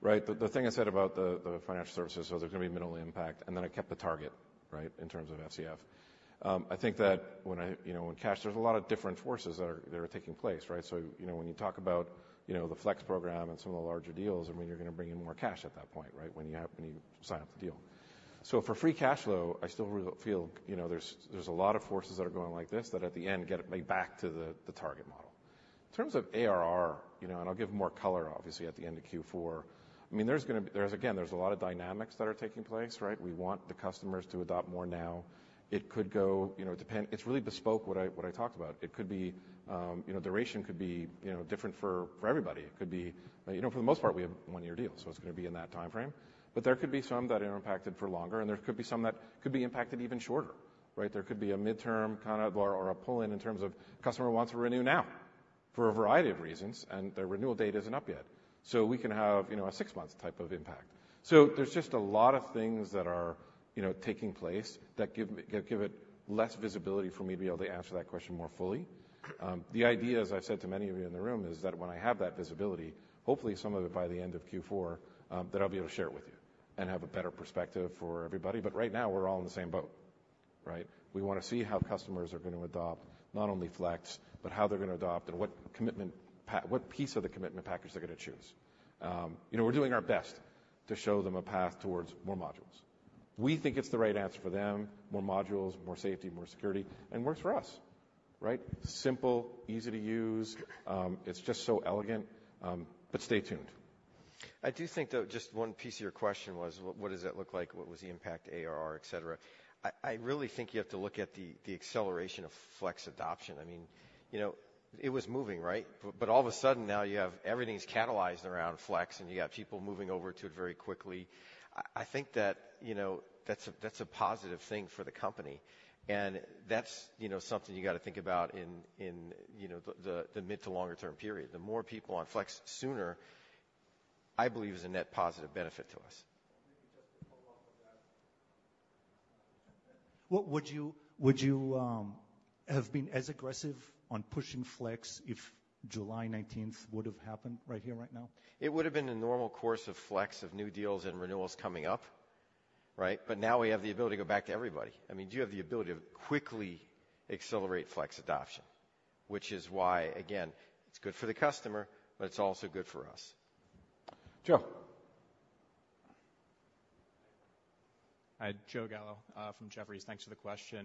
[SPEAKER 2] right? The thing I said about the financial services, so there's going to be minimal impact, and then I kept the target, right, in terms of SCF. I think that when I... You know, in cash, there's a lot of different forces that are taking place, right? So, you know, when you talk about, you know, the Flex program and some of the larger deals, I mean, you're going to bring in more cash at that point, right? When you have- when you sign up the deal. So for free cash flow, I still really feel, you know, there's a lot of forces that are going like this, that at the end, get me back to the target model. In terms of ARR, you know, and I'll give more color, obviously, at the end of Q4. I mean, there's gonna... Again, there's a lot of dynamics that are taking place, right? We want the customers to adopt more now. It could go, you know, depend- It's really bespoke, what I talked about. It could be, you know, duration could be, you know, different for everybody. It could be... You know, for the most part, we have one-year deals, so it's going to be in that timeframe, but there could be some that are impacted for longer, and there could be some that could be impacted even shorter, right? There could be a midterm kind of or a pull-in in terms of customer wants to renew now. ... for a variety of reasons, and their renewal date isn't up yet, so we can have, you know, a six-month type of impact. So there's just a lot of things that are, you know, taking place that give that give it less visibility for me to be able to answer that question more fully. The idea, as I've said to many of you in the room, is that when I have that visibility, hopefully some of it by the end of Q4, then I'll be able to share it with you and have a better perspective for everybody. But right now, we're all in the same boat, right? We want to see how customers are going to adopt not only Flex, but how they're going to adopt and what piece of the commitment package they're going to choose. You know, we're doing our best to show them a path towards more modules. We think it's the right answer for them. More modules, more safety, more security, and works for us, right? Simple, easy to use, it's just so elegant, but stay tuned.
[SPEAKER 3] I do think, though, just one piece of your question was, what, what does it look like? What was the impact, ARR, et cetera. I, I really think you have to look at the, the acceleration of Flex adoption. I mean, you know, it was moving, right? But, but all of a sudden, now you have everything's catalyzed around Flex, and you got people moving over to it very quickly. I, I think that, you know, that's a, that's a positive thing for the company, and that's, you know, something you got to think about in, in, you know, the, the mid to longer term period. The more people on Flex sooner, I believe, is a net positive benefit to us.
[SPEAKER 9] Just to follow up on that. What would you have been as aggressive on pushing Flex if July nineteenth would have happened right here, right now?
[SPEAKER 3] It would have been a normal course of Flex, of new deals and renewals coming up, right? But now we have the ability to go back to everybody. I mean, you have the ability to quickly accelerate Flex adoption, which is why, again, it's good for the customer, but it's also good for us.
[SPEAKER 5] Joe.
[SPEAKER 10] Hi, Joe Gallo from Jefferies. Thanks for the question.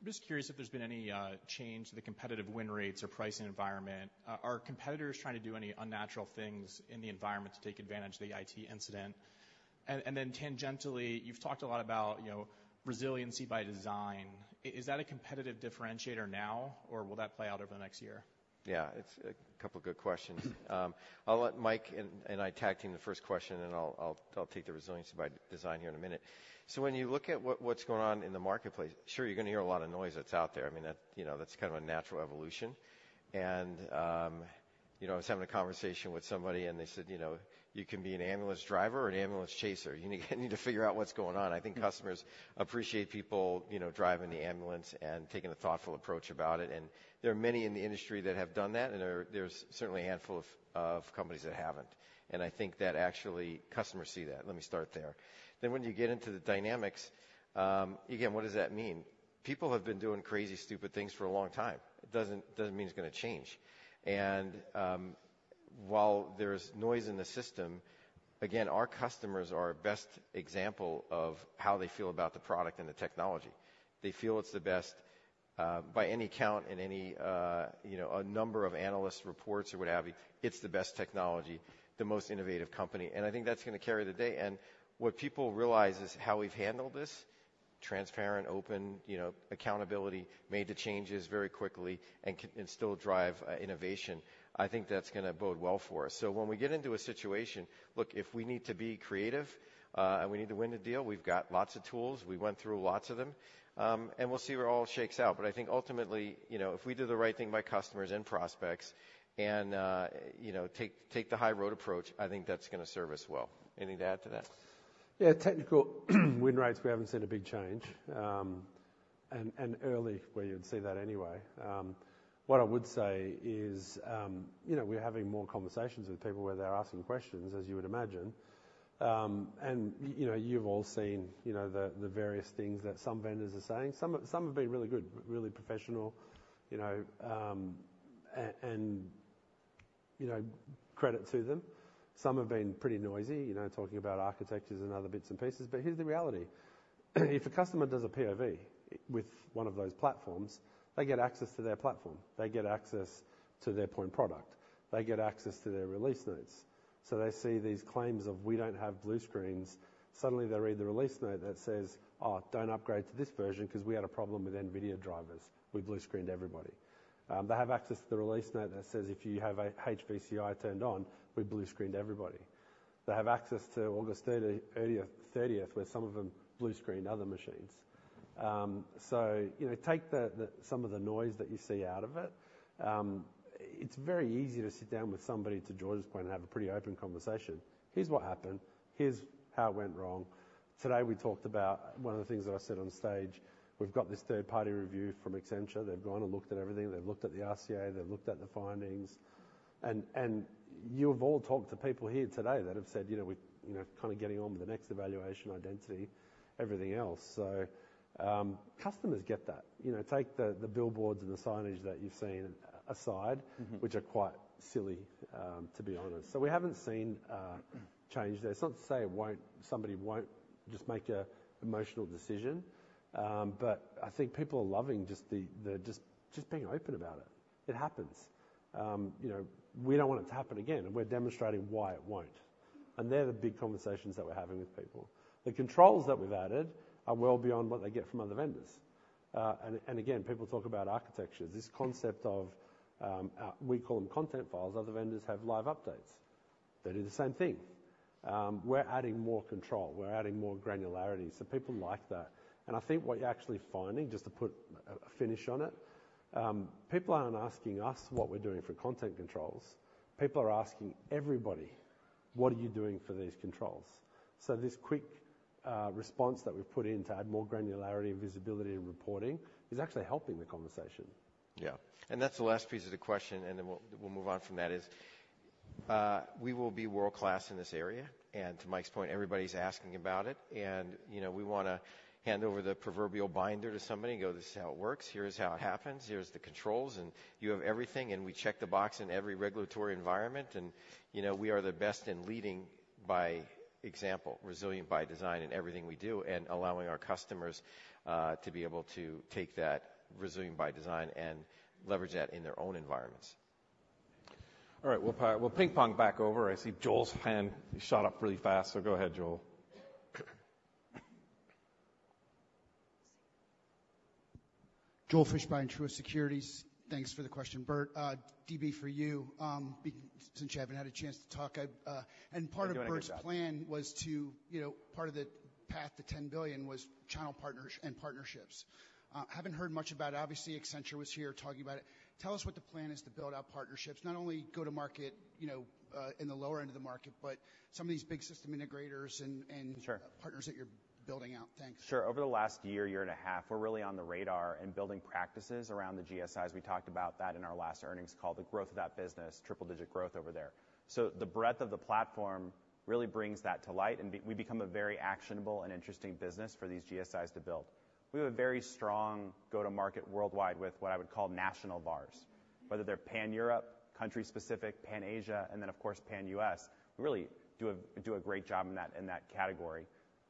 [SPEAKER 10] I'm just curious if there's been any change to the competitive win rates or pricing environment. Are competitors trying to do any unnatural things in the environment to take advantage of the IT incident? And then tangentially, you've talked a lot about, you know, resiliency by design. Is that a competitive differentiator now, or will that play out over the next year?
[SPEAKER 3] Yeah, it's a couple of good questions. I'll let Mike, and I tagged him the first question, and I'll take the resiliency by design here in a minute. So when you look at what's going on in the marketplace, sure, you're going to hear a lot of noise that's out there. I mean, you know, that's kind of a natural evolution. And you know, I was having a conversation with somebody, and they said, "You know, you can be an ambulance driver or an ambulance chaser. You need to figure out what's going on." I think customers appreciate people, you know, driving the ambulance and taking a thoughtful approach about it, and there are many in the industry that have done that, and there's certainly a handful of companies that haven't. And I think that actually, customers see that. Let me start there, then when you get into the dynamics, again, what does that mean? People have been doing crazy, stupid things for a long time. It doesn't mean it's going to change, and while there's noise in the system, again, our customers are our best example of how they feel about the product and the technology. They feel it's the best by any count, in any you know, a number of analyst reports or what have you. It's the best technology, the most innovative company, and I think that's going to carry the day, and what people realize is how we've handled this, transparent, open, you know, accountability, made the changes very quickly and still drive innovation. I think that's going to bode well for us, so when we get into a situation... Look, if we need to be creative, and we need to win a deal, we've got lots of tools. We went through lots of them, and we'll see where it all shakes out. But I think ultimately, you know, if we do the right thing by customers and prospects and, you know, take the high road approach, I think that's going to serve us well. Anything to add to that?
[SPEAKER 5] Yeah, technical win rates, we haven't seen a big change, and early where you'd see that anyway. What I would say is, you know, we're having more conversations with people where they're asking questions, as you would imagine. And you know, you've all seen, you know, the various things that some vendors are saying. Some are, some have been really good, really professional, you know, and, you know, credit to them. Some have been pretty noisy, you know, talking about architectures and other bits and pieces. But here's the reality: if a customer does a POV with one of those platforms, they get access to their platform, they get access to their point product, they get access to their release notes. So they see these claims of, "We don't have blue screens." Suddenly they read the release note that says, "Oh, don't upgrade to this version, because we had a problem with NVIDIA drivers. We blue screened everybody." They have access to the release note that says, "If you have HVCI turned on, we blue screened everybody." They have access to August thirtieth, where some of them blue screened other machines. So you know, take some of the noise that you see out of it. It's very easy to sit down with somebody, to George's point, and have a pretty open conversation. "Here's what happened. Here's how it went wrong." Today, we talked about one of the things that I said on stage. We've got this third-party review from Accenture. They've gone and looked at everything. They've looked at the RCA, they've looked at the findings, and you've all talked to people here today that have said, you know, we're, you know, kind of getting on with the next evaluation, Identity, everything else. So, customers get that. You know, take the billboards and the signage that you've seen aside-
[SPEAKER 10] Mm-hmm.
[SPEAKER 5] -which are quite silly, to be honest. So we haven't seen change there. It's not to say it won't, somebody won't just make a emotional decision, but I think people are loving just being open about it. It happens. You know, we don't want it to happen again, and we're demonstrating why it won't. And they're the big conversations that we're having with people. The controls that we've added are well beyond what they get from other vendors. And again, people talk about architecture. This concept of, we call them content files, other vendors have live updates. They do the same thing. We're adding more control, we're adding more granularity, so people like that. I think what you're actually finding, just to put a finish on it, people aren't asking us what we're doing for content controls. People are asking everybody, "What are you doing for these controls?" This quick response that we've put in to add more granularity and visibility and reporting is actually helping the conversation.
[SPEAKER 3] Yeah. And that's the last piece of the question, and then we'll move on from that. We will be world-class in this area. And to Mike's point, everybody's asking about it. You know, we wanna hand over the proverbial binder to somebody and go, "This is how it works. Here's how it happens. Here's the controls, and you have everything, and we check the box in every regulatory environment." You know, we are the best in leading by example, resilient by design in everything we do, and allowing our customers to be able to take that resilient by design and leverage that in their own environments.
[SPEAKER 2] All right, we'll ping pong back over. I see Joel's hand shot up really fast, so go ahead, Joel.
[SPEAKER 11] Joel Fishbein, Truist Securities. Thanks for the question, Burt. DB, for you, since you haven't had a chance to talk, I,
[SPEAKER 12] You're doing a good job.
[SPEAKER 11] And part of Burt's plan was to, you know, part of the path to 10 billion was channel partners and partnerships. Haven't heard much about it. Obviously, Accenture was here talking about it. Tell us what the plan is to build out partnerships, not only go to market, you know, in the lower end of the market, but some of these big system integrators and.
[SPEAKER 12] Sure...
[SPEAKER 11] partners that you're building out. Thanks.
[SPEAKER 12] Sure. Over the last year and a half, we're really on the radar and building practices around the GSIs. We talked about that in our last earnings call, the growth of that business, triple-digit growth over there. So the breadth of the platform really brings that to light, and we become a very actionable and interesting business for these GSIs to build. We have a very strong go-to-market worldwide with what I would call national partners, whether they're pan-Europe, country-specific, pan-Asia, and then, of course, pan-US. We really do a great job in that category.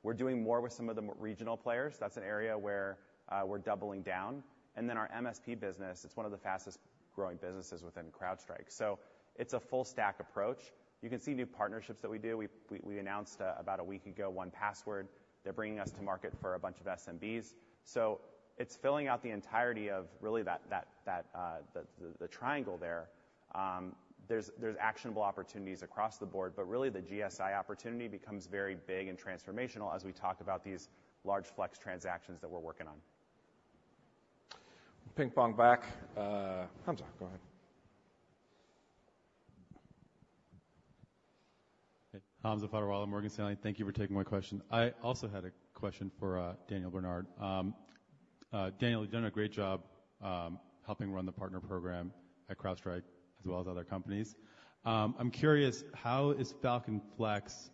[SPEAKER 12] We're doing more with some of the regional players. That's an area where we're doubling down. And then our MSP business, it's one of the fastest growing businesses within CrowdStrike. So it's a full stack approach. You can see new partnerships that we do. We announced about a week ago, 1Password. They're bringing us to market for a bunch of SMBs. So it's filling out the entirety of really that the triangle there. There's actionable opportunities across the board, but really, the GSI opportunity becomes very big and transformational as we talk about these large Flex transactions that we're working on.
[SPEAKER 2] Ping pong back. Hamza, go ahead.
[SPEAKER 13] Hey. Hamza Fodderwala, Morgan Stanley. Thank you for taking my question. I also had a question for, Daniel Bernard. Daniel, you've done a great job, helping run the partner program at CrowdStrike, as well as other companies. I'm curious, how is Falcon Flex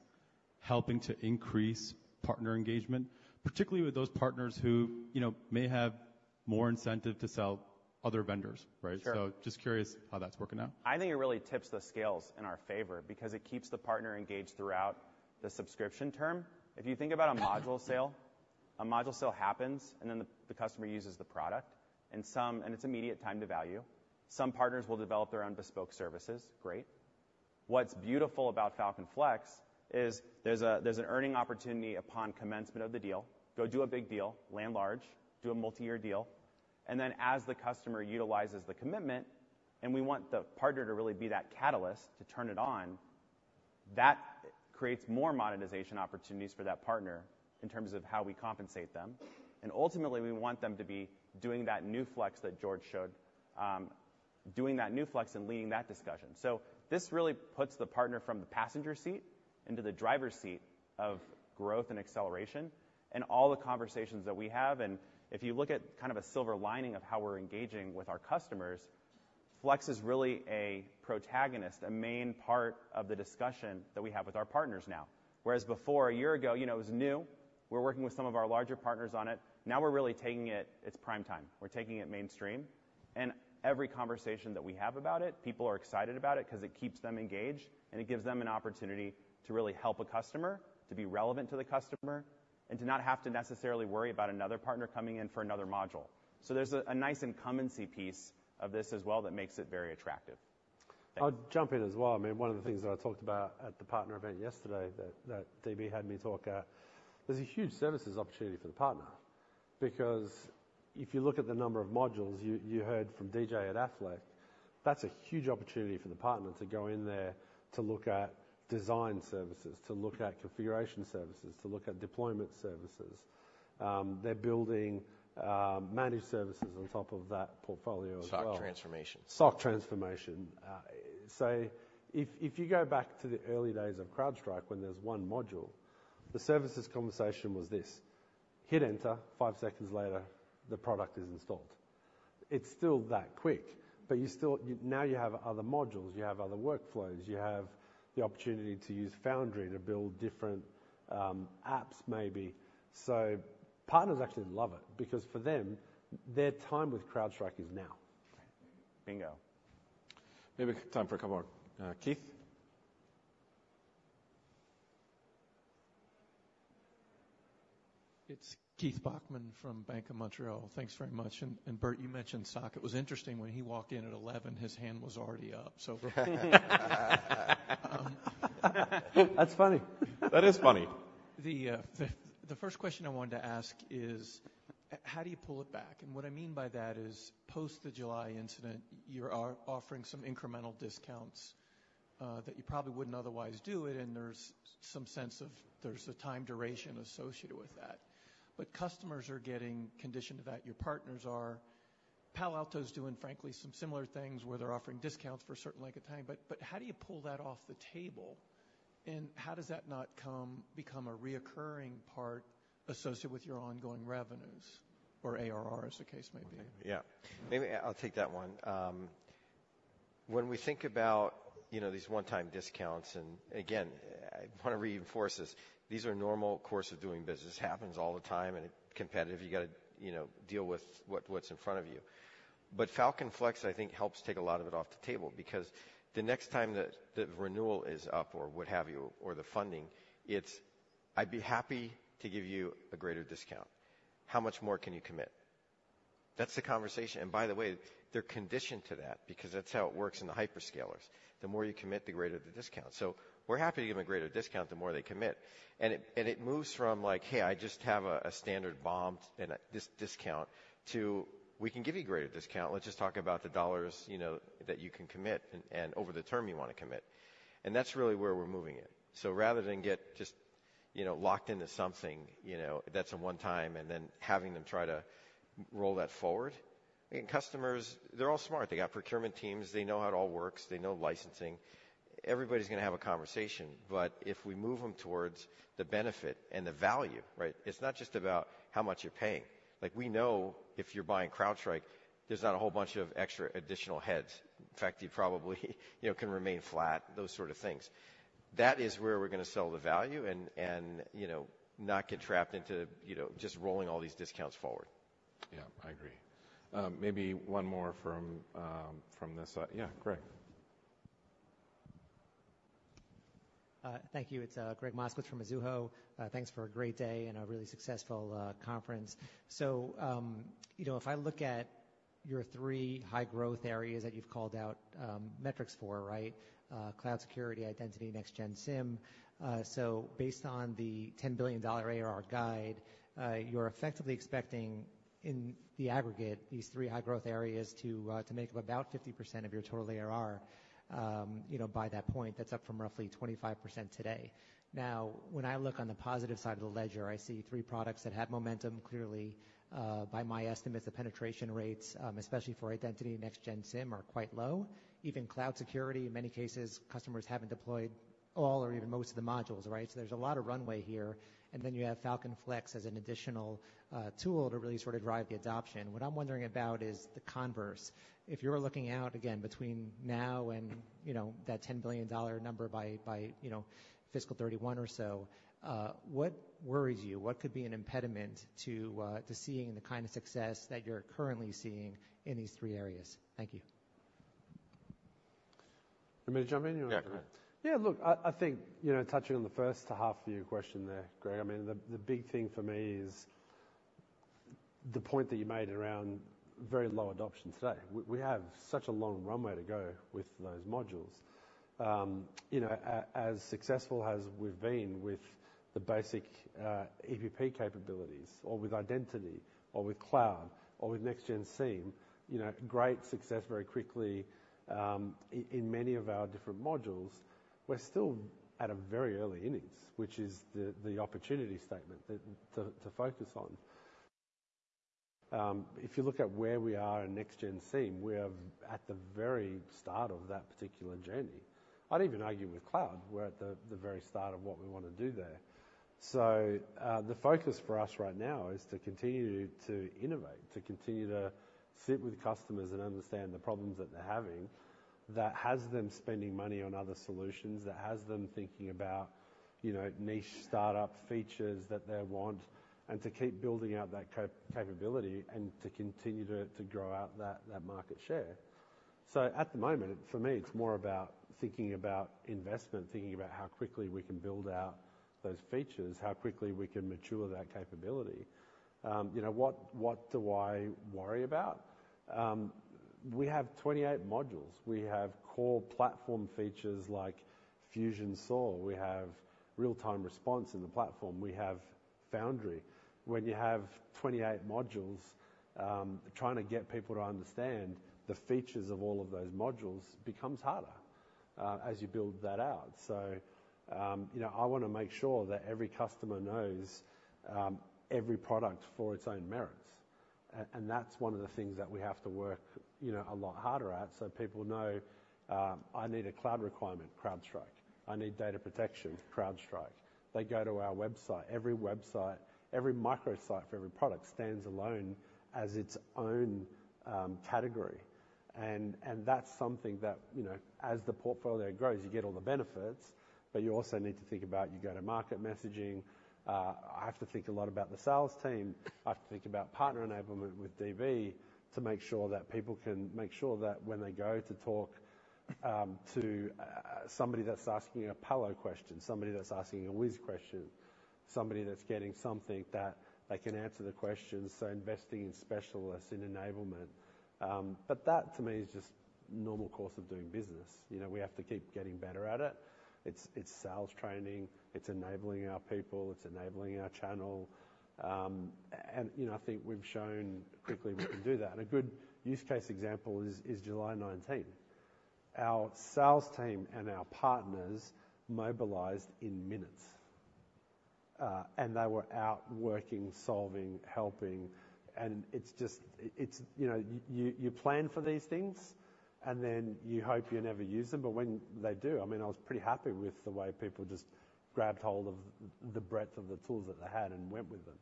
[SPEAKER 13] helping to increase partner engagement, particularly with those partners who, you know, may have more incentive to sell other vendors, right?
[SPEAKER 12] Sure.
[SPEAKER 13] So just curious how that's working out.
[SPEAKER 12] I think it really tips the scales in our favor because it keeps the partner engaged throughout the subscription term. If you think about a module sale, a module sale happens, and then the customer uses the product, and some. And it's immediate time to value. Some partners will develop their own bespoke services. Great. What's beautiful about Falcon Flex is there's an earning opportunity upon commencement of the deal. Go do a big deal, land large, do a multi-year deal, and then as the customer utilizes the commitment, and we want the partner to really be that catalyst to turn it on, that creates more monetization opportunities for that partner in terms of how we compensate them. And ultimately, we want them to be doing that new Flex that George showed, doing that new Flex and leading that discussion. This really puts the partner from the passenger seat into the driver's seat of growth and acceleration and all the conversations that we have. If you look at kind of a silver lining of how we're engaging with our customers, Flex is really a protagonist, a main part of the discussion that we have with our partners now. Whereas before, a year ago, you know, it was new. We're working with some of our larger partners on it. Now we're really taking it... It's prime time. We're taking it mainstream, and every conversation that we have about it, people are excited about it 'cause it keeps them engaged, and it gives them an opportunity to really help a customer, to be relevant to the customer, and to not have to necessarily worry about another partner coming in for another module. So there's a nice incumbency piece of this as well that makes it very attractive.
[SPEAKER 5] I'll jump in as well. I mean, one of the things that I talked about at the partner event yesterday, that DB had me talk, there's a huge services opportunity for the partner because if you look at the number of modules, you heard from the guy at Deloitte, that's a huge opportunity for the partner to go in there, to look at design services, to look at configuration services, to look at deployment services. They're building managed services on top of that portfolio as well.
[SPEAKER 12] SOC transformation.
[SPEAKER 5] SOC transformation. So if you go back to the early days of CrowdStrike, when there's one module, the services conversation was this: hit enter, five seconds later, the product is installed. It's still that quick, but now you have other modules, you have other workflows, you have the opportunity to use Foundry to build different apps, maybe. So partners actually love it because for them, their time with CrowdStrike is now.
[SPEAKER 12] Bingo.
[SPEAKER 2] Maybe we have time for a couple more. Keith?
[SPEAKER 14] It's Keith Bachman from Bank of Montreal. Thanks very much. And Burt, you mentioned SOC. It was interesting, when he walked in at 11, his hand was already up, so
[SPEAKER 5] That's funny.
[SPEAKER 2] That is funny.
[SPEAKER 14] The first question I wanted to ask is, how do you pull it back? And what I mean by that is, post the July incident, you're offering some incremental discounts that you probably wouldn't otherwise do it, and there's some sense of a time duration associated with that. But customers are getting conditioned to that. Your partners are. Palo Alto's doing, frankly, some similar things, where they're offering discounts for a certain length of time. But how do you pull that off the table, and how does that not become a recurring part associated with your ongoing revenues or ARR, as the case may be?
[SPEAKER 3] Yeah. Maybe I'll take that one. When we think about, you know, these one-time discounts, and again, I want to reinforce this, these are normal course of doing business. Happens all the time, and in competitive, you got to, you know, deal with what's in front of you, but Falcon Flex, I think, helps take a lot of it off the table because the next time that renewal is up or what have you, or the funding, it's, "I'd be happy to give you a greater discount. How much more can you commit?" That's the conversation, and by the way, they're conditioned to that because that's how it works in the hyperscalers. The more you commit, the greater the discount, so we're happy to give them a greater discount, the more they commit. It moves from like, "Hey, I just have a standard BOM and a discount," to, "We can give you a greater discount. Let's just talk about the dollars, you know, that you can commit and over the term you want to commit." That's really where we're moving it. Rather than get just, you know, locked into something, you know, that's a one-time, and then having them try to roll that forward. I mean, customers, they're all smart. They got procurement teams. They know how it all works. They know licensing. Everybody's going to have a conversation, but if we move them towards the benefit and the value, right, it's not just about how much you're paying. Like, we know if you're buying CrowdStrike, there's not a whole bunch of extra additional heads. In fact, you probably, you know, can remain flat, those sort of things. That is where we're going to sell the value and, you know, not get trapped into, you know, just rolling all these discounts forward.
[SPEAKER 2] Yeah, I agree. Maybe one more from this side. Yeah, Gregg.
[SPEAKER 15] Thank you. It's Gregg Moskowitz from Mizuho. Thanks for a great day and a really successful conference. So, you know, if I look at your three high-growth areas that you've called out, metrics for, right? Cloud Security, Identity, Next-Gen SIEM. So based on the $10 billion ARR guide, you're effectively expecting, in the aggregate, these three high-growth areas to make up about 50% of your total ARR, you know, by that point, that's up from roughly 25% today. Now, when I look on the positive side of the ledger, I see three products that have momentum. Clearly, by my estimates, the penetration rates, especially for Identity, Next-Gen SIEM are quite low. Even Cloud Security, in many cases, customers haven't deployed all or even most of the modules, right? So there's a lot of runway here, and then you have Falcon Flex as an additional tool to really sort of drive the adoption. What I'm wondering about is the converse. If you're looking out again between now and, you know, that $10 billion number by, you know, fiscal 2031 or so, what worries you? What could be an impediment to seeing the kind of success that you're currently seeing in these three areas? Thank you.
[SPEAKER 5] You want me to jump in or you want-
[SPEAKER 2] Yeah.
[SPEAKER 5] Yeah, look, I think, you know, touching on the first half of your question there, Gregg, I mean, the big thing for me is the point that you made around very low adoption today. We have such a long runway to go with those modules. You know, as successful as we've been with the basic EPP capabilities or with Identity or with cloud or with Next-Gen SIEM, you know, great success very quickly in many of our different modules. We're still at a very early innings, which is the opportunity statement that to focus on. If you look at where we are in Next-Gen SIEM, we are at the very start of that particular journey. I'd even argue with cloud, we're at the very start of what we want to do there. So, the focus for us right now is to continue to innovate, to continue to sit with customers and understand the problems that they're having, that has them spending money on other solutions, that has them thinking about, you know, niche startup features that they want, and to keep building out that capability and to continue to grow out that market share. So at the moment, for me, it's more about thinking about investment, thinking about how quickly we can build out those features, how quickly we can mature that capability. You know, what do I worry about? We have twenty-eight modules. We have core platform features like Fusion SOAR. We have real-time response in the platform. We have Foundry. When you have 28 modules, trying to get people to understand the features of all of those modules becomes harder, as you build that out. So, you know, I want to make sure that every customer knows every product for its own merits, and that's one of the things that we have to work, you know, a lot harder at, so people know, I need a cloud requirement, CrowdStrike. I need Data Protection, CrowdStrike. They go to our website. Every website, every microsite for every product stands alone as its own category, and that's something that, you know, as the portfolio grows, you get all the benefits, but you also need to think about your go-to-market messaging. I have to think a lot about the sales team. I have to think about partner enablement with DB, to make sure that people can make sure that when they go to talk to somebody that's asking a Palo question, somebody that's asking a Wiz question, somebody that's getting something that they can answer the question, so investing in specialists, in enablement. But that to me is just normal course of doing business. You know, we have to keep getting better at it. It's sales training, it's enabling our people, it's enabling our channel, and you know, I think we've shown quickly we can do that, and a good use case example is July nineteenth. Our sales team and our partners mobilized in minutes, and they were out working, solving, helping, and it's just, you know, you plan for these things, and then you hope you never use them. But when they do, I mean, I was pretty happy with the way people just grabbed hold of the breadth of the tools that they had and went with them,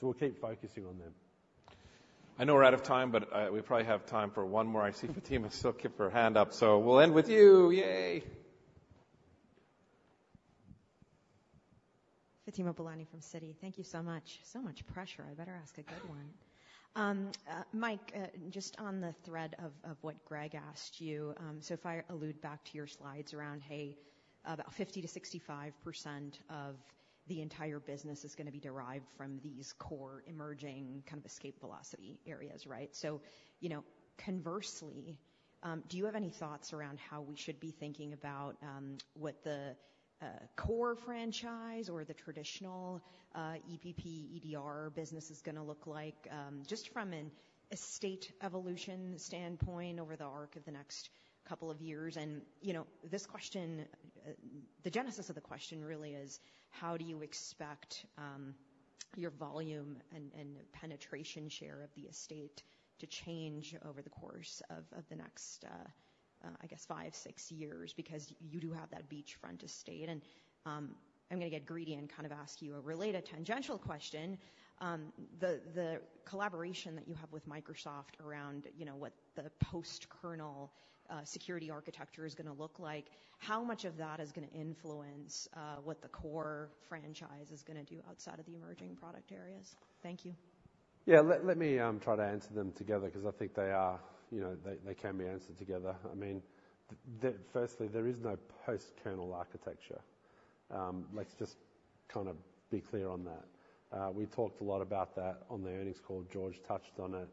[SPEAKER 5] so we'll keep focusing on them.
[SPEAKER 2] I know we're out of time, but, we probably have time for one more. I see Fatima still keep her hand up, so we'll end with you. Yay!
[SPEAKER 16] Fatima Boolani from Citi. Thank you so much. So much pressure, I better ask a good one. Mike, just on the thread of what Gregg asked you, so if I allude back to your slides around, hey, about 50%-65% of the entire business is going to be derived from these core emerging kind of escape velocity areas, right? So, you know, conversely, do you have any thoughts around how we should be thinking about what the core franchise or the traditional EPP, EDR business is going to look like? Just from an estate evolution standpoint over the arc of the next couple of years. You know, this question, the genesis of the question really is: How do you expect your volume and penetration share of the estate to change over the course of the next, I guess, five, six years? Because you do have that beachfront estate. I'm going to get greedy and kind of ask you a related tangential question. The collaboration that you have with Microsoft around, you know, what the post-kernel security architecture is going to look like, how much of that is going to influence what the core franchise is going to do outside of the emerging product areas? Thank you.
[SPEAKER 5] Yeah. Let me try to answer them together because I think they are, you know, they can be answered together. I mean, firstly, there is no post-kernel architecture. Let's just kind of be clear on that. We talked a lot about that on the earnings call. George touched on it.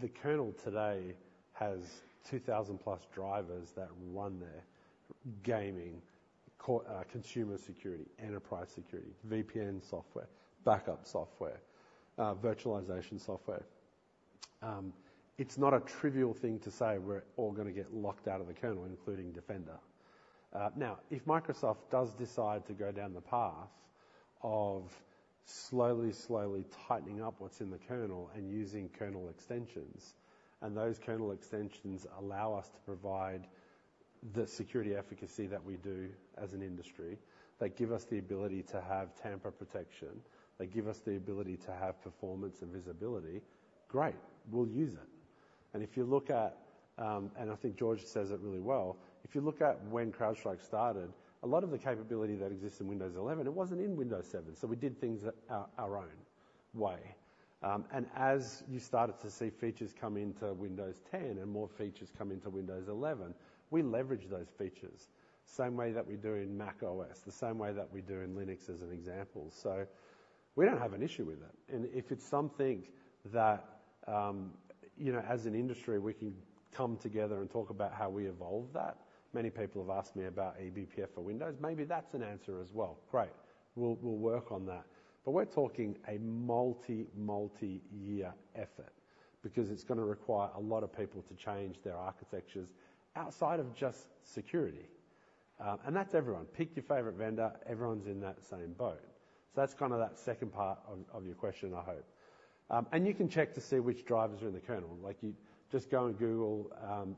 [SPEAKER 5] The kernel today has two thousand-plus drivers that run there, gaming, consumer security, enterprise security, VPN software, backup software, virtualization software. It's not a trivial thing to say we're all going to get locked out of the kernel, including Defender. Now, if Microsoft does decide to go down the path of slowly tightening up what's in the kernel and using kernel extensions, and those kernel extensions allow us to provide the security efficacy that we do as an industry, they give us the ability to have tamper protection, they give us the ability to have performance and visibility, great, we'll use it. And if you look at, and I think George says it really well, if you look at when CrowdStrike started, a lot of the capability that exists in Windows 11, it wasn't in Windows 7, so we did things at our own way. And as you started to see features come into Windows 10 and more features come into Windows 11, we leveraged those features same way that we do in macOS, the same way that we do in Linux, as an example. So we don't have an issue with that. And if it's something that, you know, as an industry, we can come together and talk about how we evolve that. Many people have asked me about eBPF for Windows. Maybe that's an answer as well. Great, we'll, we'll work on that. But we're talking a multi, multi-year effort because it's going to require a lot of people to change their architectures outside of just security. And that's everyone. Pick your favorite vendor, everyone's in that same boat. So that's kind of that second part of, of your question, I hope. And you can check to see which drivers are in the kernel. Like, you just go on Google,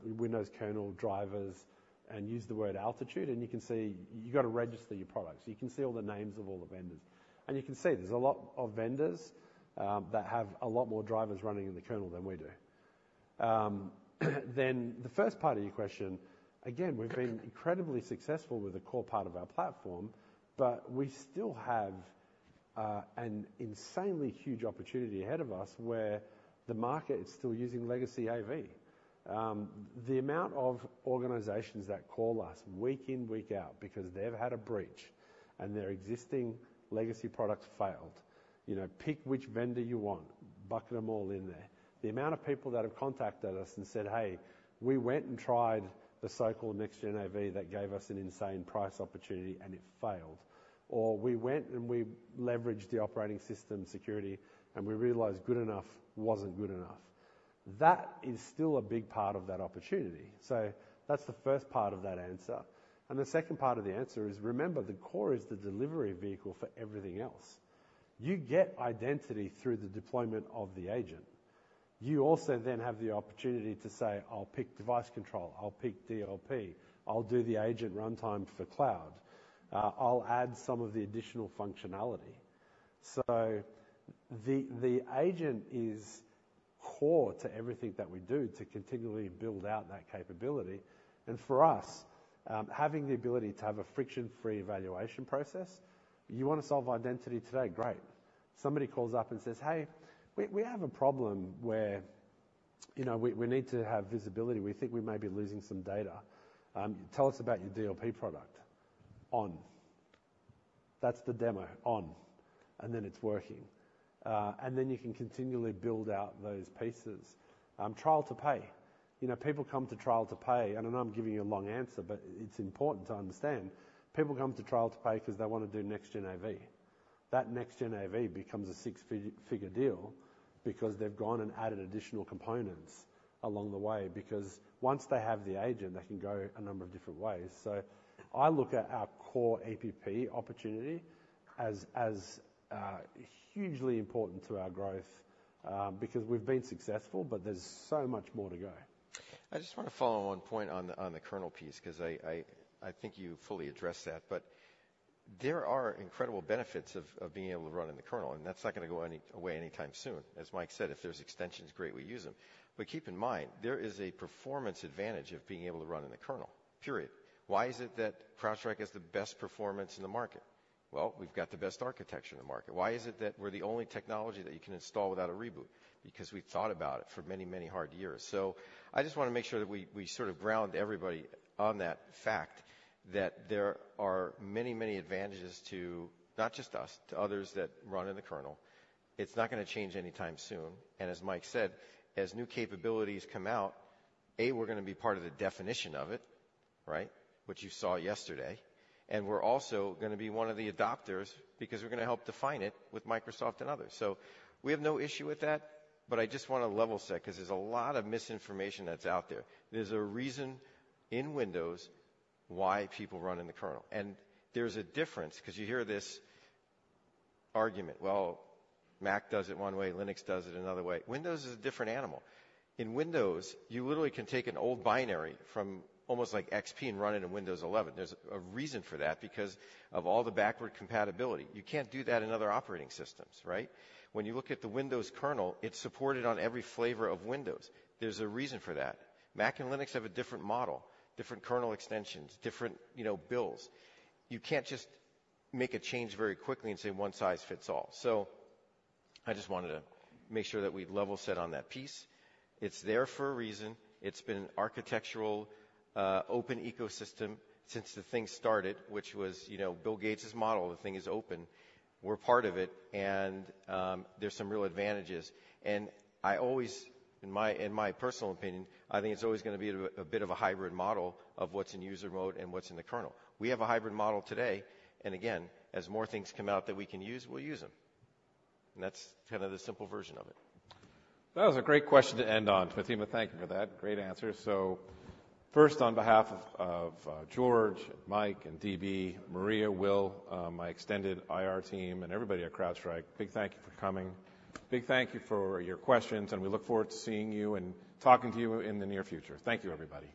[SPEAKER 5] Windows kernel drivers and use the word Altitude, and you can see... You've got to register your products. You can see all the names of all the vendors, and you can see there's a lot of vendors that have a lot more drivers running in the kernel than we do. Then the first part of your question, again, we've been incredibly successful with the core part of our platform, but we still have an insanely huge opportunity ahead of us, where the market is still using legacy AV. The amount of organizations that call us week in, week out, because they've had a breach and their existing legacy products failed, you know, pick which vendor you want, bucket them all in there. The amount of people that have contacted us and said, "Hey, we went and tried the so-called next-gen AV that gave us an insane price opportunity, and it failed." Or, "We went and we leveraged the operating system security, and we realized good enough wasn't good enough." That is still a big part of that opportunity. So that's the first part of that answer. And the second part of the answer is, remember, the core is the delivery vehicle for everything else. You get Identity through the deployment of the agent. You also then have the opportunity to say, "I'll pick device control, I'll pick DLP, I'll do the agent runtime for cloud. I'll add some of the additional functionality." So the agent is core to everything that we do to continually build out that capability. For us, having the ability to have a friction-free evaluation process, you want to solve Identity today, great. Somebody calls up and says, "Hey, we have a problem where, you know, we need to have visibility. We think we may be losing some data. Tell us about your DLP product." That's the demo, and then it's working. And then you can continually build out those pieces. Trial to pay. You know, people come to trial to pay, and I know I'm giving you a long answer, but it's important to understand. People come to trial to pay 'cause they wanna do Next-Gen AV. That Next-Gen AV becomes a six-figure deal because they've gone and added additional components along the way, because once they have the agent, they can go a number of different ways. So I look at our core APP opportunity as hugely important to our growth, because we've been successful, but there's so much more to go.
[SPEAKER 3] I just wanna follow one point on the kernel piece, 'cause I think you fully addressed that. But there are incredible benefits of being able to run in the kernel, and that's not gonna go away anytime soon. As Mike said, if there's extensions, great, we use them. But keep in mind, there is a performance advantage of being able to run in the kernel, period. Why is it that CrowdStrike has the best performance in the market? Well, we've got the best architecture in the market. Why is it that we're the only technology that you can install without a reboot? Because we've thought about it for many, many hard years. So I just wanna make sure that we, we sort of ground everybody on that fact, that there are many, many advantages to, not just us, to others that run in the kernel. It's not gonna change anytime soon, and as Mike said, as new capabilities come out, A, we're gonna be part of the definition of it, right? Which you saw yesterday. And we're also gonna be one of the adopters, because we're gonna help define it with Microsoft and others. So we have no issue with that, but I just wanna level set, 'cause there's a lot of misinformation that's out there. There's a reason in Windows why people run in the kernel, and there's a difference, 'cause you hear this argument: "Well, Mac does it one way, Linux does it another way." Windows is a different animal. In Windows, you literally can take an old binary from almost like XP and run it in Windows 11. There's a reason for that because of all the backward compatibility. You can't do that in other operating systems, right? When you look at the Windows kernel, it's supported on every flavor of Windows. There's a reason for that. Mac and Linux have a different model, different kernel extensions, different, you know, builds. You can't just make a change very quickly and say one size fits all. So I just wanted to make sure that we level set on that piece. It's there for a reason. It's been an architectural open ecosystem since the thing started, which was, you know, Bill Gates' model. The thing is open. We're part of it, and there's some real advantages. And I always... In my personal opinion, I think it's always gonna be a bit of a hybrid model of what's in user mode and what's in the kernel. We have a hybrid model today, and again, as more things come out that we can use, we'll use them. That's kind of the simple version of it.
[SPEAKER 2] That was a great question to end on, Fatima, thank you for that. Great answers. So first, on behalf of George, Mike, and DB, Maria, Will, my extended IR team and everybody at CrowdStrike, big thank you for coming. Big thank you for your questions, and we look forward to seeing you and talking to you in the near future. Thank you, everybody.